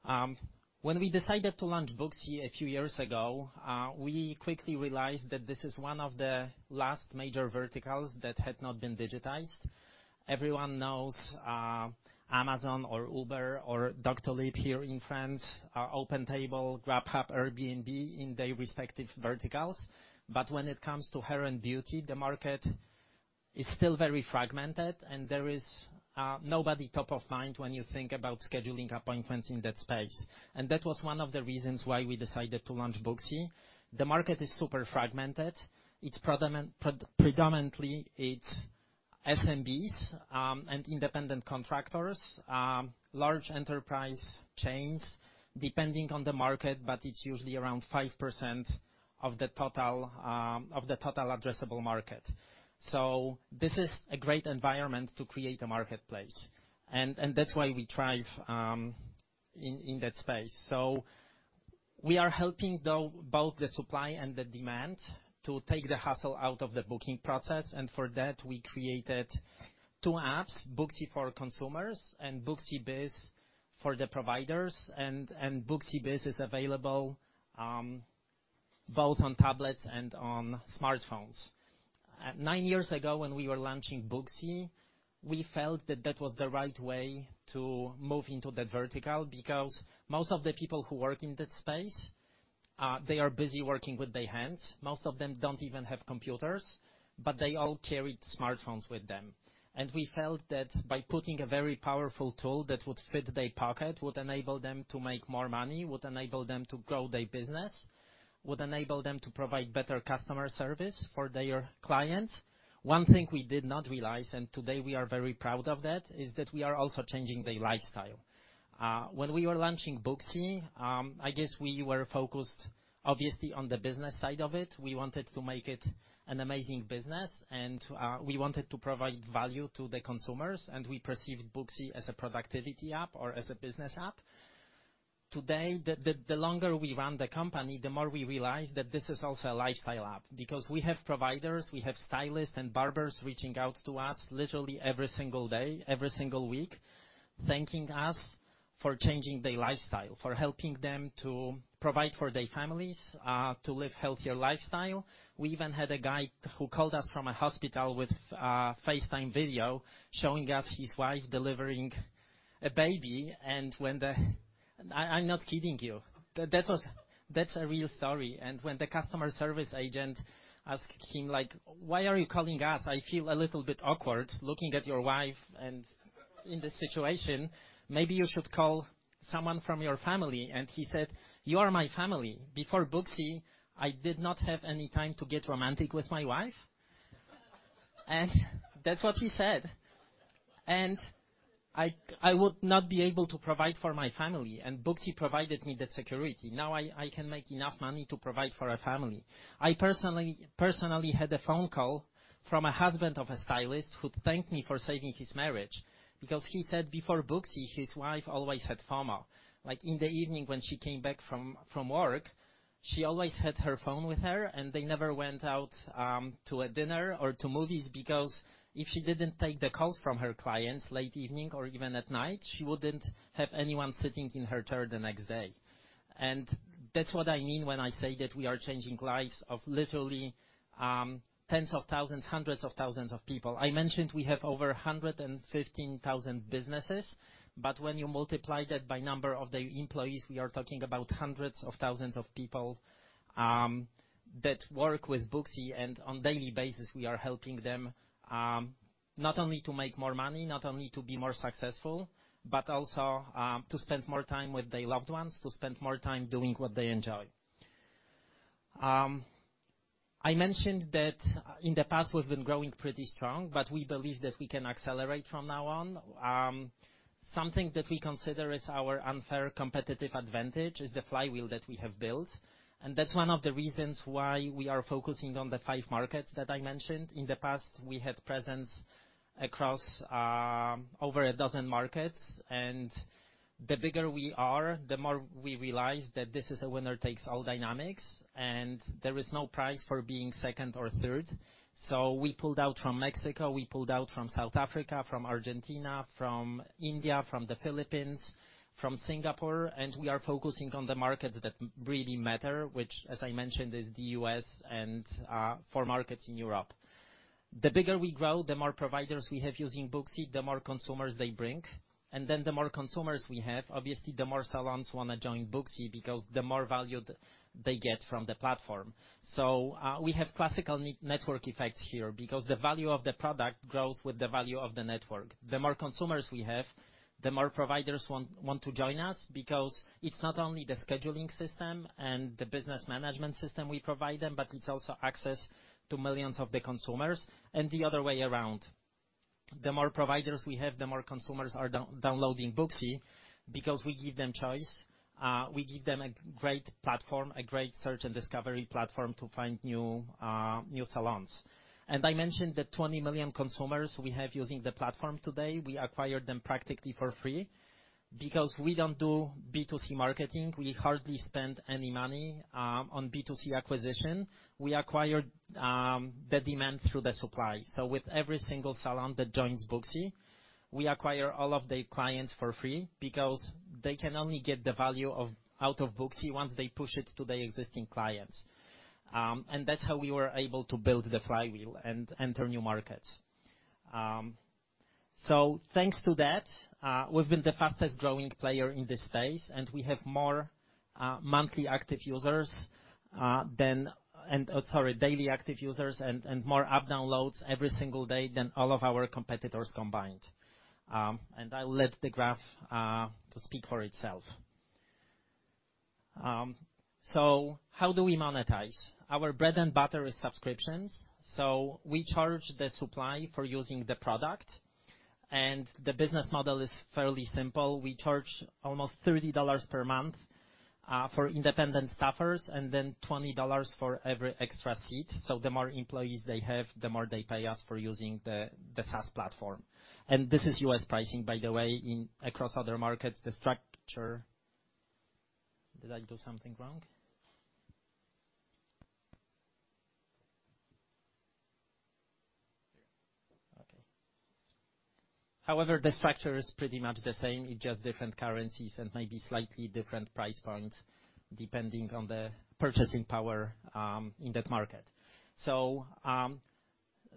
When we decided to launch Booksy a few years ago, we quickly realized that this is one of the last major verticals that had not been digitized. Everyone knows Amazon or Uber or Doctolib here in France, or OpenTable, Grubhub, Airbnb in their respective verticals. But when it comes to hair and beauty, the market is still very fragmented, and there is nobody top of mind when you think about scheduling appointments in that space. And that was one of the reasons why we decided to launch Booksy. The market is super fragmented. It's predominantly SMBs and independent contractors, large enterprise chains, depending on the market, but it's usually around 5% of the total of the total addressable market. This is a great environment to create a marketplace, and that's why we thrive in that space. We are helping both the supply and the demand to take the hassle out of the booking process. For that, we created two apps, Booksy for consumers and Booksy Biz for the providers, and Booksy Biz is available both on tablets and on smartphones. Nine years ago, when we were launching Booksy, we felt that that was the right way to move into that vertical because most of the people who work in that space, they are busy working with their hands. Most of them don't even have computers, but they all carried smartphones with them. We felt that by putting a very powerful tool that would fit their pocket, would enable them to make more money, would enable them to grow their business, would enable them to provide better customer service for their clients. One thing we did not realize, and today we are very proud of that, is that we are also changing their lifestyle. When we were launching Booksy, I guess we were focused, obviously, on the business side of it. We wanted to make it an amazing business, and we wanted to provide value to the consumers, and we perceived Booksy as a productivity app or as a business app. Today, the longer we run the company, the more we realize that this is also a lifestyle app, because we have providers, we have stylists and barbers reaching out to us literally every single day, every single week, thanking us for changing their lifestyle, for helping them to provide for their families, to live healthier lifestyle. We even had a guy who called us from a hospital with a FaceTime video showing us his wife delivering a baby. And I'm not kidding you. That was a real story, and when the customer service agent asked him, like: "Why are you calling us? I feel a little bit awkward looking at your wife, and in this situation, maybe you should call someone from your family." And he said, "You are my family. “Before Booksy, I did not have any time to get romantic with my wife.” That's what he said. I would not be able to provide for my family, and Booksy provided me that security. Now I can make enough money to provide for a family. I personally had a phone call from a husband of a stylist who thanked me for saving his marriage, because he said before Booksy, his wife always had FOMO. Like, in the evening when she came back from work, she always had her phone with her, and they never went out to a dinner or to movies, because if she didn't take the calls from her clients late evening or even at night, she wouldn't have anyone sitting in her chair the next day. And that's what I mean when I say that we are changing lives of literally, tens of thousands, hundreds of thousands of people. I mentioned we have over 115,000 businesses, but when you multiply that by number of the employees, we are talking about hundreds of thousands of people, that work with Booksy, and on daily basis, we are helping them, not only to make more money, not only to be more successful, but also, to spend more time with their loved ones, to spend more time doing what they enjoy. I mentioned that in the past, we've been growing pretty strong, but we believe that we can accelerate from now on. Something that we consider is our unfair competitive advantage is the flywheel that we have built, and that's one of the reasons why we are focusing on the five markets that I mentioned. In the past, we had presence across over a dozen markets, and the bigger we are, the more we realize that this is a winner-takes-all dynamics, and there is no prize for being second or third. So we pulled out from Mexico, we pulled out from South Africa, from Argentina, from India, from the Philippines, from Singapore, and we are focusing on the markets that really matter, which, as I mentioned, is the U.S. and four markets in Europe. The bigger we grow, the more providers we have using Booksy, the more consumers they bring. And then the more consumers we have, obviously, the more salons want to join Booksy because the more value they get from the platform. So, we have classical network effects here because the value of the product grows with the value of the network. The more consumers we have, the more providers want to join us, because it's not only the scheduling system and the business management system we provide them, but it's also access to millions of the consumers, and the other way around. The more providers we have, the more consumers are downloading Booksy because we give them choice. We give them a great platform, a great search and discovery platform, to find new salons. And I mentioned the 20 million consumers we have using the platform today, we acquired them practically for free. Because we don't do B2C marketing, we hardly spend any money on B2C acquisition. We acquired the demand through the supply. So with every single salon that joins Booksy, we acquire all of their clients for free because they can only get the value of... out of Booksy once they push it to their existing clients. And that's how we were able to build the flywheel and enter new markets. So thanks to that, we've been the fastest growing player in this space, and we have more monthly active users than... sorry, daily active users and more app downloads every single day than all of our competitors combined. And I'll let the graph to speak for itself. So how do we monetize? Our bread and butter is subscriptions, so we charge the supply for using the product, and the business model is fairly simple. We charge almost $30 per month for independent staffers, and then $20 for every extra seat. So the more employees they have, the more they pay us for using the, the SaaS platform. And this is U.S. pricing, by the way, in, across other markets, the structure- Did I do something wrong? Okay. However, the structure is pretty much the same, it's just different currencies and maybe slightly different price points, depending on the purchasing power in that market. So,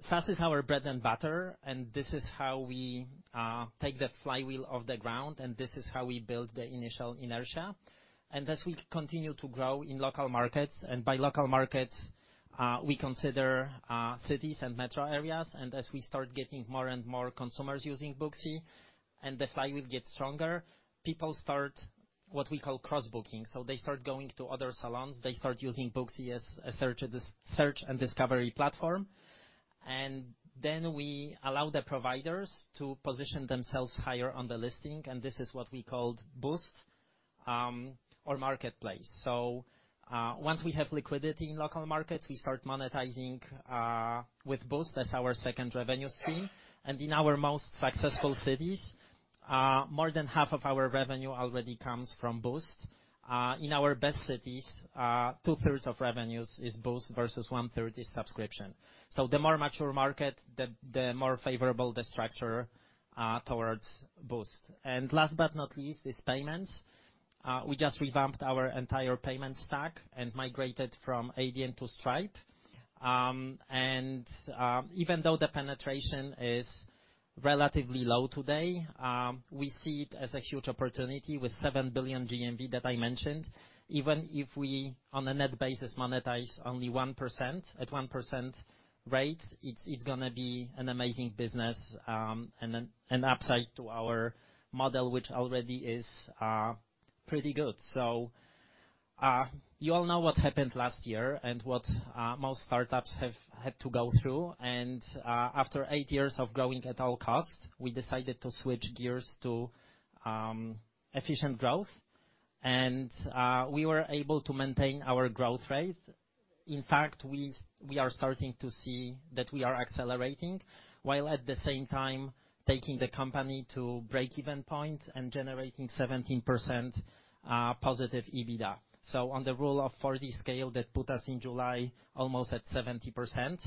SaaS is our bread and butter, and this is how we take the flywheel off the ground, and this is how we build the initial inertia. And as we continue to grow in local markets, and by local markets, we consider cities and metro areas, and as we start getting more and more consumers using Booksy, and the flywheel gets stronger, people start what we call cross-booking. So they start going to other salons, they start using Booksy as a search and discovery platform, and then we allow the providers to position themselves higher on the listing, and this is what we called Boost or Marketplace. So once we have liquidity in local markets, we start monetizing with Boost. That's our second revenue stream. And in our most successful cities, more than half of our revenue already comes from Boost. In our best cities, two-thirds of revenues is Boost versus one-third is subscription. The more mature the market, the more favorable the structure towards Boost. Last but not least is payments. We just revamped our entire payment stack and migrated from Adyen to Stripe. Even though the penetration is relatively low today, we see it as a huge opportunity with $7 billion GMV that I mentioned. Even if we, on a net basis, monetize only 1%, at a 1% rate, it's going to be an amazing business and an upside to our model, which already is pretty good. You all know what happened last year and what most startups have had to go through. After eight years of growing at all costs, we decided to switch gears to efficient growth, and we were able to maintain our growth rate. In fact, we are starting to see that we are accelerating, while at the same time taking the company to break-even point and generating 17% positive EBITDA. On the rule of forty scale, that put us in July, almost at 70%.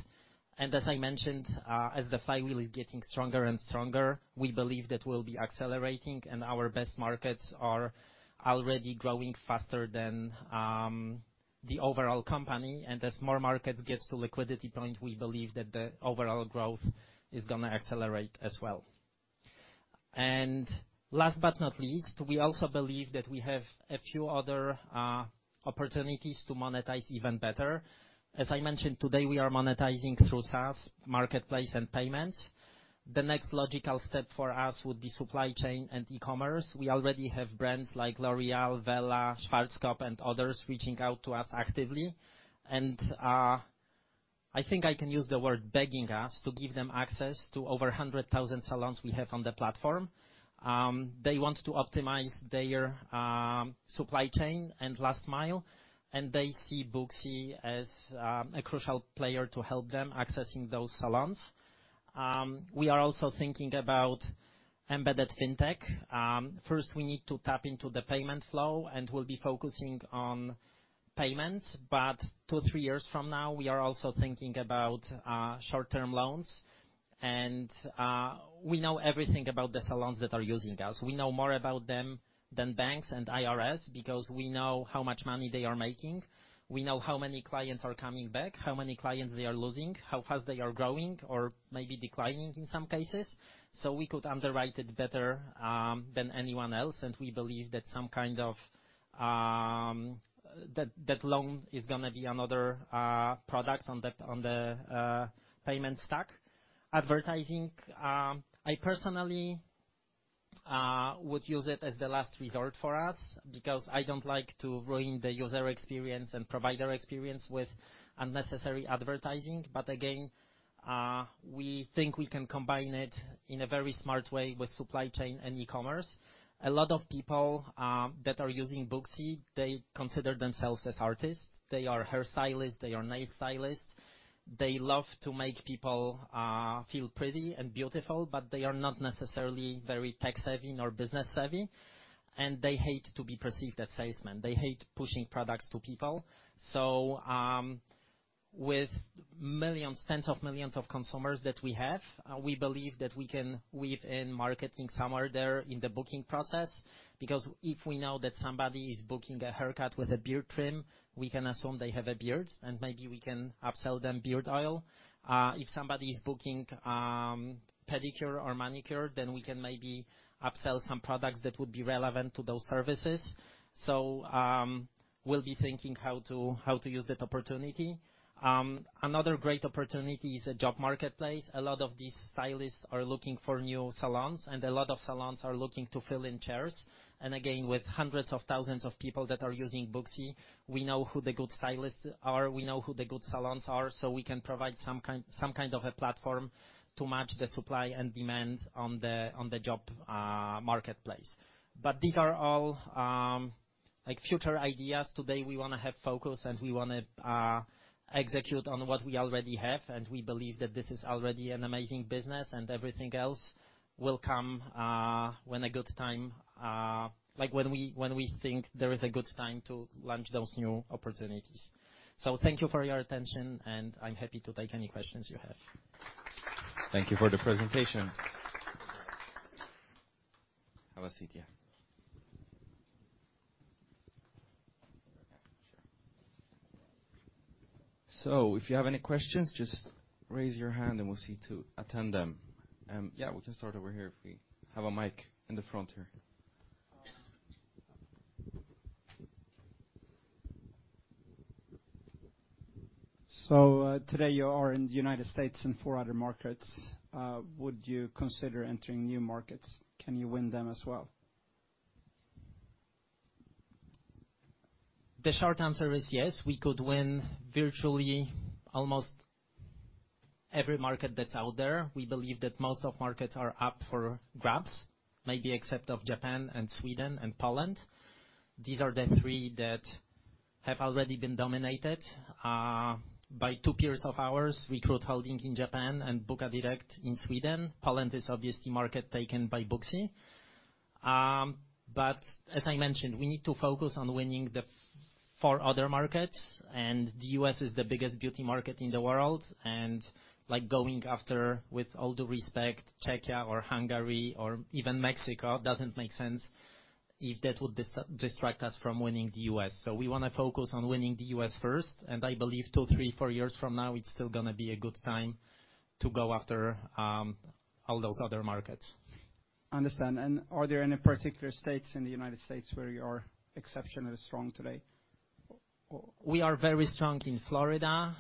As I mentioned, as the flywheel is getting stronger and stronger, we believe that we'll be accelerating, and our best markets are already growing faster than the overall company. As more markets get to liquidity point, we believe that the overall growth is gonna accelerate as well. Last but not least, we also believe that we have a few other opportunities to monetize even better. As I mentioned, today, we are monetizing through SaaS, marketplace, and payments. The next logical step for us would be supply chain and e-commerce. We already have brands like L'Oréal, Wella, Schwarzkopf, and others, reaching out to us actively. And, I think I can use the word, "begging us," to give them access to over 100,000 salons we have on the platform. They want to optimize their, supply chain and last mile, and they see Booksy as, a crucial player to help them accessing those salons. We are also thinking about embedded fintech. First, we need to tap into the payment flow, and we'll be focusing on payments, but 2-3 years from now, we are also thinking about, short-term loans. And, we know everything about the salons that are using us. We know more about them than banks and IRS because we know how much money they are making. We know how many clients are coming back, how many clients they are losing, how fast they are growing, or maybe declining in some cases. So we could underwrite it better than anyone else, and we believe that some kind of... That, that loan is gonna be another product on that, on the payment stack. Advertising, I personally would use it as the last resort for us because I don't like to ruin the user experience and provider experience with unnecessary advertising. But again, we think we can combine it in a very smart way with supply chain and e-commerce. A lot of people that are using Booksy, they consider themselves as artists. They are hairstylists, they are nail stylists. They love to make people feel pretty and beautiful, but they are not necessarily very tech-savvy nor business-savvy, and they hate to be perceived as salesmen. They hate pushing products to people. So, with millions, tens of millions of consumers that we have, we believe that we can weave in marketing somewhere there in the booking process, because if we know that somebody is booking a haircut with a beard trim, we can assume they have a beard, and maybe we can upsell them beard oil. If somebody is booking pedicure or manicure, then we can maybe upsell some products that would be relevant to those services. So, we'll be thinking how to use that opportunity. Another great opportunity is a job marketplace. A lot of these stylists are looking for new salons, and a lot of salons are looking to fill in chairs. And again, with hundreds of thousands of people that are using Booksy, we know who the good stylists are, we know who the good salons are, so we can provide some kind of a platform to match the supply and demand on the job marketplace. But these are all, like, future ideas. Today, we wanna have focus, and we wanna execute on what we already have, and we believe that this is already an amazing business, and everything else will come when a good time, like, when we think there is a good time to launch those new opportunities. So thank you for your attention, and I'm happy to take any questions you have. Thank you for the presentation. Have a seat here. If you have any questions, just raise your hand, and we'll see to attend them. Yeah, we can start over here if we have a mic in the front here. Today, you are in the United States and four other markets. Would you consider entering new markets? Can you win them as well? The short answer is yes. We could win virtually almost every market that's out there. We believe that most of markets are up for grabs, maybe except of Japan and Sweden and Poland. These are the three that have already been dominated by two peers of ours, Recruit Holdings in Japan and Bokadirekt in Sweden. Poland is obviously a market taken by Booksy. But as I mentioned, we need to focus on winning the four other markets, and the U.S. is the biggest beauty market in the world, and, like, going after, with all due respect, Czechia or Hungary or even Mexico, doesn't make sense if that would distract us from winning the U.S. We wanna focus on winning the U.S. first, and I believe 2, 3, 4 years from now, it's still gonna be a good time to go after all those other markets. Understand. Are there any particular states in the United States where you are exceptionally strong today? ... We are very strong in Florida,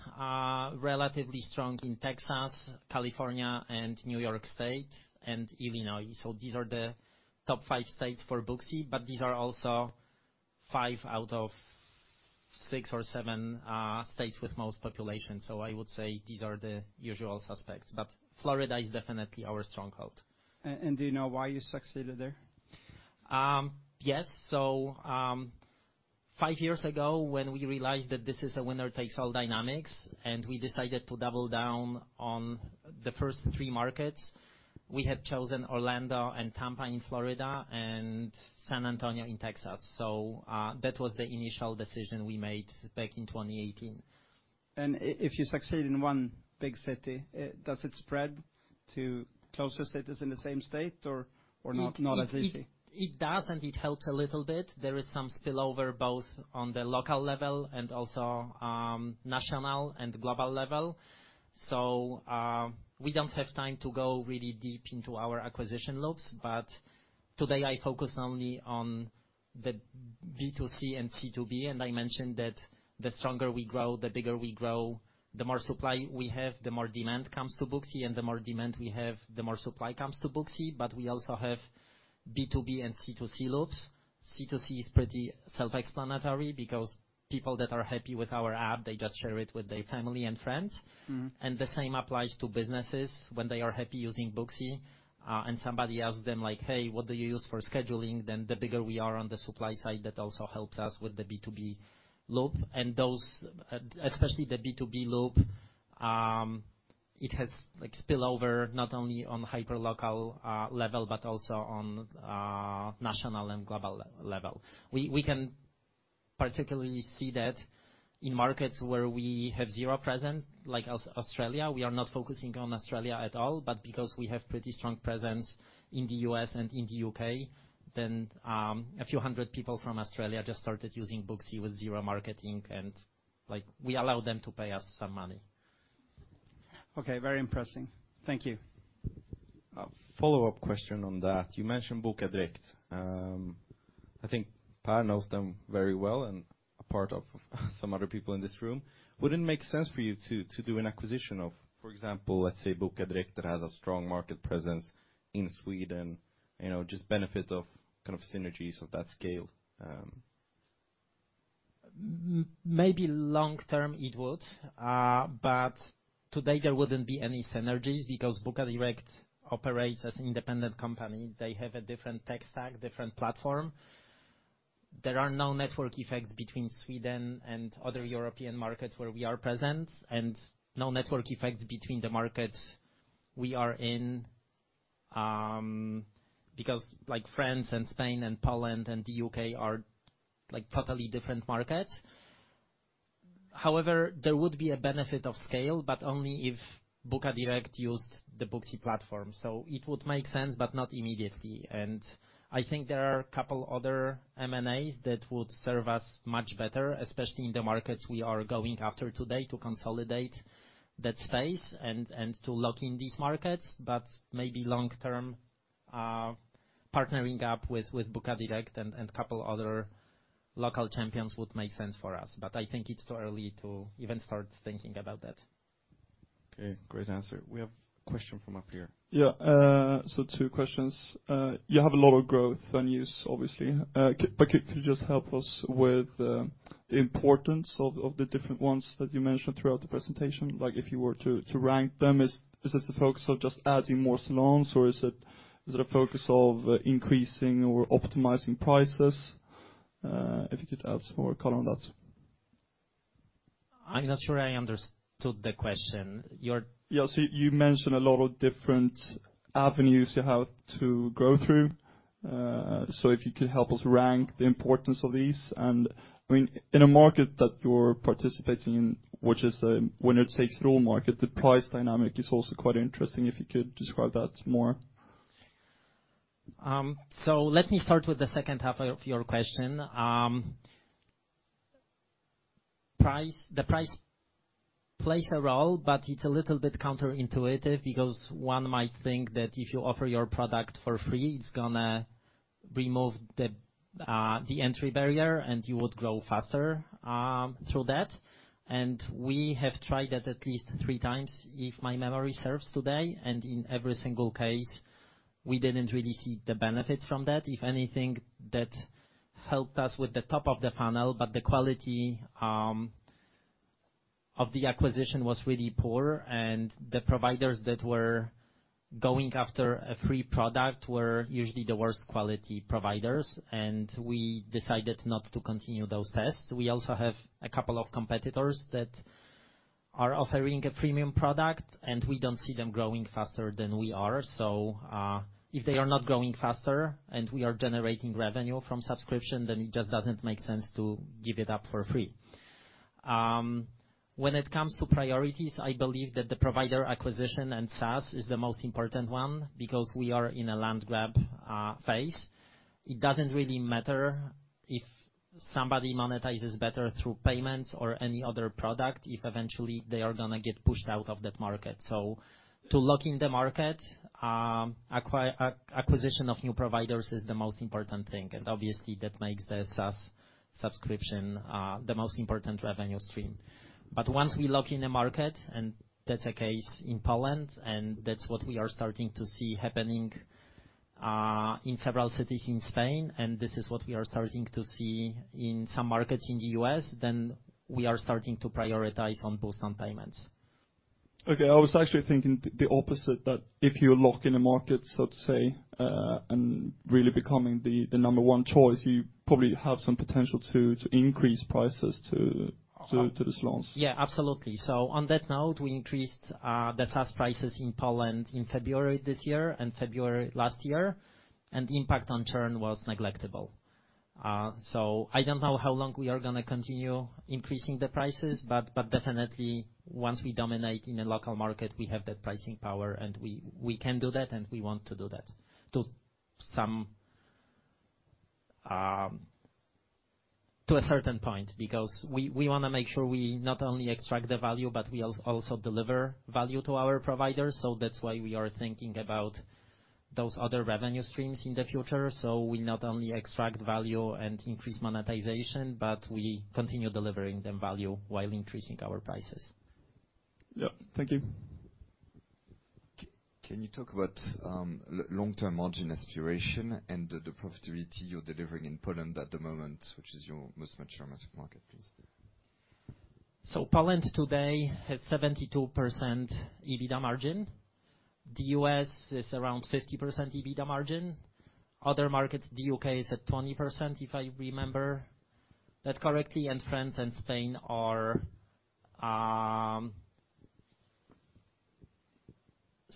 relatively strong in Texas, California, and New York State, and Illinois. So these are the top five states for Booksy, but these are also five out of six or seven states with most population. So I would say these are the usual suspects, but Florida is definitely our stronghold. Do you know why you succeeded there? Yes. So, five years ago, when we realized that this is a winner-takes-all dynamics, and we decided to double down on the first three markets, we had chosen Orlando and Tampa in Florida and San Antonio in Texas. So, that was the initial decision we made back in 2018. If you succeed in one big city, does it spread to closer cities in the same state or not as easy? It does, and it helps a little bit. There is some spillover, both on the local level and also national and global level. So, we don't have time to go really deep into our acquisition loops, but today I focus only on the B2C and C2B, and I mentioned that the stronger we grow, the bigger we grow, the more supply we have, the more demand comes to Booksy, and the more demand we have, the more supply comes to Booksy. But we also have B2B and C2C loops. C2C is pretty self-explanatory because people that are happy with our app, they just share it with their family and friends. Mm-hmm. And the same applies to businesses when they are happy using Booksy, and somebody asks them, like, "Hey, what do you use for scheduling?" Then the bigger we are on the supply side, that also helps us with the B2B loop, and those, especially the B2B loop, it has, like, spillover, not only on hyper local level, but also on national and global level. We can particularly see that in markets where we have zero presence, like Australia. We are not focusing on Australia at all, but because we have pretty strong presence in the U.S. and in the UK, then a few hundred people from Australia just started using Booksy with zero marketing, and, like, we allow them to pay us some money. Okay, very impressive. Thank you. A follow-up question on that. You mentioned Boka Direkt. I think Per knows them very well and a part of some other people in this room. Would it make sense for you to, to do an acquisition of, for example, let's say, Boka Direkt has a strong market presence in Sweden, you know, just benefit of kind of synergies of that scale? Maybe long term, it would. But today there wouldn't be any synergies because Boka Direkt operates as independent company. They have a different tech stack, different platform. There are no network effects between Sweden and other European markets where we are present, and no network effects between the markets we are in, because like France and Spain and Poland and the UK are, like, totally different markets. However, there would be a benefit of scale, but only if Boka Direkt used the Booksy platform. So it would make sense, but not immediately. And I think there are a couple other M&As that would serve us much better, especially in the markets we are going after today, to consolidate that space and to lock in these markets. Maybe long term, partnering up with Boka Direkt and couple other local champions would make sense for us, but I think it's too early to even start thinking about that. Okay, great answer. We have a question from up here. Yeah, so two questions. You have a lot of growth and use, obviously, but could you just help us with the importance of the different ones that you mentioned throughout the presentation? Like, if you were to rank them, is this the focus of just adding more salons, or is it a focus of increasing or optimizing prices? If you could add some more color on that. I'm not sure I understood the question. You're- Yeah. So you mentioned a lot of different avenues you have to go through. So if you could help us rank the importance of these, and I mean, in a market that you're participating in, which is a winner-takes-it-all market, the price dynamic is also quite interesting, if you could describe that more. So let me start with the second half of your question. Price... The price plays a role, but it's a little bit counterintuitive because one might think that if you offer your product for free, it's gonna remove the, the entry barrier, and you would grow faster, through that. And we have tried that at least three times, if my memory serves today, and in every single case, we didn't really see the benefits from that. If anything, that helped us with the top of the funnel, but the quality, of the acquisition was really poor, and the providers that were going after a free product were usually the worst quality providers, and we decided not to continue those tests. We also have a couple of competitors that are offering a premium product, and we don't see them growing faster than we are. So, if they are not growing faster and we are generating revenue from subscription, then it just doesn't make sense to give it up for free. When it comes to priorities, I believe that the provider acquisition and SaaS is the most important one because we are in a land grab phase. It doesn't really matter if somebody monetizes better through payments or any other product, if eventually they are going to get pushed out of that market. So to lock in the market, acquisition of new providers is the most important thing, and obviously that makes the SaaS subscription the most important revenue stream. But once we lock in the market, and that's the case in Poland, and that's what we are starting to see happening, in several cities in Spain, and this is what we are starting to see in some markets in the U.S., then we are starting to prioritize on Boost on payments. Okay. I was actually thinking the opposite, that if you lock in a market, so to say, and really becoming the number one choice, you probably have some potential to increase prices to these loans. Yeah, absolutely. So on that note, we increased the SaaS prices in Poland in February this year and February last year, and the impact on churn was negligible. So I don't know how long we are gonna continue increasing the prices, but definitely once we dominate in a local market, we have that pricing power, and we can do that, and we want to do that. To some, to a certain point, because we wanna make sure we not only extract the value, but we also deliver value to our providers. So that's why we are thinking about those other revenue streams in the future. So we not only extract value and increase monetization, but we continue delivering them value while increasing our prices. Yeah. Thank you. Can you talk about long-term margin aspiration and the profitability you're delivering in Poland at the moment, which is your most mature market, please? So Poland today has 72% EBITDA margin. The U.S. is around 50% EBITDA margin. Other markets, the UK, is at 20%, if I remember that correctly, and France and Spain are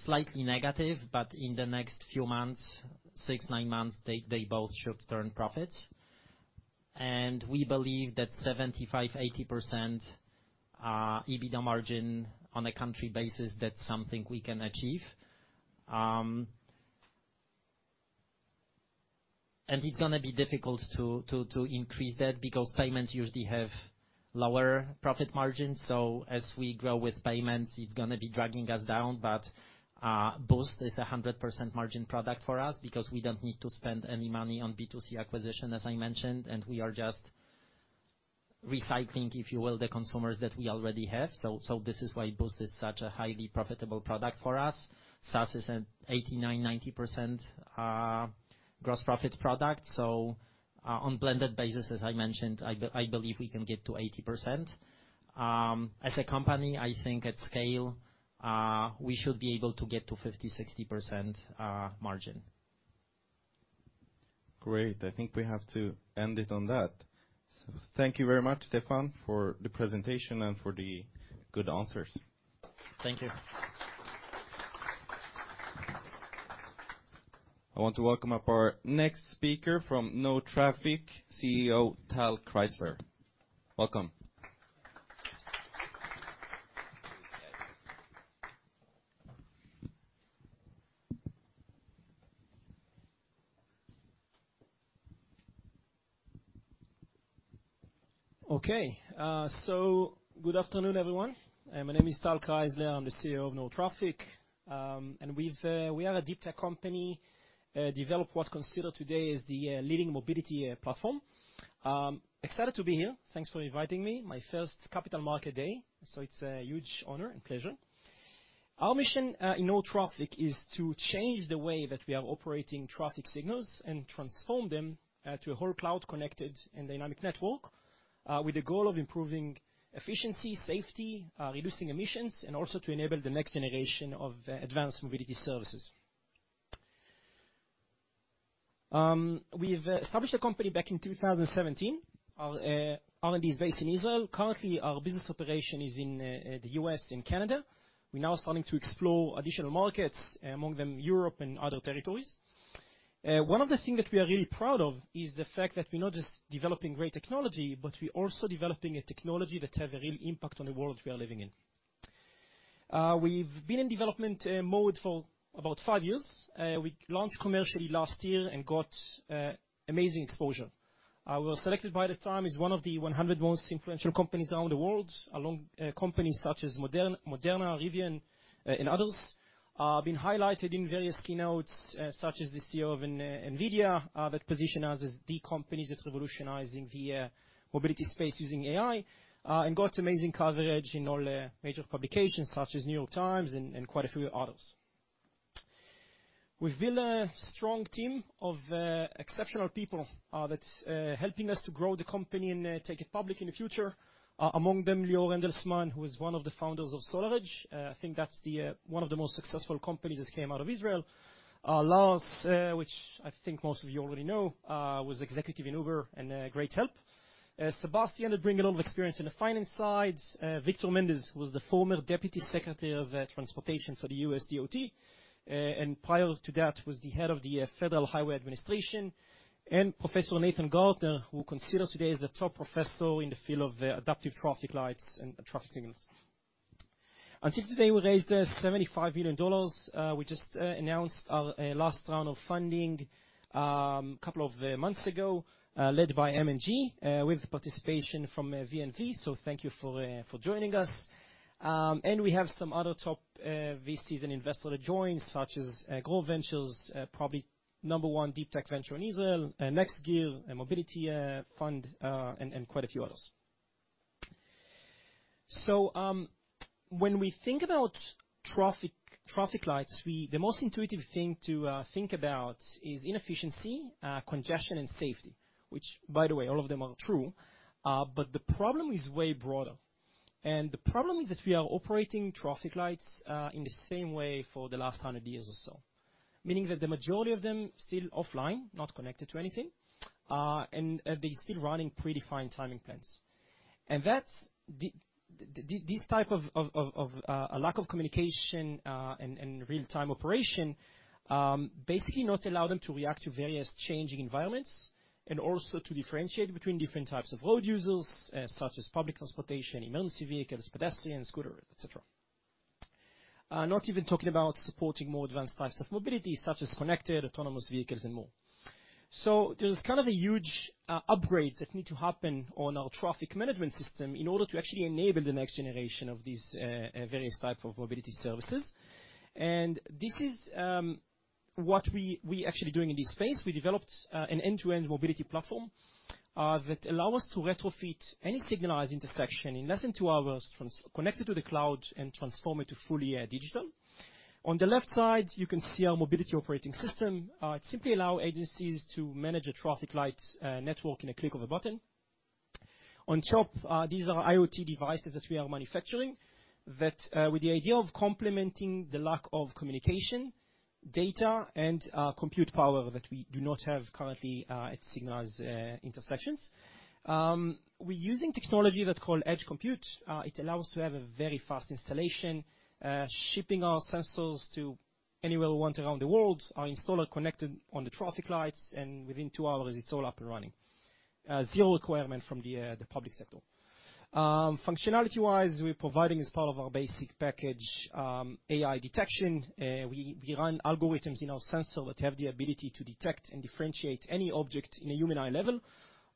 slightly negative, but in the next few months, 6, 9 months, they both should turn profits. And we believe that 75%-80% EBITDA margin on a country basis, that's something we can achieve. And it's gonna be difficult to increase that because payments usually have lower profit margins. So as we grow with payments, it's gonna be dragging us down. But Boost is a 100% margin product for us because we don't need to spend any money on B2C acquisition, as I mentioned, and we are just recycling, if you will, the consumers that we already have. So, this is why Boost is such a highly profitable product for us. SaaS is an 89-90% gross profit product, so, on blended basis, as I mentioned, I believe we can get to 80%. As a company, I think at scale, we should be able to get to 50-60% margin. Great. I think we have to end it on that. Thank you very much, Stefan, for the presentation and for the good answers. Thank you. I want to welcome up our next speaker from NoTraffic, CEO, Tal Kreisler. Welcome. Okay. So good afternoon, everyone. My name is Tal Kreisler. I'm the CEO of NoTraffic. And we've, we are a deep tech company, developed what's considered today as the leading mobility platform. Excited to be here. Thanks for inviting me. My first capital market day, so it's a huge honor and pleasure. Our mission in NoTraffic is to change the way that we are operating traffic signals and transform them to a whole cloud-connected and dynamic network with the goal of improving efficiency, safety, reducing emissions, and also to enable the next generation of advanced mobility services. We've established a company back in 2017. Our R&D is based in Israel. Currently, our business operation is in the US and Canada. We're now starting to explore additional markets, among them Europe and other territories. One of the things that we are really proud of is the fact that we're not just developing great technology, but we're also developing a technology that have a real impact on the world we are living in. We've been in development mode for about five years. We launched commercially last year and got amazing exposure. We were selected by TIME as one of the 100 most influential companies around the world, along companies such as Moderna, Rivian, and others. Been highlighted in various keynotes, such as the CEO of NVIDIA, that position us as the companies that's revolutionizing the mobility space using AI, and got amazing coverage in all major publications such as New York Times and quite a few others. We've built a strong team of exceptional people that's helping us to grow the company and take it public in the future. Among them, Lior Endelman, who is one of the founders of Storage. I think that's the one of the most successful companies that came out of Israel. Lars, which I think most of you already know, was executive in Uber and great help. Sebastian did bring a lot of experience in the finance side. Victor Mendez, who was the former Deputy Secretary of Transportation for the USDOT, and prior to that, was the head of the Federal Highway Administration, and Professor Nathan Gartner, who considered today as the top professor in the field of adaptive traffic lights and traffic signals. Until today, we raised $75 million. We just announced our last round of funding couple of months ago, led by M&G, with the participation from VNV. So thank you for joining us. And we have some other top VCs and investors to join, such as Grove Ventures, probably number one deep tech venture in Israel, Next Gear, a mobility fund, and quite a few others. So, when we think about traffic, traffic lights, the most intuitive thing to think about is inefficiency, congestion, and safety, which, by the way, all of them are true. But the problem is way broader. The problem is that we are operating traffic lights in the same way for the last 100 years or so. Meaning that the majority of them still offline, not connected to anything, and they still running predefined timing plans. That's this type of a lack of communication and real-time operation basically not allow them to react to various changing environments, and also to differentiate between different types of road users, such as public transportation, emergency vehicles, pedestrians, scooter, et cetera. Not even talking about supporting more advanced types of mobility, such as connected, autonomous vehicles and more. So there's kind of a huge upgrades that need to happen on our traffic management system in order to actually enable the next generation of these various type of mobility services. And this is what we actually doing in this space. We developed an end-to-end mobility platform that allow us to retrofit any signalized intersection in less than 2 hours, connect it to the cloud, and transform it to fully digital. On the left side, you can see our mobility operating system. It simply allow agencies to manage a traffic lights network in a click of a button. On top, these are IoT devices that we are manufacturing, with the idea of complementing the lack of communication, data, and compute power that we do not have currently at signalized intersections. We're using technology that's called Edge Compute. It allows to have a very fast installation, shipping our sensors to anywhere we want around the world. Our installer connected on the traffic lights, and within two hours, it's all up and running. Zero requirement from the public sector. Functionality-wise, we're providing as part of our basic package, AI detection. We run algorithms in our sensor that have the ability to detect and differentiate any object in a human eye level,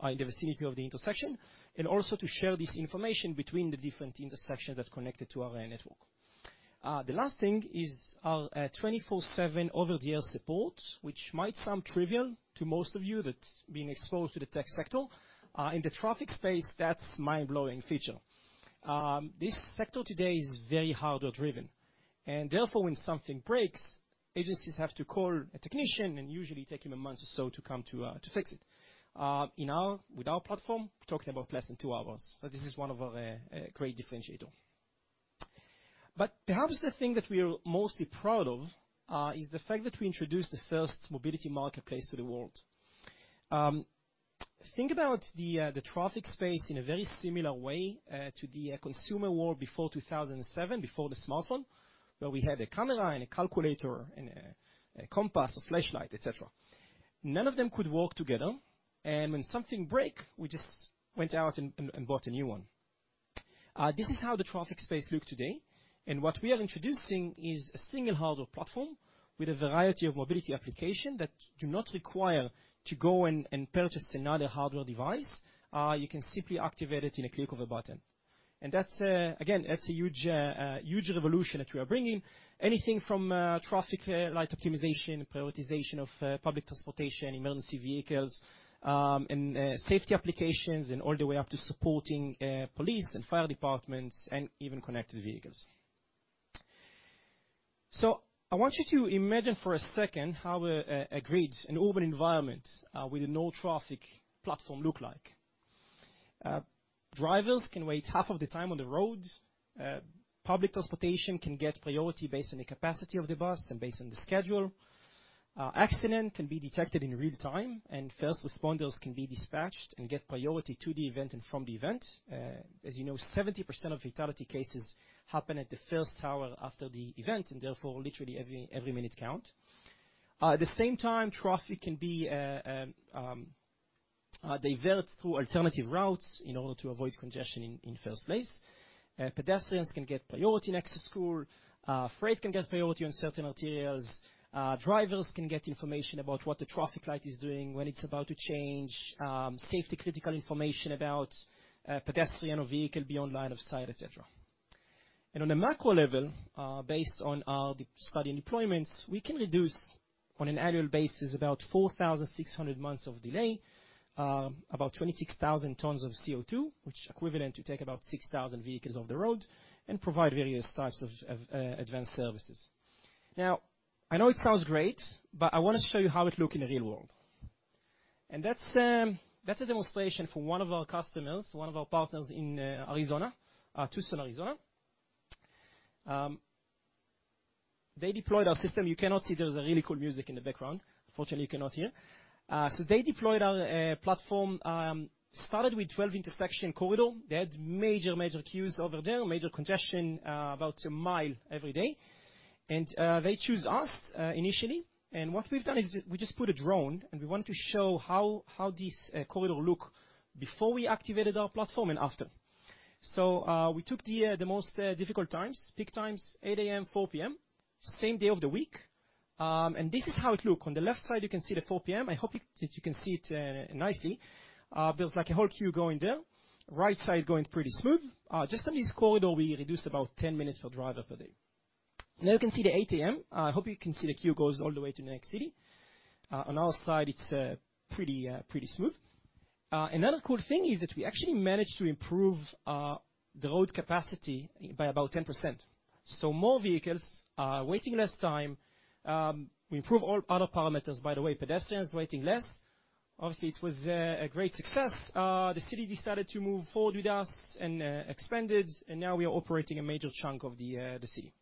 in the vicinity of the intersection, and also to share this information between the different intersections that's connected to our network. The last thing is our twenty-four seven over-the-air support, which might sound trivial to most of you that's been exposed to the tech sector. In the traffic space, that's mind-blowing feature. This sector today is very hardware-driven, and therefore, when something breaks, agencies have to call a technician, and usually take him a month or so to come to to fix it. With our platform, we're talking about less than two hours. So this is one of our great differentiator. But perhaps the thing that we are mostly proud of is the fact that we introduced the first mobility marketplace to the world. Think about the traffic space in a very similar way to the consumer world before 2007, before the smartphone, where we had a camera and a calculator and a compass, a flashlight, et cetera. None of them could work together, and when something break, we just went out and bought a new one. This is how the traffic space look today, and what we are introducing is a single hardware platform with a variety of mobility application that do not require to go and purchase another hardware device. You can simply activate it in a click of a button. And that's, again, that's a huge, huge revolution that we are bringing. Anything from traffic light optimization, prioritization of public transportation, emergency vehicles, and safety applications, and all the way up to supporting police and fire departments, and even connected vehicles. So I want you to imagine for a second, how a grid, an urban environment with a NoTraffic platform look like. Drivers can wait half of the time on the road. Public transportation can get priority based on the capacity of the bus and based on the schedule. Accident can be detected in real time, and first responders can be dispatched and get priority to the event and from the event. As you know, 70% of fatality cases happen at the first hour after the event, and therefore, literally, every minute count. At the same time, traffic can be divert through alternative routes in order to avoid congestion in first place. Pedestrians can get priority access to school. Freight can get priority on certain arterials. Drivers can get information about what the traffic light is doing, when it's about to change, safety-critical information about pedestrian or vehicle beyond line of sight, et cetera. And on a macro level, based on our study and deployments, we can reduce, on an annual basis, about 4,600 months of delay, about 26,000 tons of CO₂, which equivalent to take about 6,000 vehicles off the road, and provide various types of advanced services. Now, I know it sounds great, but I want to show you how it look in the real world. That's a demonstration from one of our customers, one of our partners in Arizona, Tucson, Arizona. They deployed our system. You cannot see there's a really cool music in the background. Unfortunately, you cannot hear. So they deployed our platform, started with 12 intersection corridor. They had major, major queues over there, major congestion, about a mile every day.... They choose us initially. And what we've done is we just put a drone, and we want to show how this corridor look before we activated our platform and after. We took the most difficult times, peak times, 8 A.M., 4 P.M., same day of the week. And this is how it look. On the left side, you can see the 4 P.M. I hope that you can see it nicely. There's, like, a whole queue going there. Right side, going pretty smooth. Just on this corridor, we reduced about 10 minutes for driver per day. Now you can see the 8 A.M. I hope you can see the queue goes all the way to the next city. On our side, it's pretty smooth. Another cool thing is that we actually managed to improve the road capacity by about 10%. So more vehicles are waiting less time. We improve all other parameters, by the way, pedestrians waiting less. Obviously, it was a great success. The city decided to move forward with us and expanded, and now we are operating a major chunk of the city.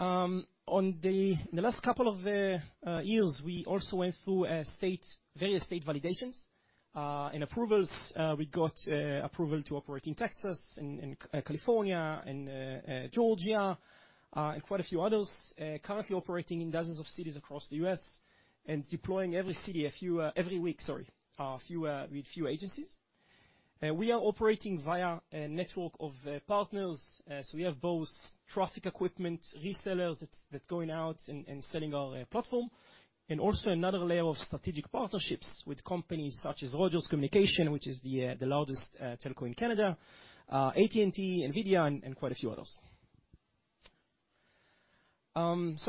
On the last couple of years, we also went through various state validations and approvals. We got approval to operate in Texas, California, Georgia, and quite a few others. Currently operating in dozens of cities across the U.S., and deploying every week a few with few agencies. We are operating via a network of partners. We have both traffic equipment resellers that's going out and selling our platform, and also another layer of strategic partnerships with companies such as Rogers Communications, which is the largest telco in Canada, AT&T, NVIDIA, and quite a few others.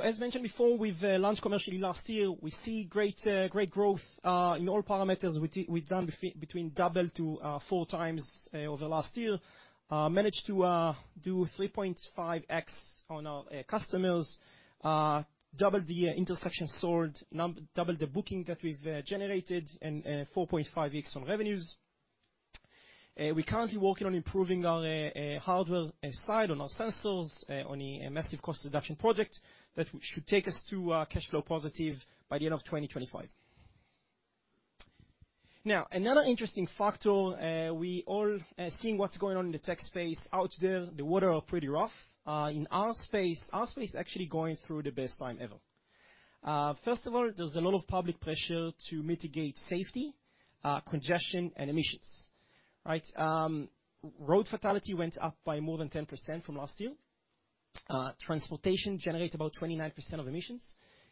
As mentioned before, we've launched commercially last year. We see great, great growth in all parameters. We've done between double to four times over the last year. Managed to do 3.5x on our customers. Double the intersection sold. Double the booking that we've generated, and 4.5x on revenues. We're currently working on improving our hardware side, on our sensors, on a massive cost reduction project that should take us to cash flow positive by the end of 2025. Now, another interesting factor, we're all seeing what's going on in the tech space out there, the waters are pretty rough. In our space, our space is actually going through the best time ever. First of all, there's a lot of public pressure to mitigate safety, congestion, and emissions. Right? Road fatality went up by more than 10% from last year. Transportation generate about 29% of emissions,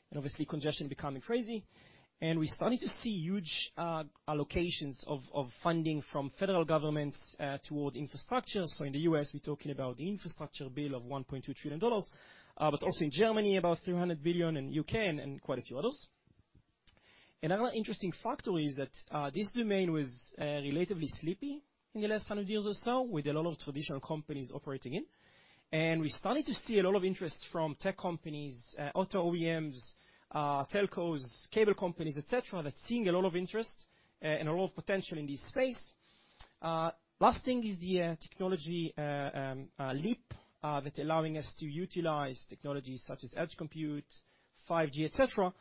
and obviously, congestion becoming crazy. We're starting to see huge allocations of funding from federal governments toward infrastructure. So in the U.S., we're talking about the infrastructure bill of $1.2 trillion, but also in Germany, about 300 billion, in UK, and quite a few others. Another interesting factor is that this domain was relatively sleepy in the last 100 years or so, with a lot of traditional companies operating in. We're starting to see a lot of interest from tech companies, auto OEMs, telcos, cable companies, et cetera. That's seeing a lot of interest and a lot of potential in this space. Last thing is the technology leap that allowing us to utilize technologies such as Edge Compute, 5G, et cetera,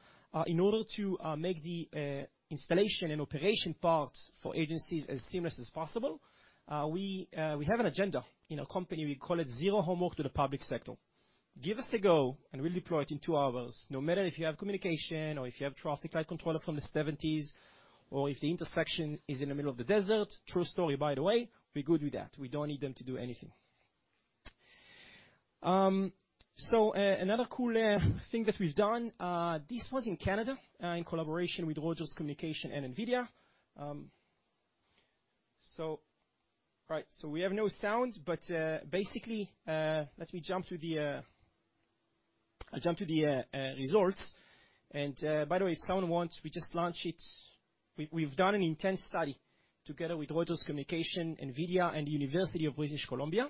in order to make the installation and operation parts for agencies as seamless as possible. We have an agenda in our company. We call it Zero Homework to the Public Sector. Give us the go, and we'll deploy it in two hours, no matter if you have communication or if you have traffic light controller from the seventies, or if the intersection is in the middle of the desert. True story, by the way. We're good with that. We don't need them to do anything. Another cool thing that we've done, this was in Canada, in collaboration with Rogers Communication and NVIDIA. We have no sound, but basically, let me jump to the results. By the way, if someone wants, we just launched it. We've done an intense study together with Rogers Communication, NVIDIA, and the University of British Columbia.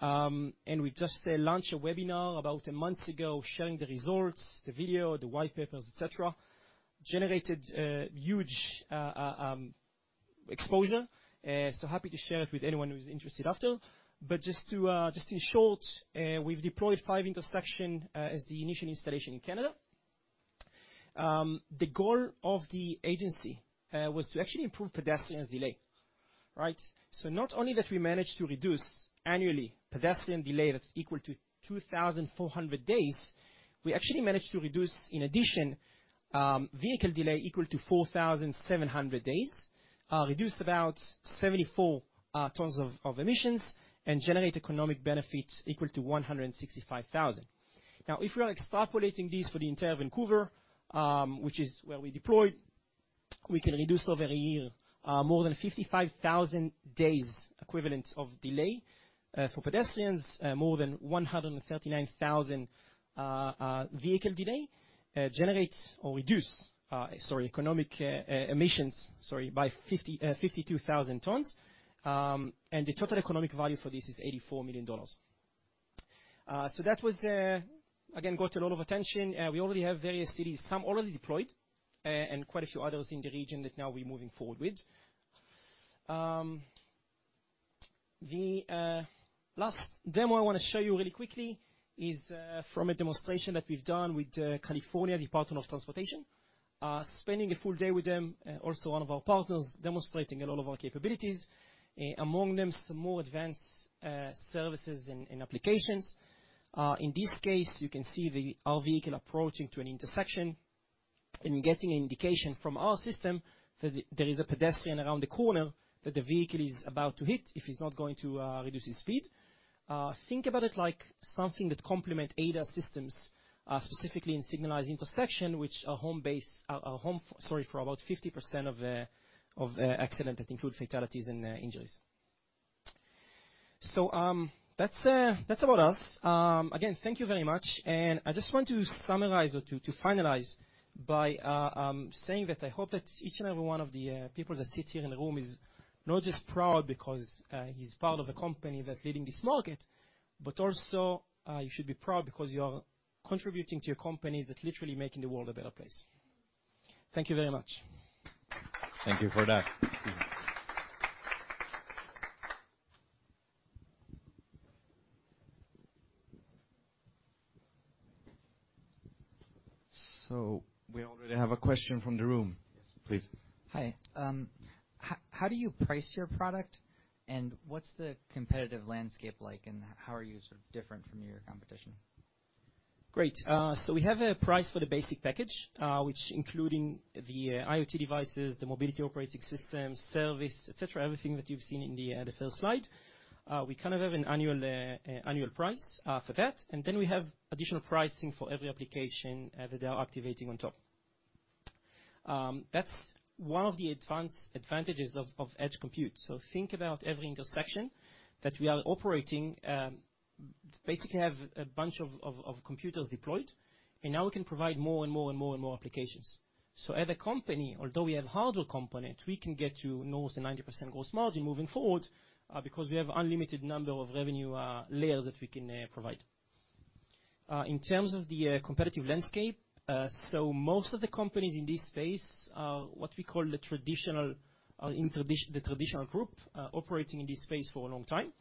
And we just launched a webinar about a month ago, sharing the results, the video, the white papers, et cetera. Generated huge exposure. Happy to share it with anyone who's interested after. But just in short, we've deployed five intersections as the initial installation in Canada. The goal of the agency was to actually improve pedestrians' delay, right? So not only that we managed to reduce annually pedestrian delay, that's equal to 2,400 days, we actually managed to reduce, in addition, vehicle delay equal to 4,700 days, reduce about 74 tons of emissions, and generate economic benefits equal to $165,000. Now, if we are extrapolating this for the entire Vancouver, which is where we deployed, we can reduce over a year, more than 55,000 days equivalent of delay for pedestrians, more than 139,000 vehicle delay. Generates or reduce, sorry, economic emissions, sorry, by 52,000 tons. And the total economic value for this is $84 million. So that was the, again, got a lot of attention. We already have various cities, some already deployed, and quite a few others in the region that now we're moving forward with. The last demo I want to show you really quickly is from a demonstration that we've done with California Department of Transportation, spending a full day with them, and also one of our partners, demonstrating a lot of our capabilities, among them, some more advanced services and applications. In this case, you can see our vehicle approaching to an intersection and getting an indication from our system that there is a pedestrian around the corner that the vehicle is about to hit if he's not going to reduce his speed. Think about it like something that complement ADAS systems, specifically in signalized intersection, which are home to about 50% of accident that include fatalities and injuries. So, that's about us. Again, thank you very much, and I just want to summarize or to finalize by saying that I hope that each and every one of the people that sit here in the room is not just proud because he's part of a company that's leading this market, but also you should be proud because you are contributing to your companies that literally making the world a better place. Thank you very much. Thank you for that. So we already have a question from the room. Please. Hi. How, how do you price your product, and what's the competitive landscape like, and how are you sort of different from your competition? Great. So we have a price for the basic package, which including the IoT devices, the mobility operating system, service, et cetera, everything that you've seen in the first slide. We kind of have an annual annual price for that, and then we have additional pricing for every application that they are activating on top. That's one of the advanced advantages of Edge Compute. So think about every intersection that we are operating, basically have a bunch of computers deployed, and now we can provide more and more and more and more applications. So as a company, although we have hardware component, we can get to almost a 90% gross margin moving forward, because we have unlimited number of revenue layers that we can provide. In terms of the competitive landscape, so most of the companies in this space are what we call the traditional, the traditional group, operating in this space for a long time.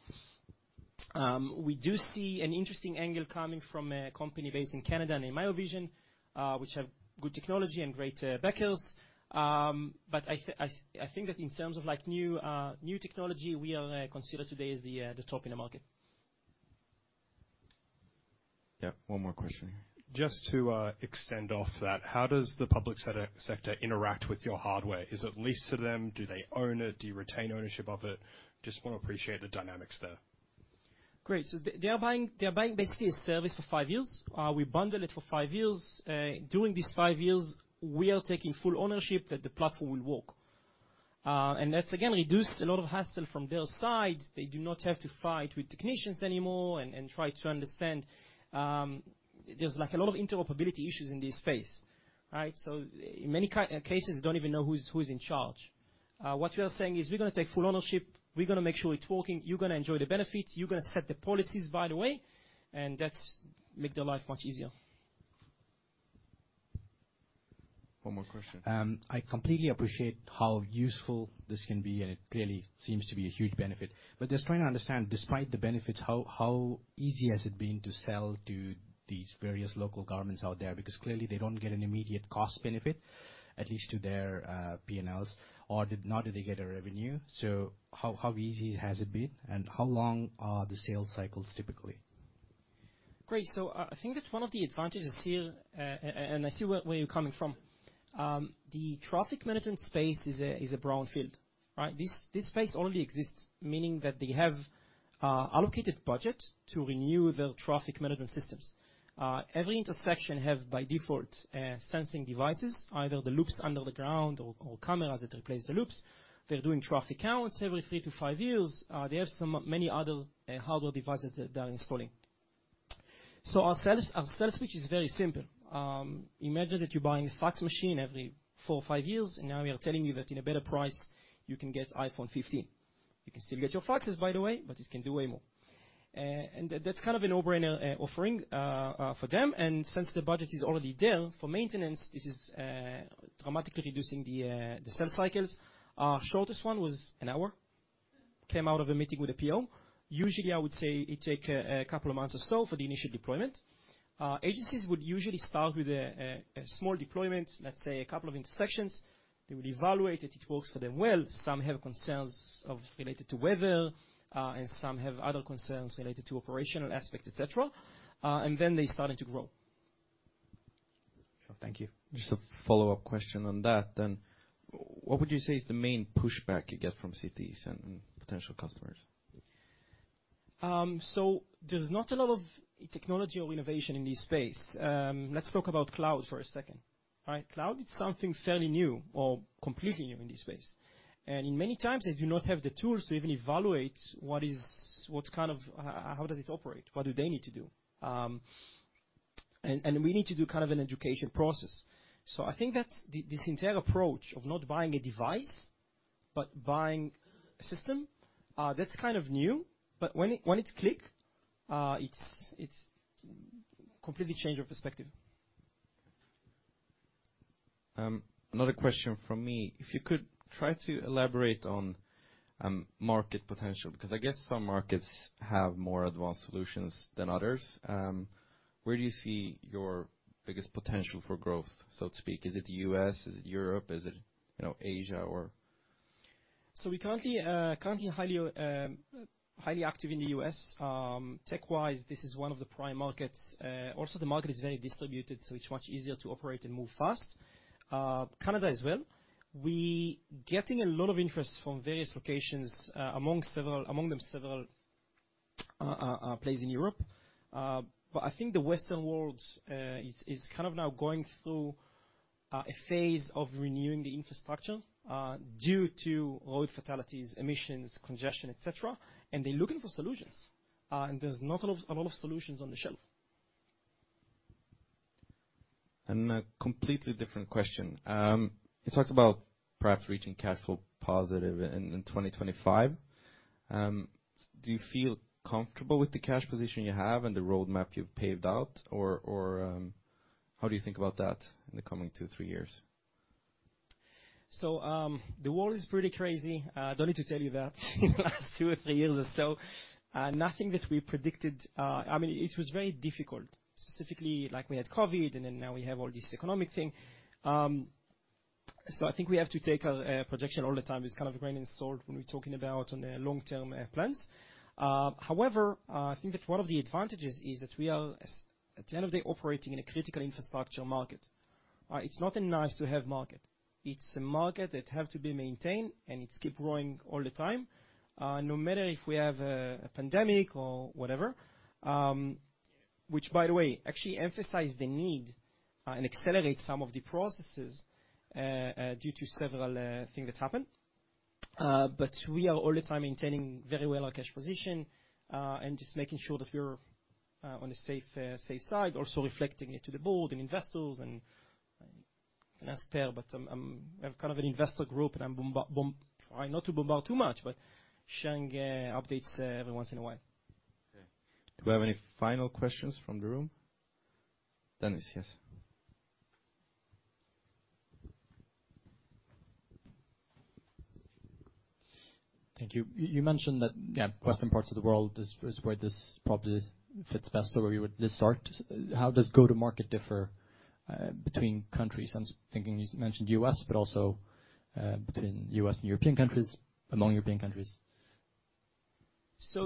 We do see an interesting angle coming from a company based in Canada, named Miovision, which have good technology and great backers. But I think that in terms of, like, new new technology, we are considered today as the the top in the market. Yeah, one more question. Just to extend off that, how does the public sector interact with your hardware? Is it leased to them? Do they own it? Do you retain ownership of it? Just want to appreciate the dynamics there. Great. So they are buying basically a service for five years. We bundle it for five years. During these five years, we are taking full ownership that the platform will work. And that's, again, reduce a lot of hassle from their side. They do not have to fight with technicians anymore and try to understand, there's, like, a lot of interoperability issues in this space, right? So in many cases, they don't even know who's in charge. What we are saying is we're gonna take full ownership, we're gonna make sure it's working, you're gonna enjoy the benefits, you're gonna set the policies, by the way, and that's make their life much easier. One more question. I completely appreciate how useful this can be, and it clearly seems to be a huge benefit. But just trying to understand, despite the benefits, how, how easy has it been to sell to these various local governments out there? Because clearly, they don't get an immediate cost benefit, at least to their PNLs, or nor do they get a revenue. So how, how easy has it been, and how long are the sales cycles typically? Great. So I think that one of the advantages here, and I see where you're coming from. The traffic management space is a brown field, right? This space already exists, meaning that they have allocated budget to renew their traffic management systems. Every intersection have, by default, sensing devices, either the loops under the ground or cameras that replace the loops. They're doing traffic counts every 3-5 years. There are some many other hardware devices that they are installing. So our sales pitch is very simple. Imagine that you're buying a fax machine every four or five years, and now we are telling you that in a better price, you can get iPhone 15. You can still get your faxes, by the way, but it can do way more. That's kind of a no-brainer offering for them. Since the budget is already there for maintenance, this is dramatically reducing the sales cycles. Our shortest one was 1 hour, came out of a meeting with a PO. Usually, I would say it takes a couple of months or so for the initial deployment. Agencies would usually start with a small deployment, let's say a couple of intersections. They would evaluate it. It works for them well. Some have concerns related to weather, and some have other concerns related to operational aspect, et cetera, and then they started to grow. Sure. Thank you. Just a follow-up question on that then. What would you say is the main pushback you get from cities and potential customers? So there's not a lot of technology or innovation in this space. Let's talk about cloud for a second, right? Cloud is something fairly new or completely new in this space, and in many times, they do not have the tools to even evaluate what is... What kind of, how does it operate? What do they need to do? And we need to do kind of an education process. So I think that the, this entire approach of not buying a device, but buying a system, that's kind of new, but when it, when it's click, it's completely change of perspective. Another question from me. If you could try to elaborate on market potential, because I guess some markets have more advanced solutions than others. Where do you see your biggest potential for growth, so to speak? Is it the U.S.? Is it Europe? Is it, you know, Asia or? We currently, currently highly, highly active in the U.S. Tech-wise, this is one of the prime markets. Also, the market is very distributed, so it's much easier to operate and move fast. Canada as well. We getting a lot of interest from various locations, among several, among them, several places in Europe. I think the Western world is kind of now going through a phase of renewing the infrastructure due to road fatalities, emissions, congestion, et cetera, and they're looking for solutions, and there's not a lot, a lot of solutions on the shelf. A completely different question. You talked about perhaps reaching cash flow positive in 2025. Do you feel comfortable with the cash position you have and the roadmap you've paved out, or how do you think about that in the coming 2-3 years? So, the world is pretty crazy. Don't need to tell you that. In the last two or three years or so, nothing that we predicted... I mean, it was very difficult. Specifically, like, we had COVID, and then now we have all this economic thing. So I think we have to take a projection all the time. It's kind of a grain of salt when we're talking about on a long-term plans. However, I think that one of the advantages is that we are, as at the end of the day, operating in a critical infrastructure market. It's not a nice to have market. It's a market that have to be maintained, and it keep growing all the time, no matter if we have a pandemic or whatever. Which, by the way, actually emphasize the need and accelerate some of the processes due to several things that happened. But we are all the time maintaining very well our cash position and just making sure that we're on a safe, safe side, also reflecting it to the board and investors and you can ask Per, but I'm, I'm kind of an investor group, and I'm bomb-bomb, trying not to bomb out too much, but sharing updates every once in a while. Okay. Do we have any final questions from the room? Dennis, yes. Thank you. You mentioned that, yeah, western parts of the world is where this probably fits best, or where you would just start. How does go-to-market differ between countries? I'm thinking you mentioned U.S., but also between U.S. and European countries, among European countries.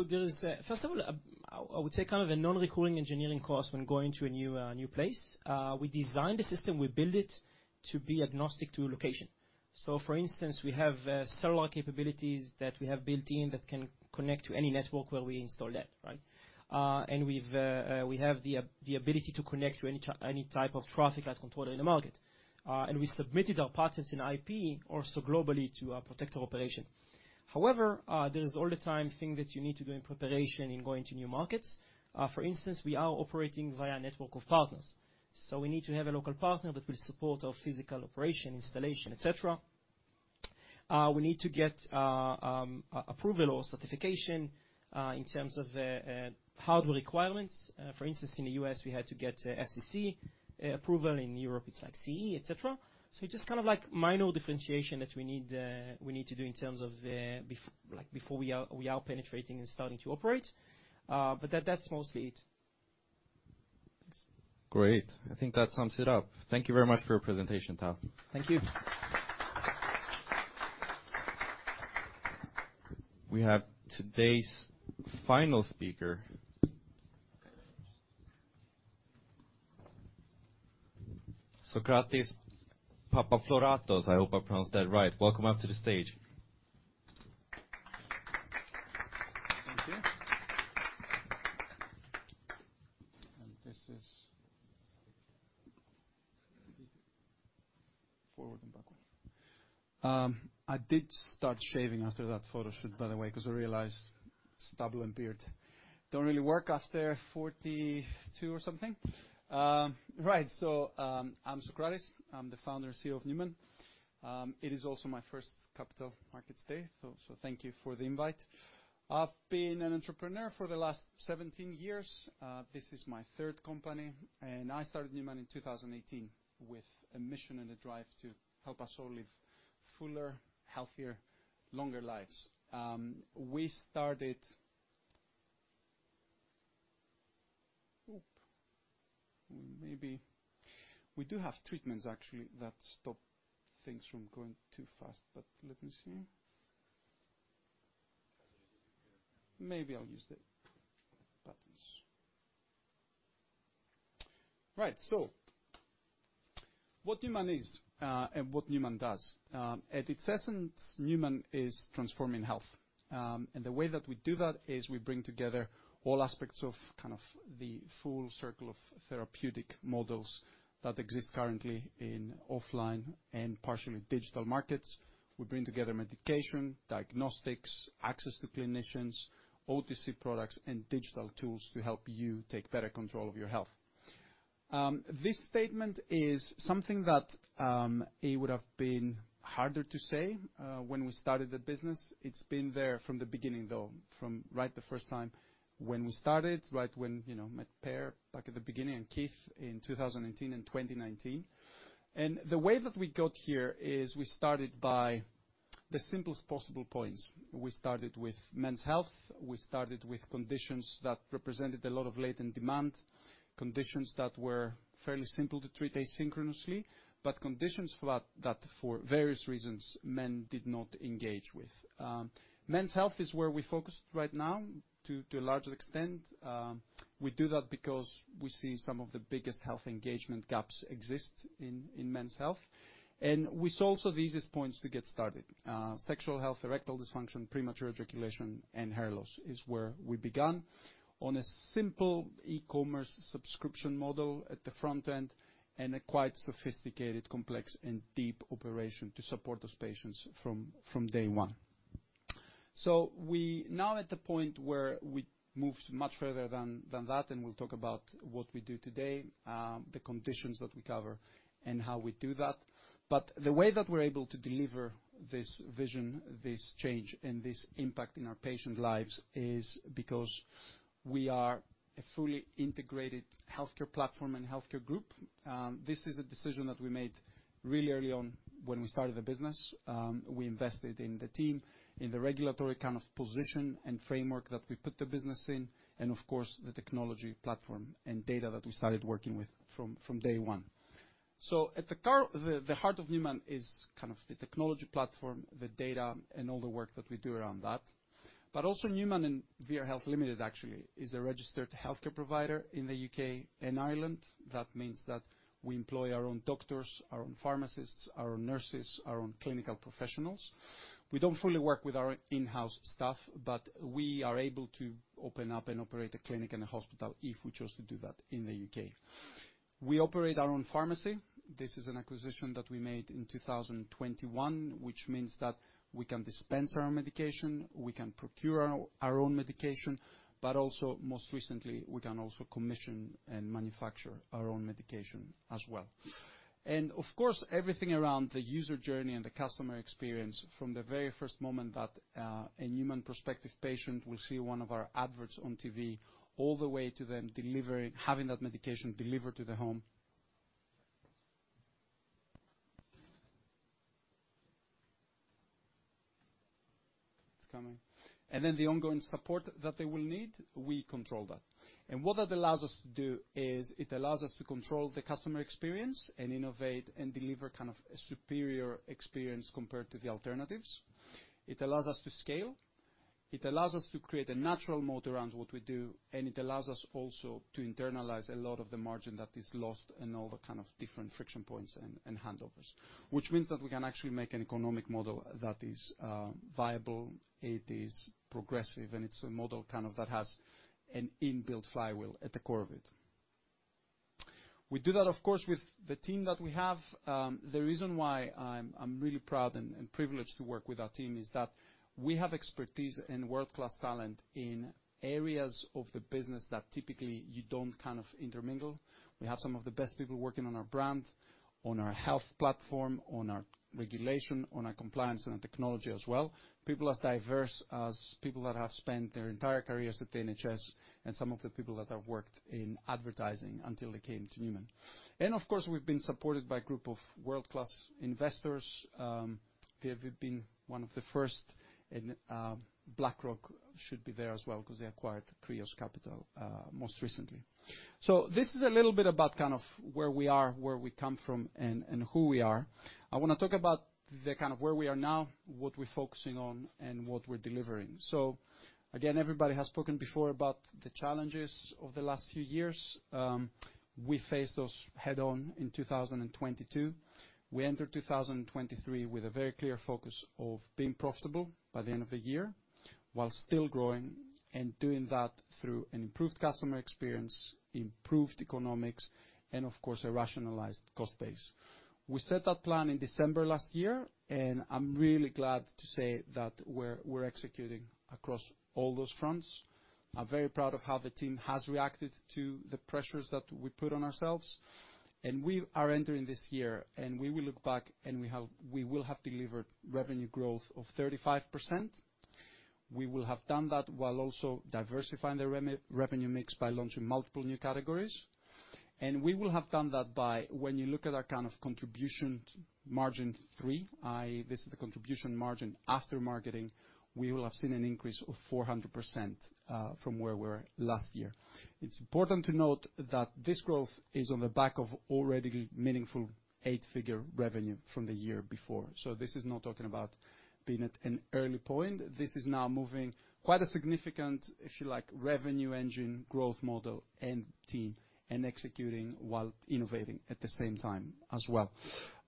There is a... First of all, I would say kind of a non-recurring engineering cost when going to a new, new place. We design the system, we build it to be agnostic to location. For instance, we have cellular capabilities that we have built in that can connect to any network where we install that, right? We've, we have the ability to connect to any type of traffic light controller in the market. We submitted our patents in IP, also globally, to protect our operation. However, there is all the time thing that you need to do in preparation in going to new markets. For instance, we are operating via a network of partners, so we need to have a local partner that will support our physical operation, installation, et cetera. We need to get approval or certification in terms of the hardware requirements. For instance, in the U.S., we had to get FCC approval. In Europe, it's like CE, et cetera. So just kind of like minor differentiation that we need we need to do in terms of, like, before we are we are penetrating and starting to operate, but that's mostly it. Great. I think that sums it up. Thank you very much for your presentation, Tal. Thank you. We have today's final speaker, Socratis Papafloratos. I hope I pronounced that right. Welcome up to the stage. Thank you. This is forward and backward. I did start shaving after that photo shoot, by the way, 'cause I realized stubble and beard don't really work after 42 or something. Right, so, I'm Socratis. I'm the founder and CEO of Numan. It is also my first Capital Markets Day, so thank you for the invite. I've been an entrepreneur for the last 17 years. This is my third company, and I started Numan in 2018 with a mission and a drive to help us all live fuller, healthier, longer lives. We started. Maybe. We do have treatments actually that stop things from going too fast, but let me see. Maybe I'll use the buttons. Right. So what Numan is, and what Numan does? At its essence, Numan is transforming health. And the way that we do that is we bring together all aspects of kind of the full circle of therapeutic models that exist currently in offline and partially digital markets. We bring together medication, diagnostics, access to clinicians, OTC products, and digital tools to help you take better control of your health. This statement is something that it would have been harder to say when we started the business. It's been there from the beginning, though, from right the first time when we started, right when, you know, met Per back at the beginning, and Keith in 2018 and 2019. And the way that we got here is we started with men's health. We started with conditions that represented a lot of latent demand, conditions that were fairly simple to treat asynchronously, but conditions that for various reasons men did not engage with. Men's health is where we're focused right now to a large extent. We do that because we see some of the biggest health engagement gaps exist in men's health, and we saw also the easiest points to get started. Sexual health, erectile dysfunction, premature ejaculation, and hair loss is where we began on a simple e-commerce subscription model at the front end, and a quite sophisticated, complex, and deep operation to support those patients from day one. So we now at the point where we moved much further than that, and we'll talk about what we do today, the conditions that we cover and how we do that. But the way that we're able to deliver this vision, this change, and this impact in our patient lives is because we are a fully integrated healthcare platform and healthcare group. This is a decision that we made really early on when we started the business. We invested in the team, in the regulatory kind of position and framework that we put the business in, and of course, the technology platform and data that we started working with from day one. So at the core. The heart of Numan is kind of the technology platform, the data, and all the work that we do around that. But also Numan and Via Health Limited, actually, is a registered healthcare provider in the UK and Ireland. That means that we employ our own doctors, our own pharmacists, our own nurses, our own clinical professionals. We don't fully work with our in-house staff, but we are able to open up and operate a clinic and a hospital if we chose to do that in the UK. We operate our own pharmacy. This is an acquisition that we made in 2021, which means that we can dispense our own medication, we can procure our own medication, but also, most recently, we can also commission and manufacture our own medication as well. And of course, everything around the user journey and the customer experience from the very first moment that a Numan prospective patient will see one of our adverts on TV all the way to them delivering, having that medication delivered to their home. It's coming. And then the ongoing support that they will need, we control that. What that allows us to do is, it allows us to control the customer experience and innovate and deliver kind of a superior experience compared to the alternatives. It allows us to scale, it allows us to create a natural moat around what we do, and it allows us also to internalize a lot of the margin that is lost in all the kind of different friction points and, and handovers. Which means that we can actually make an economic model that is viable, it is progressive, and it's a model kind of that has an inbuilt flywheel at the core of it. We do that, of course, with the team that we have. The reason why I'm really proud and privileged to work with our team is that we have expertise and world-class talent in areas of the business that typically you don't kind of intermingle. We have some of the best people working on our brand, on our health platform, on our regulation, on our compliance, and on technology as well. People as diverse as people that have spent their entire careers at the NHS and some of the people that have worked in advertising until they came to Numan. And of course, we've been supported by a group of world-class investors, we have been one of the first, and BlackRock should be there as well, because they acquired Kreos Capital most recently. So this is a little bit about kind of where we are, where we come from, and who we are. I want to talk about the kind of where we are now, what we're focusing on, and what we're delivering. So again, everybody has spoken before about the challenges of the last few years. We faced those head-on in 2022. We entered 2023 with a very clear focus of being profitable by the end of the year, while still growing, and doing that through an improved customer experience, improved economics, and of course, a rationalized cost base. We set that plan in December last year, and I'm really glad to say that we're, we're executing across all those fronts. I'm very proud of how the team has reacted to the pressures that we put on ourselves. We are entering this year, and we will look back and we have... We will have delivered revenue growth of 35%. We will have done that while also diversifying the revenue mix by launching multiple new categories. We will have done that by, when you look at our kind of contribution margin three, i.e., this is the contribution margin after marketing, we will have seen an increase of 400%, from where we were last year. It's important to note that this growth is on the back of already meaningful 8-figure revenue from the year before. So this is not talking about being at an early point. This is now moving quite a significant, if you like, revenue engine, growth model, and team, and executing while innovating at the same time as well.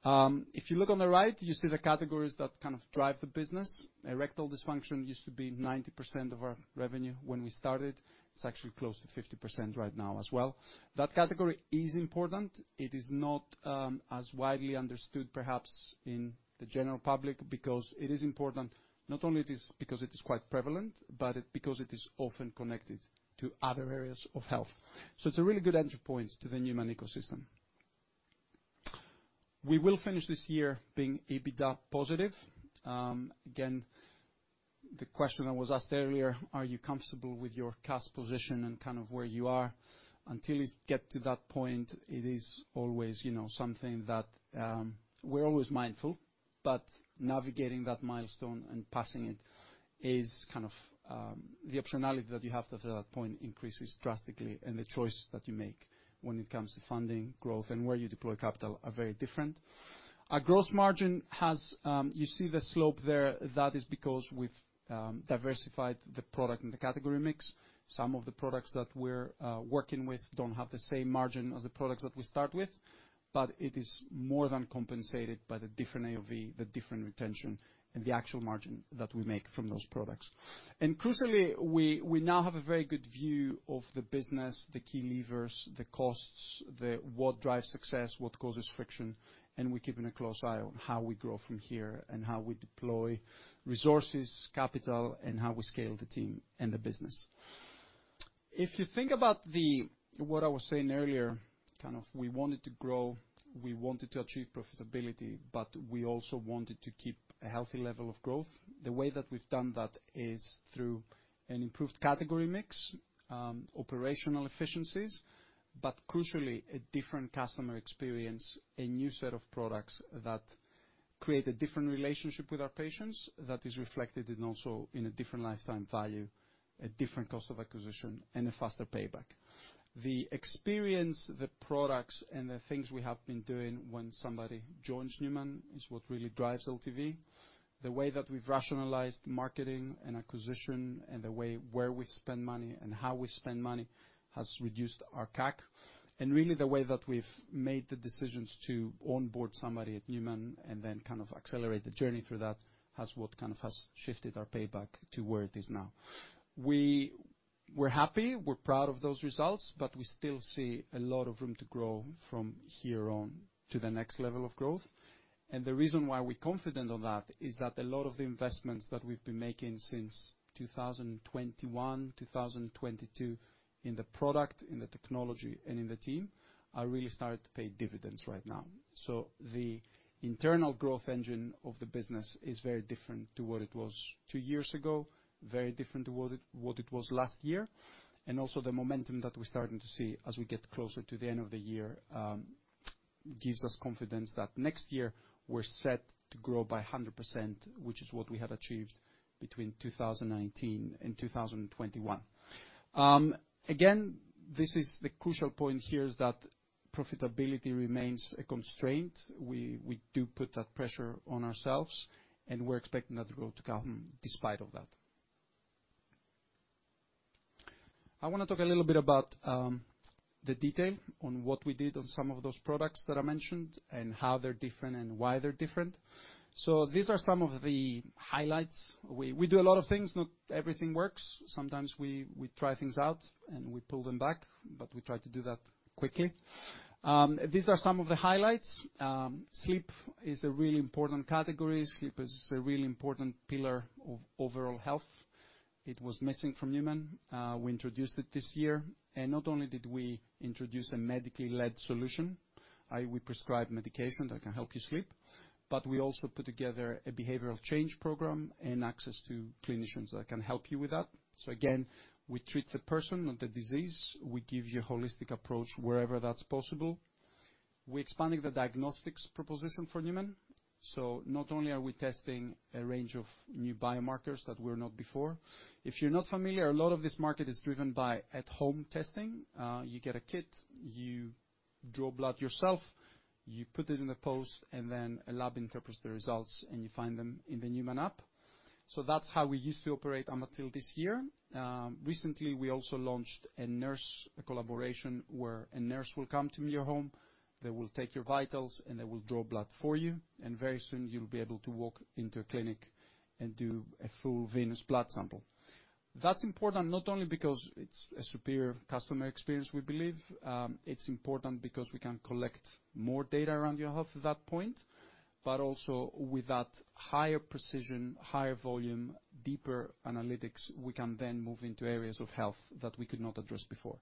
If you look on the right, you see the categories that kind of drive the business. Erectile dysfunction used to be 90% of our revenue when we started. It's actually close to 50% right now as well. That category is important. It is not as widely understood, perhaps, in the general public, because it is important, not only it is because it is quite prevalent, but because it is often connected to other areas of health. So it's a really good entry point to the Numan ecosystem. We will finish this year being EBITDA positive. Again, the question that was asked earlier, are you comfortable with your cash position and kind of where you are? Until you get to that point, it is always, you know, something that we're always mindful, but navigating that milestone and passing it is kind of the optionality that you have after that point increases drastically, and the choice that you make when it comes to funding growth and where you deploy capital are very different. Our gross margin has. You see the slope there, that is because we've diversified the product and the category mix. Some of the products that we're working with don't have the same margin as the products that we start with, but it is more than compensated by the different AOV, the different retention, and the actual margin that we make from those products. And crucially, we now have a very good view of the business, the key levers, the costs, what drives success, what causes friction, and we're keeping a close eye on how we grow from here and how we deploy resources, capital, and how we scale the team and the business. If you think about what I was saying earlier, kind of, we wanted to grow, we wanted to achieve profitability, but we also wanted to keep a healthy level of growth. The way that we've done that is through an improved category mix, operational efficiencies, but crucially, a different customer experience, a new set of products that create a different relationship with our patients. That is reflected in also in a different lifetime value, a different cost of acquisition, and a faster payback. The experience, the products, and the things we have been doing when somebody joins Numan, is what really drives LTV. The way that we've rationalized marketing and acquisition, and the way where we spend money and how we spend money, has reduced our CAC. And really, the way that we've made the decisions to onboard somebody at Numan and then kind of accelerate the journey through that, has shifted our payback to where it is now. We're happy, we're proud of those results, but we still see a lot of room to grow from here on to the next level of growth. The reason why we're confident on that is that a lot of the investments that we've been making since 2021, 2022, in the product, in the technology, and in the team, are really starting to pay dividends right now. So the internal growth engine of the business is very different to what it was two years ago, very different to what it was last year. Also the momentum that we're starting to see as we get closer to the end of the year gives us confidence that next year we're set to grow by 100%, which is what we had achieved between 2019 and 2021. Again, this is the crucial point here, is that profitability remains a constraint. We do put that pressure on ourselves, and we're expecting that growth to come despite of that. I wanna talk a little bit about the detail on what we did on some of those products that I mentioned, and how they're different and why they're different. So these are some of the highlights. We do a lot of things, not everything works. Sometimes we try things out, and we pull them back, but we try to do that quickly. These are some of the highlights. Sleep is a really important category. Sleep is a really important pillar of overall health. It was missing from Numan. We introduced it this year, and not only did we introduce a medically-led solution, i.e. We prescribe medication that can help you sleep, but we also put together a behavioral change program and access to clinicians that can help you with that. So again, we treat the person, not the disease. We give you a holistic approach wherever that's possible. We're expanding the diagnostics proposition for Numan, so not only are we testing a range of new biomarkers that were not before... If you're not familiar, a lot of this market is driven by at-home testing. You get a kit, you draw blood yourself, you put it in the post, and then a lab interprets the results, and you find them in the Numan app. So that's how we used to operate up until this year. Recently, we also launched a nurse, a collaboration, where a nurse will come to your home, they will take your vitals, and they will draw blood for you. Very soon, you'll be able to walk into a clinic and do a full venous blood sample. That's important, not only because it's a superior customer experience, we believe, it's important because we can collect more data around your health at that point, but also with that higher precision, higher volume, deeper analytics, we can then move into areas of health that we could not address before.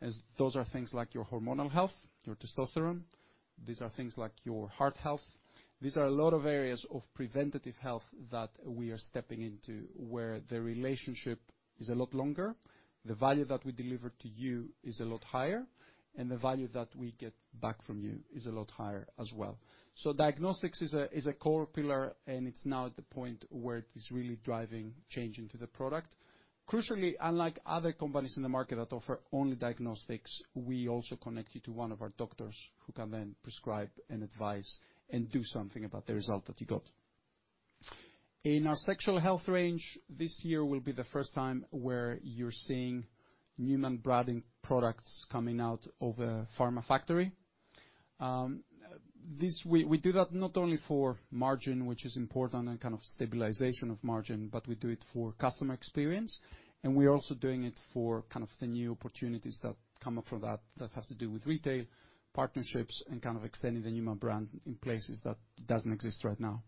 As those are things like your hormonal health, your testosterone, these are things like your heart health. These are a lot of areas of preventative health that we are stepping into, where the relationship is a lot longer, the value that we deliver to you is a lot higher, and the value that we get back from you is a lot higher as well. So diagnostics is a core pillar, and it's now at the point where it is really driving change into the product. Crucially, unlike other companies in the market that offer only diagnostics, we also connect you to one of our doctors, who can then prescribe and advise and do something about the result that you got. In our sexual health range, this year will be the first time where you're seeing Numan branding products coming out of a pharma factory. This... We do that not only for margin, which is important, and kind of stabilization of margin, but we do it for customer experience, and we are also doing it for kind of the new opportunities that come up from that, that has to do with retail, partnerships, and kind of extending the Numan brand in places that doesn't exist right now.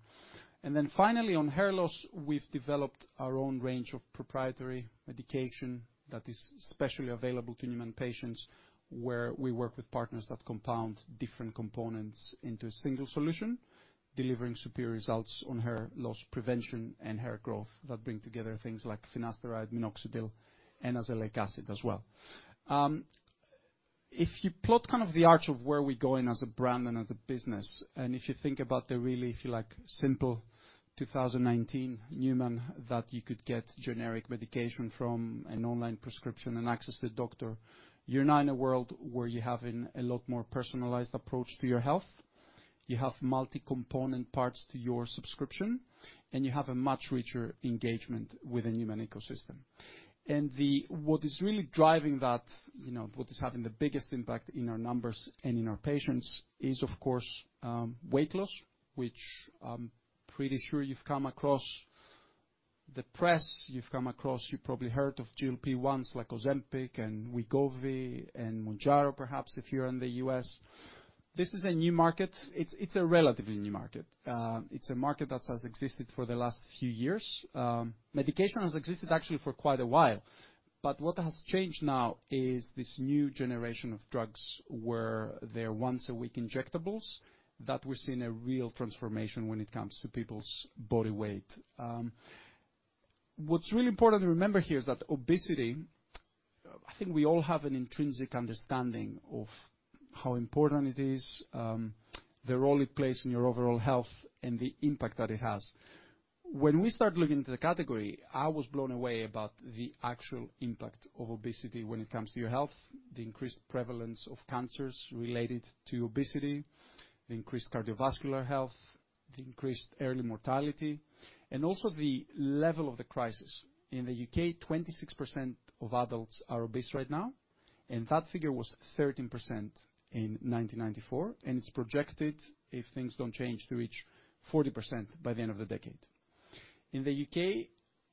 And then finally, on hair loss, we've developed our own range of proprietary medication that is specially available to Numan patients, where we work with partners that compound different components into a single solution, delivering superior results on hair loss prevention and hair growth that bring together things like finasteride, minoxidil, and azelaic acid as well. If you plot kind of the arch of where we're going as a brand and as a business, and if you think about the really, if you like, simple 2019 Numan, that you could get generic medication from an online prescription and access to a doctor. You're now in a world where you have in a lot more personalized approach to your health, you have multi-component parts to your subscription, and you have a much richer engagement with the Numan ecosystem. And what is really driving that, you know, what is having the biggest impact in our numbers and in our patients is, of course, weight loss, which, pretty sure you've come across the press, you've come across... You probably heard of GLP-1s like Ozempic and Wegovy and Mounjaro, perhaps if you're in the US. This is a new market. It's a relatively new market. It's a market that has existed for the last few years. Medication has existed actually for quite a while, but what has changed now is this new generation of drugs, where they're once-a-week injectables, that we're seeing a real transformation when it comes to people's body weight. What's really important to remember here is that obesity, I think we all have an intrinsic understanding of how important it is, the role it plays in your overall health, and the impact that it has. When we start looking into the category, I was blown away about the actual impact of obesity when it comes to your health, the increased prevalence of cancers related to obesity, the increased cardiovascular health, the increased early mortality, and also the level of the crisis. In the U.K., 26% of adults are obese right now, and that figure was 13% in 1994, and it's projected, if things don't change, to reach 40% by the end of the decade. In the UK,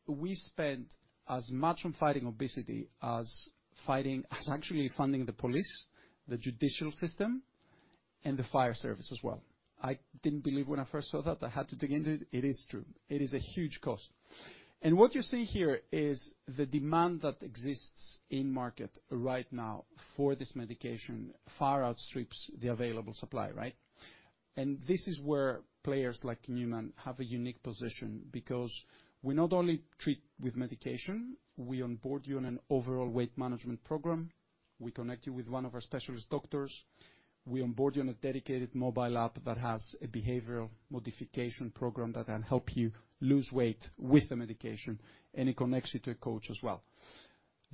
we spend as much on fighting obesity as actually funding the police, the judicial system, and the fire service as well. I didn't believe when I first saw that. I had to dig into it. It is true. It is a huge cost. And what you see here is the demand that exists in market right now for this medication far outstrips the available supply, right? This is where players like Numan have a unique position because we not only treat with medication, we onboard you on an overall weight management program, we connect you with one of our specialist doctors, we onboard you on a dedicated mobile app that has a behavioral modification program that can help you lose weight with the medication, and it connects you to a coach as well.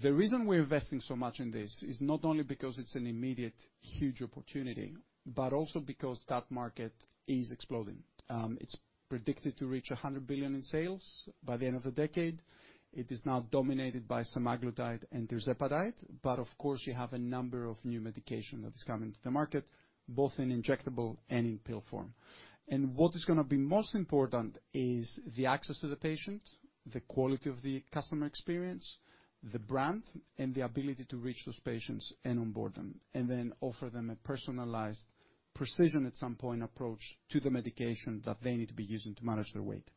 The reason we're investing so much in this is not only because it's an immediate, huge opportunity, but also because that market is exploding. It's predicted to reach $100 billion in sales by the end of the decade. It is now dominated by semaglutide and tirzepatide, but of course, you have a number of new medication that is coming to the market, both in injectable and in pill form. What is gonna be most important is the access to the patient, the quality of the customer experience, the brand, and the ability to reach those patients and onboard them, and then offer them a personalized precision, at some point, approach to the medication that they need to be using to manage their weight.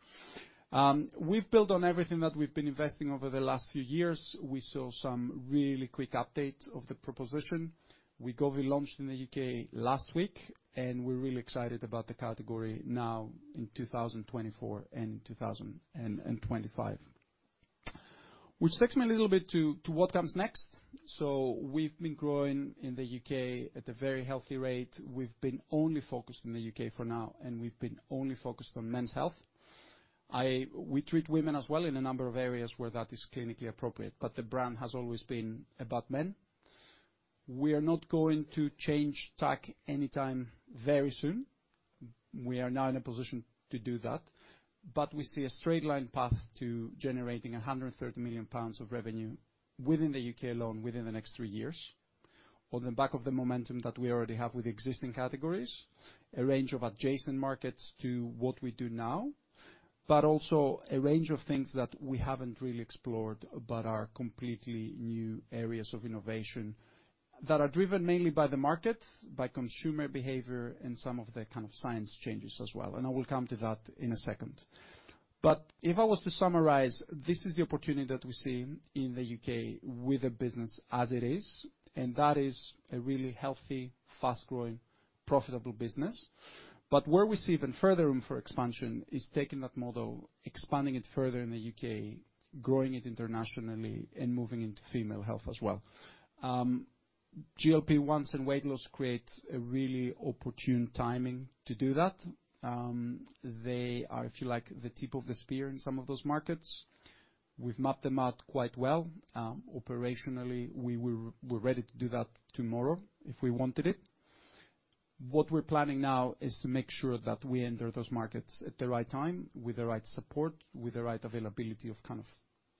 We've built on everything that we've been investing over the last few years. We saw some really quick updates of the proposition. Wegovy launched in the UK last week, and we're really excited about the category now in 2024 and 2025. Which takes me a little bit to what comes next. We've been growing in the UK at a very healthy rate. We've been only focused in the UK for now, and we've been only focused on men's health. I... We treat women as well in a number of areas where that is clinically appropriate, but the brand has always been about men. We are not going to change tack anytime very soon. We are not in a position to do that, but we see a straight line path to generating 130 million pounds of revenue within the UK alone, within the next three years, on the back of the momentum that we already have with existing categories, a range of adjacent markets to what we do now, but also a range of things that we haven't really explored, but are completely new areas of innovation that are driven mainly by the market, by consumer behavior, and some of the kind of science changes as well, and I will come to that in a second. But if I was to summarize, this is the opportunity that we see in the UK with the business as it is, and that is a really healthy, fast-growing, profitable business. But where we see even further room for expansion is taking that model, expanding it further in the UK, growing it internationally, and moving into female health as well. GLP-1s and weight loss create a really opportune timing to do that. They are, if you like, the tip of the spear in some of those markets. We've mapped them out quite well. Operationally, we're ready to do that tomorrow if we wanted it. What we're planning now is to make sure that we enter those markets at the right time, with the right support, with the right availability of, kind of,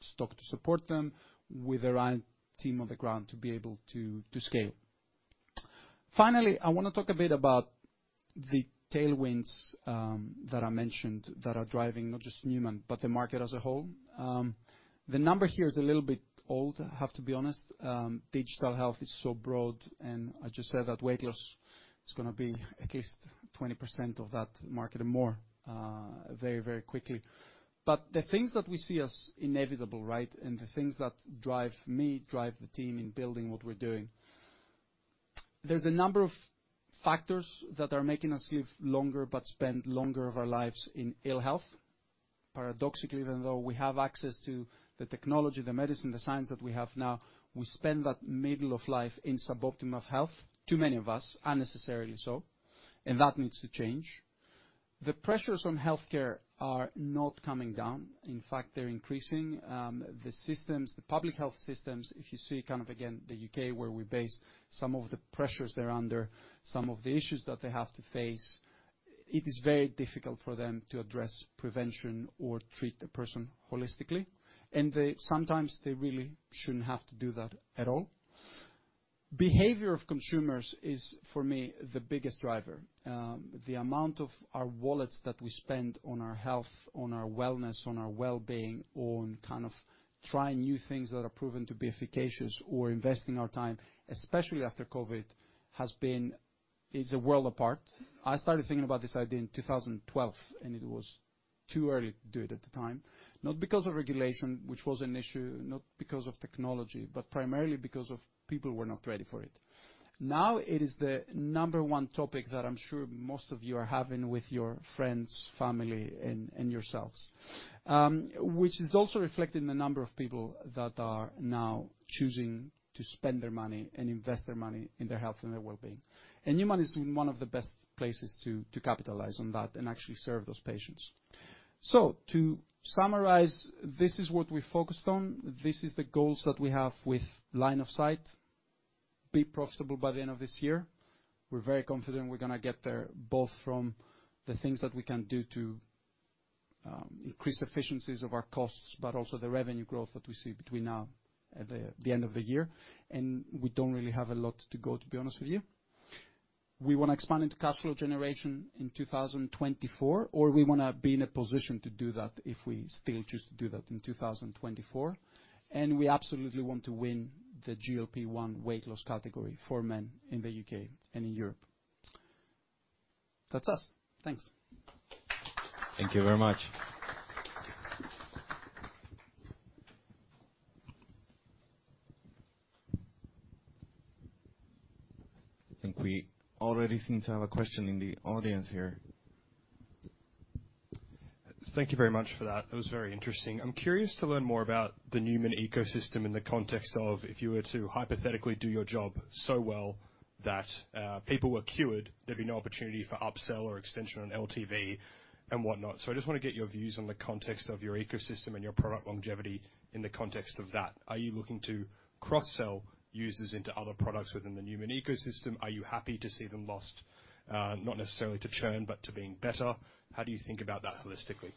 stock to support them, with the right team on the ground to be able to, to scale. Finally, I wanna talk a bit about the tailwinds that I mentioned that are driving not just Numan, but the market as a whole. The number here is a little bit old, I have to be honest. Digital health is so broad, and I just said that weight loss is gonna be at least 20% of that market or more, very, very quickly. But the things that we see as inevitable, right, and the things that drive me, drive the team in building what we're doing. There's a number of factors that are making us live longer, but spend longer of our lives in ill health. Paradoxically, even though we have access to the technology, the medicine, the science that we have now, we spend that middle of life in suboptimal health, too many of us, unnecessarily so, and that needs to change. The pressures on healthcare are not coming down. In fact, they're increasing. The systems, the public health systems, if you see kind of, again, the UK, where we base some of the pressures they're under, some of the issues that they have to face, it is very difficult for them to address prevention or treat the person holistically, and they sometimes really shouldn't have to do that at all. Behavior of consumers is, for me, the biggest driver. The amount of our wallets that we spend on our health, on our wellness, on our well-being, on kind of trying new things that are proven to be efficacious or investing our time, especially after COVID, has been... It's a world apart. I started thinking about this idea in 2012, and it was too early to do it at the time. Not because of regulation, which was an issue, not because of technology, but primarily because of people were not ready for it. Now, it is the number one topic that I'm sure most of you are having with your friends, family, and, and yourselves. Which is also reflected in the number of people that are now choosing to spend their money and invest their money in their health and their well-being. Numan is in one of the best places to capitalize on that and actually serve those patients. To summarize, this is what we focused on. This is the goals that we have with line of sight. Be profitable by the end of this year. We're very confident we're gonna get there, both from the things that we can do to increase efficiencies of our costs, but also the revenue growth that we see between now and the end of the year. We don't really have a lot to go, to be honest with you. We wanna expand into cash flow generation in 2024, or we wanna be in a position to do that if we still choose to do that in 2024. And we absolutely want to win the GLP-1 weight loss category for men in the UK and in Europe. That's us. Thanks. Thank you very much. I think we already seem to have a question in the audience here. Thank you very much for that. It was very interesting. I'm curious to learn more about the Numan ecosystem in the context of, if you were to hypothetically do your job so well that, people were cured, there'd be no opportunity for upsell or extension on LTV and whatnot. So I just want to get your views on the context of your ecosystem and your product longevity in the context of that. Are you looking to cross-sell users into other products within the Numan ecosystem? Are you happy to see them lost, not necessarily to churn, but to being better? How do you think about that holistically?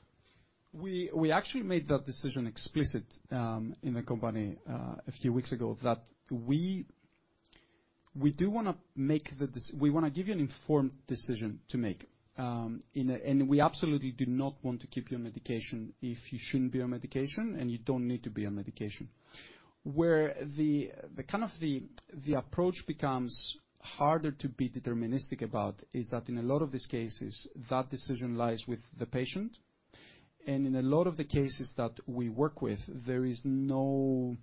We actually made that decision explicit in the company a few weeks ago, that we do wanna give you an informed decision to make. And we absolutely do not want to keep you on medication if you shouldn't be on medication, and you don't need to be on medication. Where the approach becomes harder to be deterministic about is that in a lot of these cases, that decision lies with the patient, and in a lot of the cases that we work with, there is no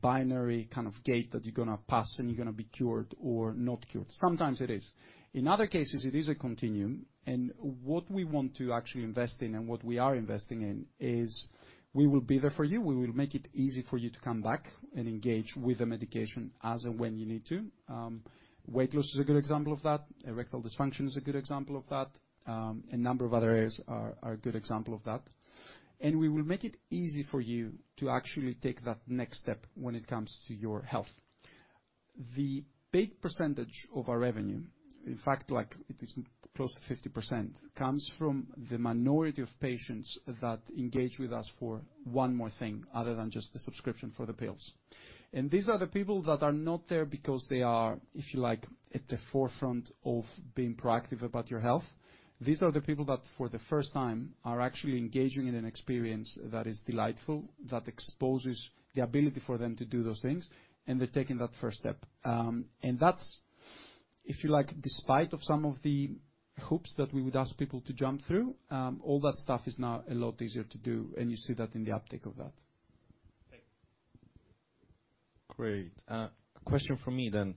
binary kind of gate that you're gonna pass, and you're gonna be cured or not cured. Sometimes it is. In other cases, it is a continuum, and what we want to actually invest in, and what we are investing in, is we will be there for you. We will make it easy for you to come back and engage with the medication as and when you need to. Weight loss is a good example of that. Erectile dysfunction is a good example of that. A number of other areas are a good example of that. And we will make it easy for you to actually take that next step when it comes to your health. The big percentage of our revenue, in fact, like, it is close to 50%, comes from the minority of patients that engage with us for one more thing other than just the subscription for the pills. And these are the people that are not there because they are, if you like, at the forefront of being proactive about your health. These are the people that, for the first time, are actually engaging in an experience that is delightful, that exposes the ability for them to do those things, and they're taking that first step. And that's, if you like, despite of some of the hoops that we would ask people to jump through, all that stuff is now a lot easier to do, and you see that in the uptick of that. Thank you. Great. A question from me then.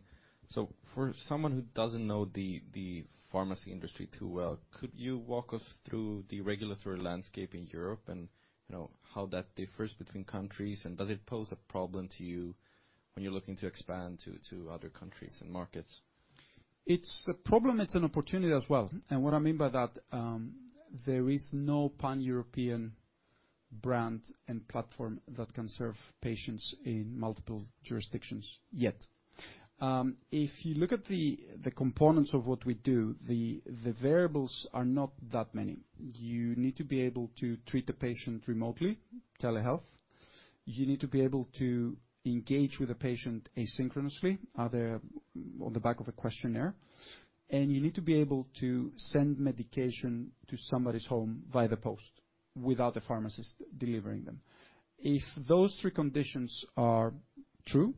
So for someone who doesn't know the pharmacy industry too well, could you walk us through the regulatory landscape in Europe and, you know, how that differs between countries? And does it pose a problem to you when you're looking to expand to other countries and markets? It's a problem, it's an opportunity as well. And what I mean by that, there is no pan-European brand and platform that can serve patients in multiple jurisdictions, yet. If you look at the components of what we do, the variables are not that many. You need to be able to treat the patient remotely, telehealth. You need to be able to engage with the patient asynchronously, either on the back of a questionnaire, and you need to be able to send medication to somebody's home via the post without a pharmacist delivering them. If those three conditions are true,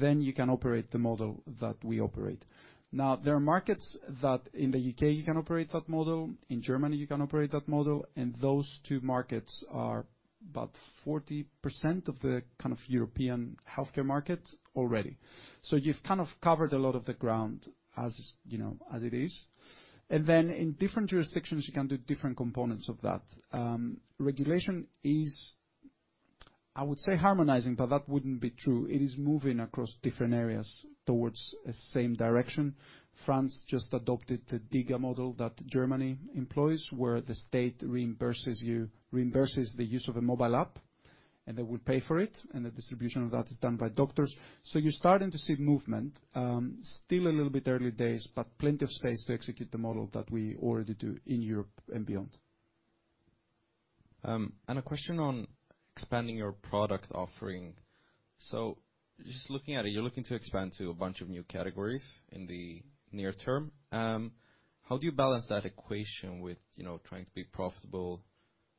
then you can operate the model that we operate. Now, there are markets that in the UK, you can operate that model, in Germany, you can operate that model, and those two markets are about 40% of the kind of European healthcare market already. So you've kind of covered a lot of the ground, as, you know, as it is. And then in different jurisdictions, you can do different components of that. Regulation is, I would say, harmonizing, but that wouldn't be true. It is moving across different areas towards the same direction. France just adopted the DiGA model that Germany employs, where the state reimburses the use of a mobile app, and they will pay for it, and the distribution of that is done by doctors. So you're starting to see movement. Still a little bit early days, but plenty of space to execute the model that we already do in Europe and beyond. A question on expanding your product offering. So just looking at it, you're looking to expand to a bunch of new categories in the near term. How do you balance that equation with, you know, trying to be profitable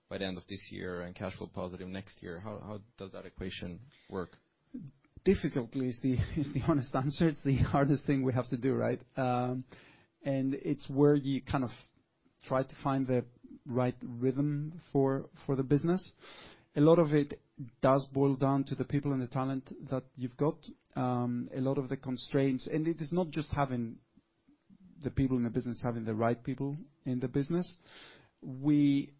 by the end of this year and cash flow positive next year? How, how does that equation work? Difficulty is the honest answer. It's the hardest thing we have to do, right? And it's where you kind of try to find the right rhythm for the business. A lot of it does boil down to the people and the talent that you've got. A lot of the constraints... It is not just having the people in the business, having the right people in the business. We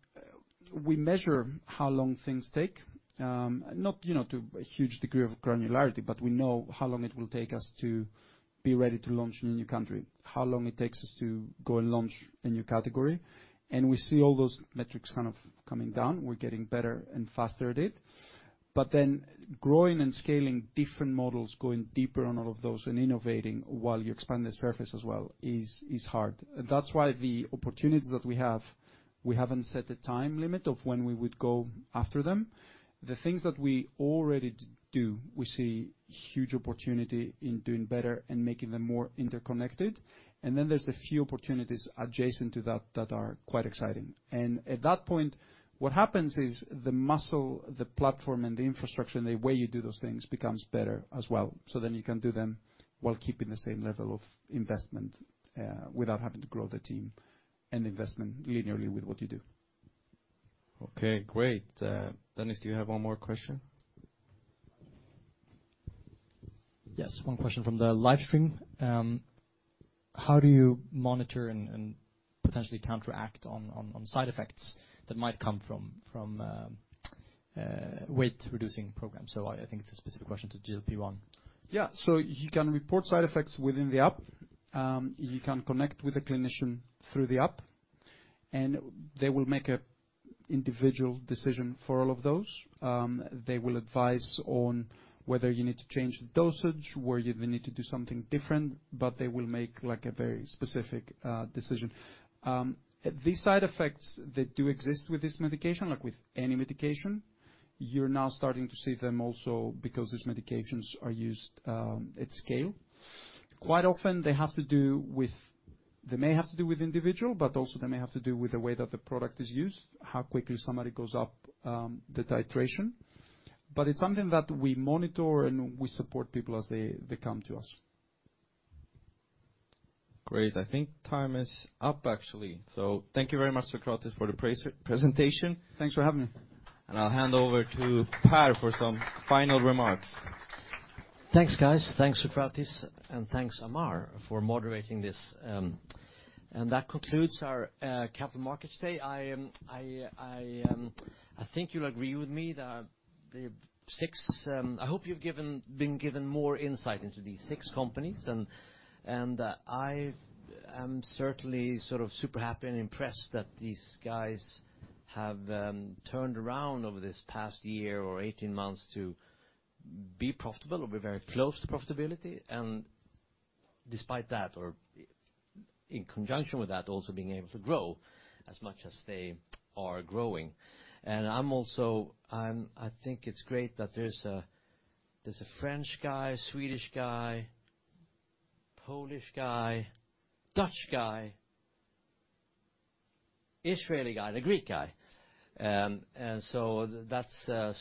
measure how long things take, not, you know, to a huge degree of granularity, but we know how long it will take us to be ready to launch in a new country, how long it takes us to go and launch a new category, and we see all those metrics kind of coming down. We're getting better and faster at it. But then growing and scaling different models, going deeper on all of those and innovating while you expand the surface as well, is hard. And that's why the opportunities that we have, we haven't set a time limit of when we would go after them. The things that we already do, we see huge opportunity in doing better and making them more interconnected, and then there's a few opportunities adjacent to that that are quite exciting. And at that point, what happens is the muscle, the platform and the infrastructure, and the way you do those things becomes better as well, so then you can do them while keeping the same level of investment, without having to grow the team and investment linearly with what you do. Okay, great. Dennis, do you have one more question? Yes, one question from the live stream. How do you monitor and potentially counteract on side effects that might come from weight-reducing programs? So I think it's a specific question to GLP-1. Yeah. So you can report side effects within the app. You can connect with a clinician through the app, and they will make an individual decision for all of those. They will advise on whether you need to change the dosage, whether you need to do something different, but they will make, like, a very specific decision. These side effects, they do exist with this medication, like with any medication. You're now starting to see them also because these medications are used at scale. Quite often, they have to do with... They may have to do with individual, but also they may have to do with the way that the product is used, how quickly somebody goes up the titration. But it's something that we monitor, and we support people as they come to us. Great. I think time is up, actually. So thank you very much, Socratis, for the presentation. Thanks for having me. I'll hand over to Per for some final remarks. Thanks, guys. Thanks, Sokratis, and thanks, Amar, for moderating this. That concludes our capital markets day. I think you'll agree with me that the six... I hope you've been given more insight into these six companies, and I am certainly sort of super happy and impressed that these guys have turned around over this past year or 18 months to be profitable or be very close to profitability. And despite that, or in conjunction with that, also being able to grow as much as they are growing. And I'm also, I think it's great that there's a French guy, a Swedish guy, Polish guy, Dutch guy, Israeli guy, and a Greek guy. And so that's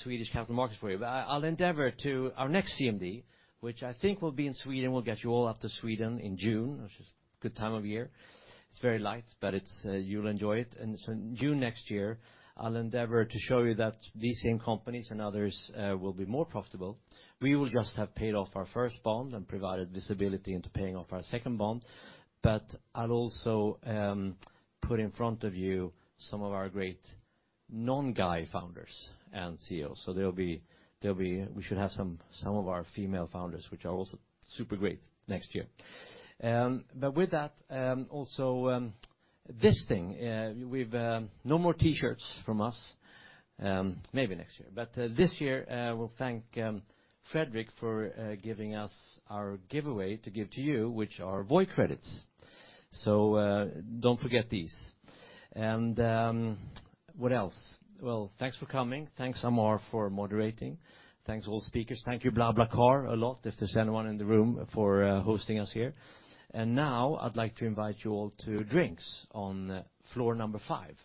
Swedish capital markets for you. But I'll endeavor to our next CMD, which I think will be in Sweden. We'll get you all up to Sweden in June, which is a good time of year. It's very light, but it's. You'll enjoy it. And so June next year, I'll endeavor to show you that these same companies and others will be more profitable. We will just have paid off our first bond and provided visibility into paying off our second bond. But I'll also put in front of you some of our great non-guy founders and CEOs, so there'll be. We should have some of our female founders, which are also super great, next year. But with that, also, this thing, we've no more T-shirts from us, maybe next year. This year, we'll thank Fredrik for giving us our giveaway to give to you, which are Voi credits. So, don't forget these. And, what else? Well, thanks for coming. Thanks, Amar, for moderating. Thanks, all speakers. Thank you, BlaBlaCar, a lot, if there's anyone in the room, for hosting us here. And now I'd like to invite you all to drinks on floor number five. Thank you.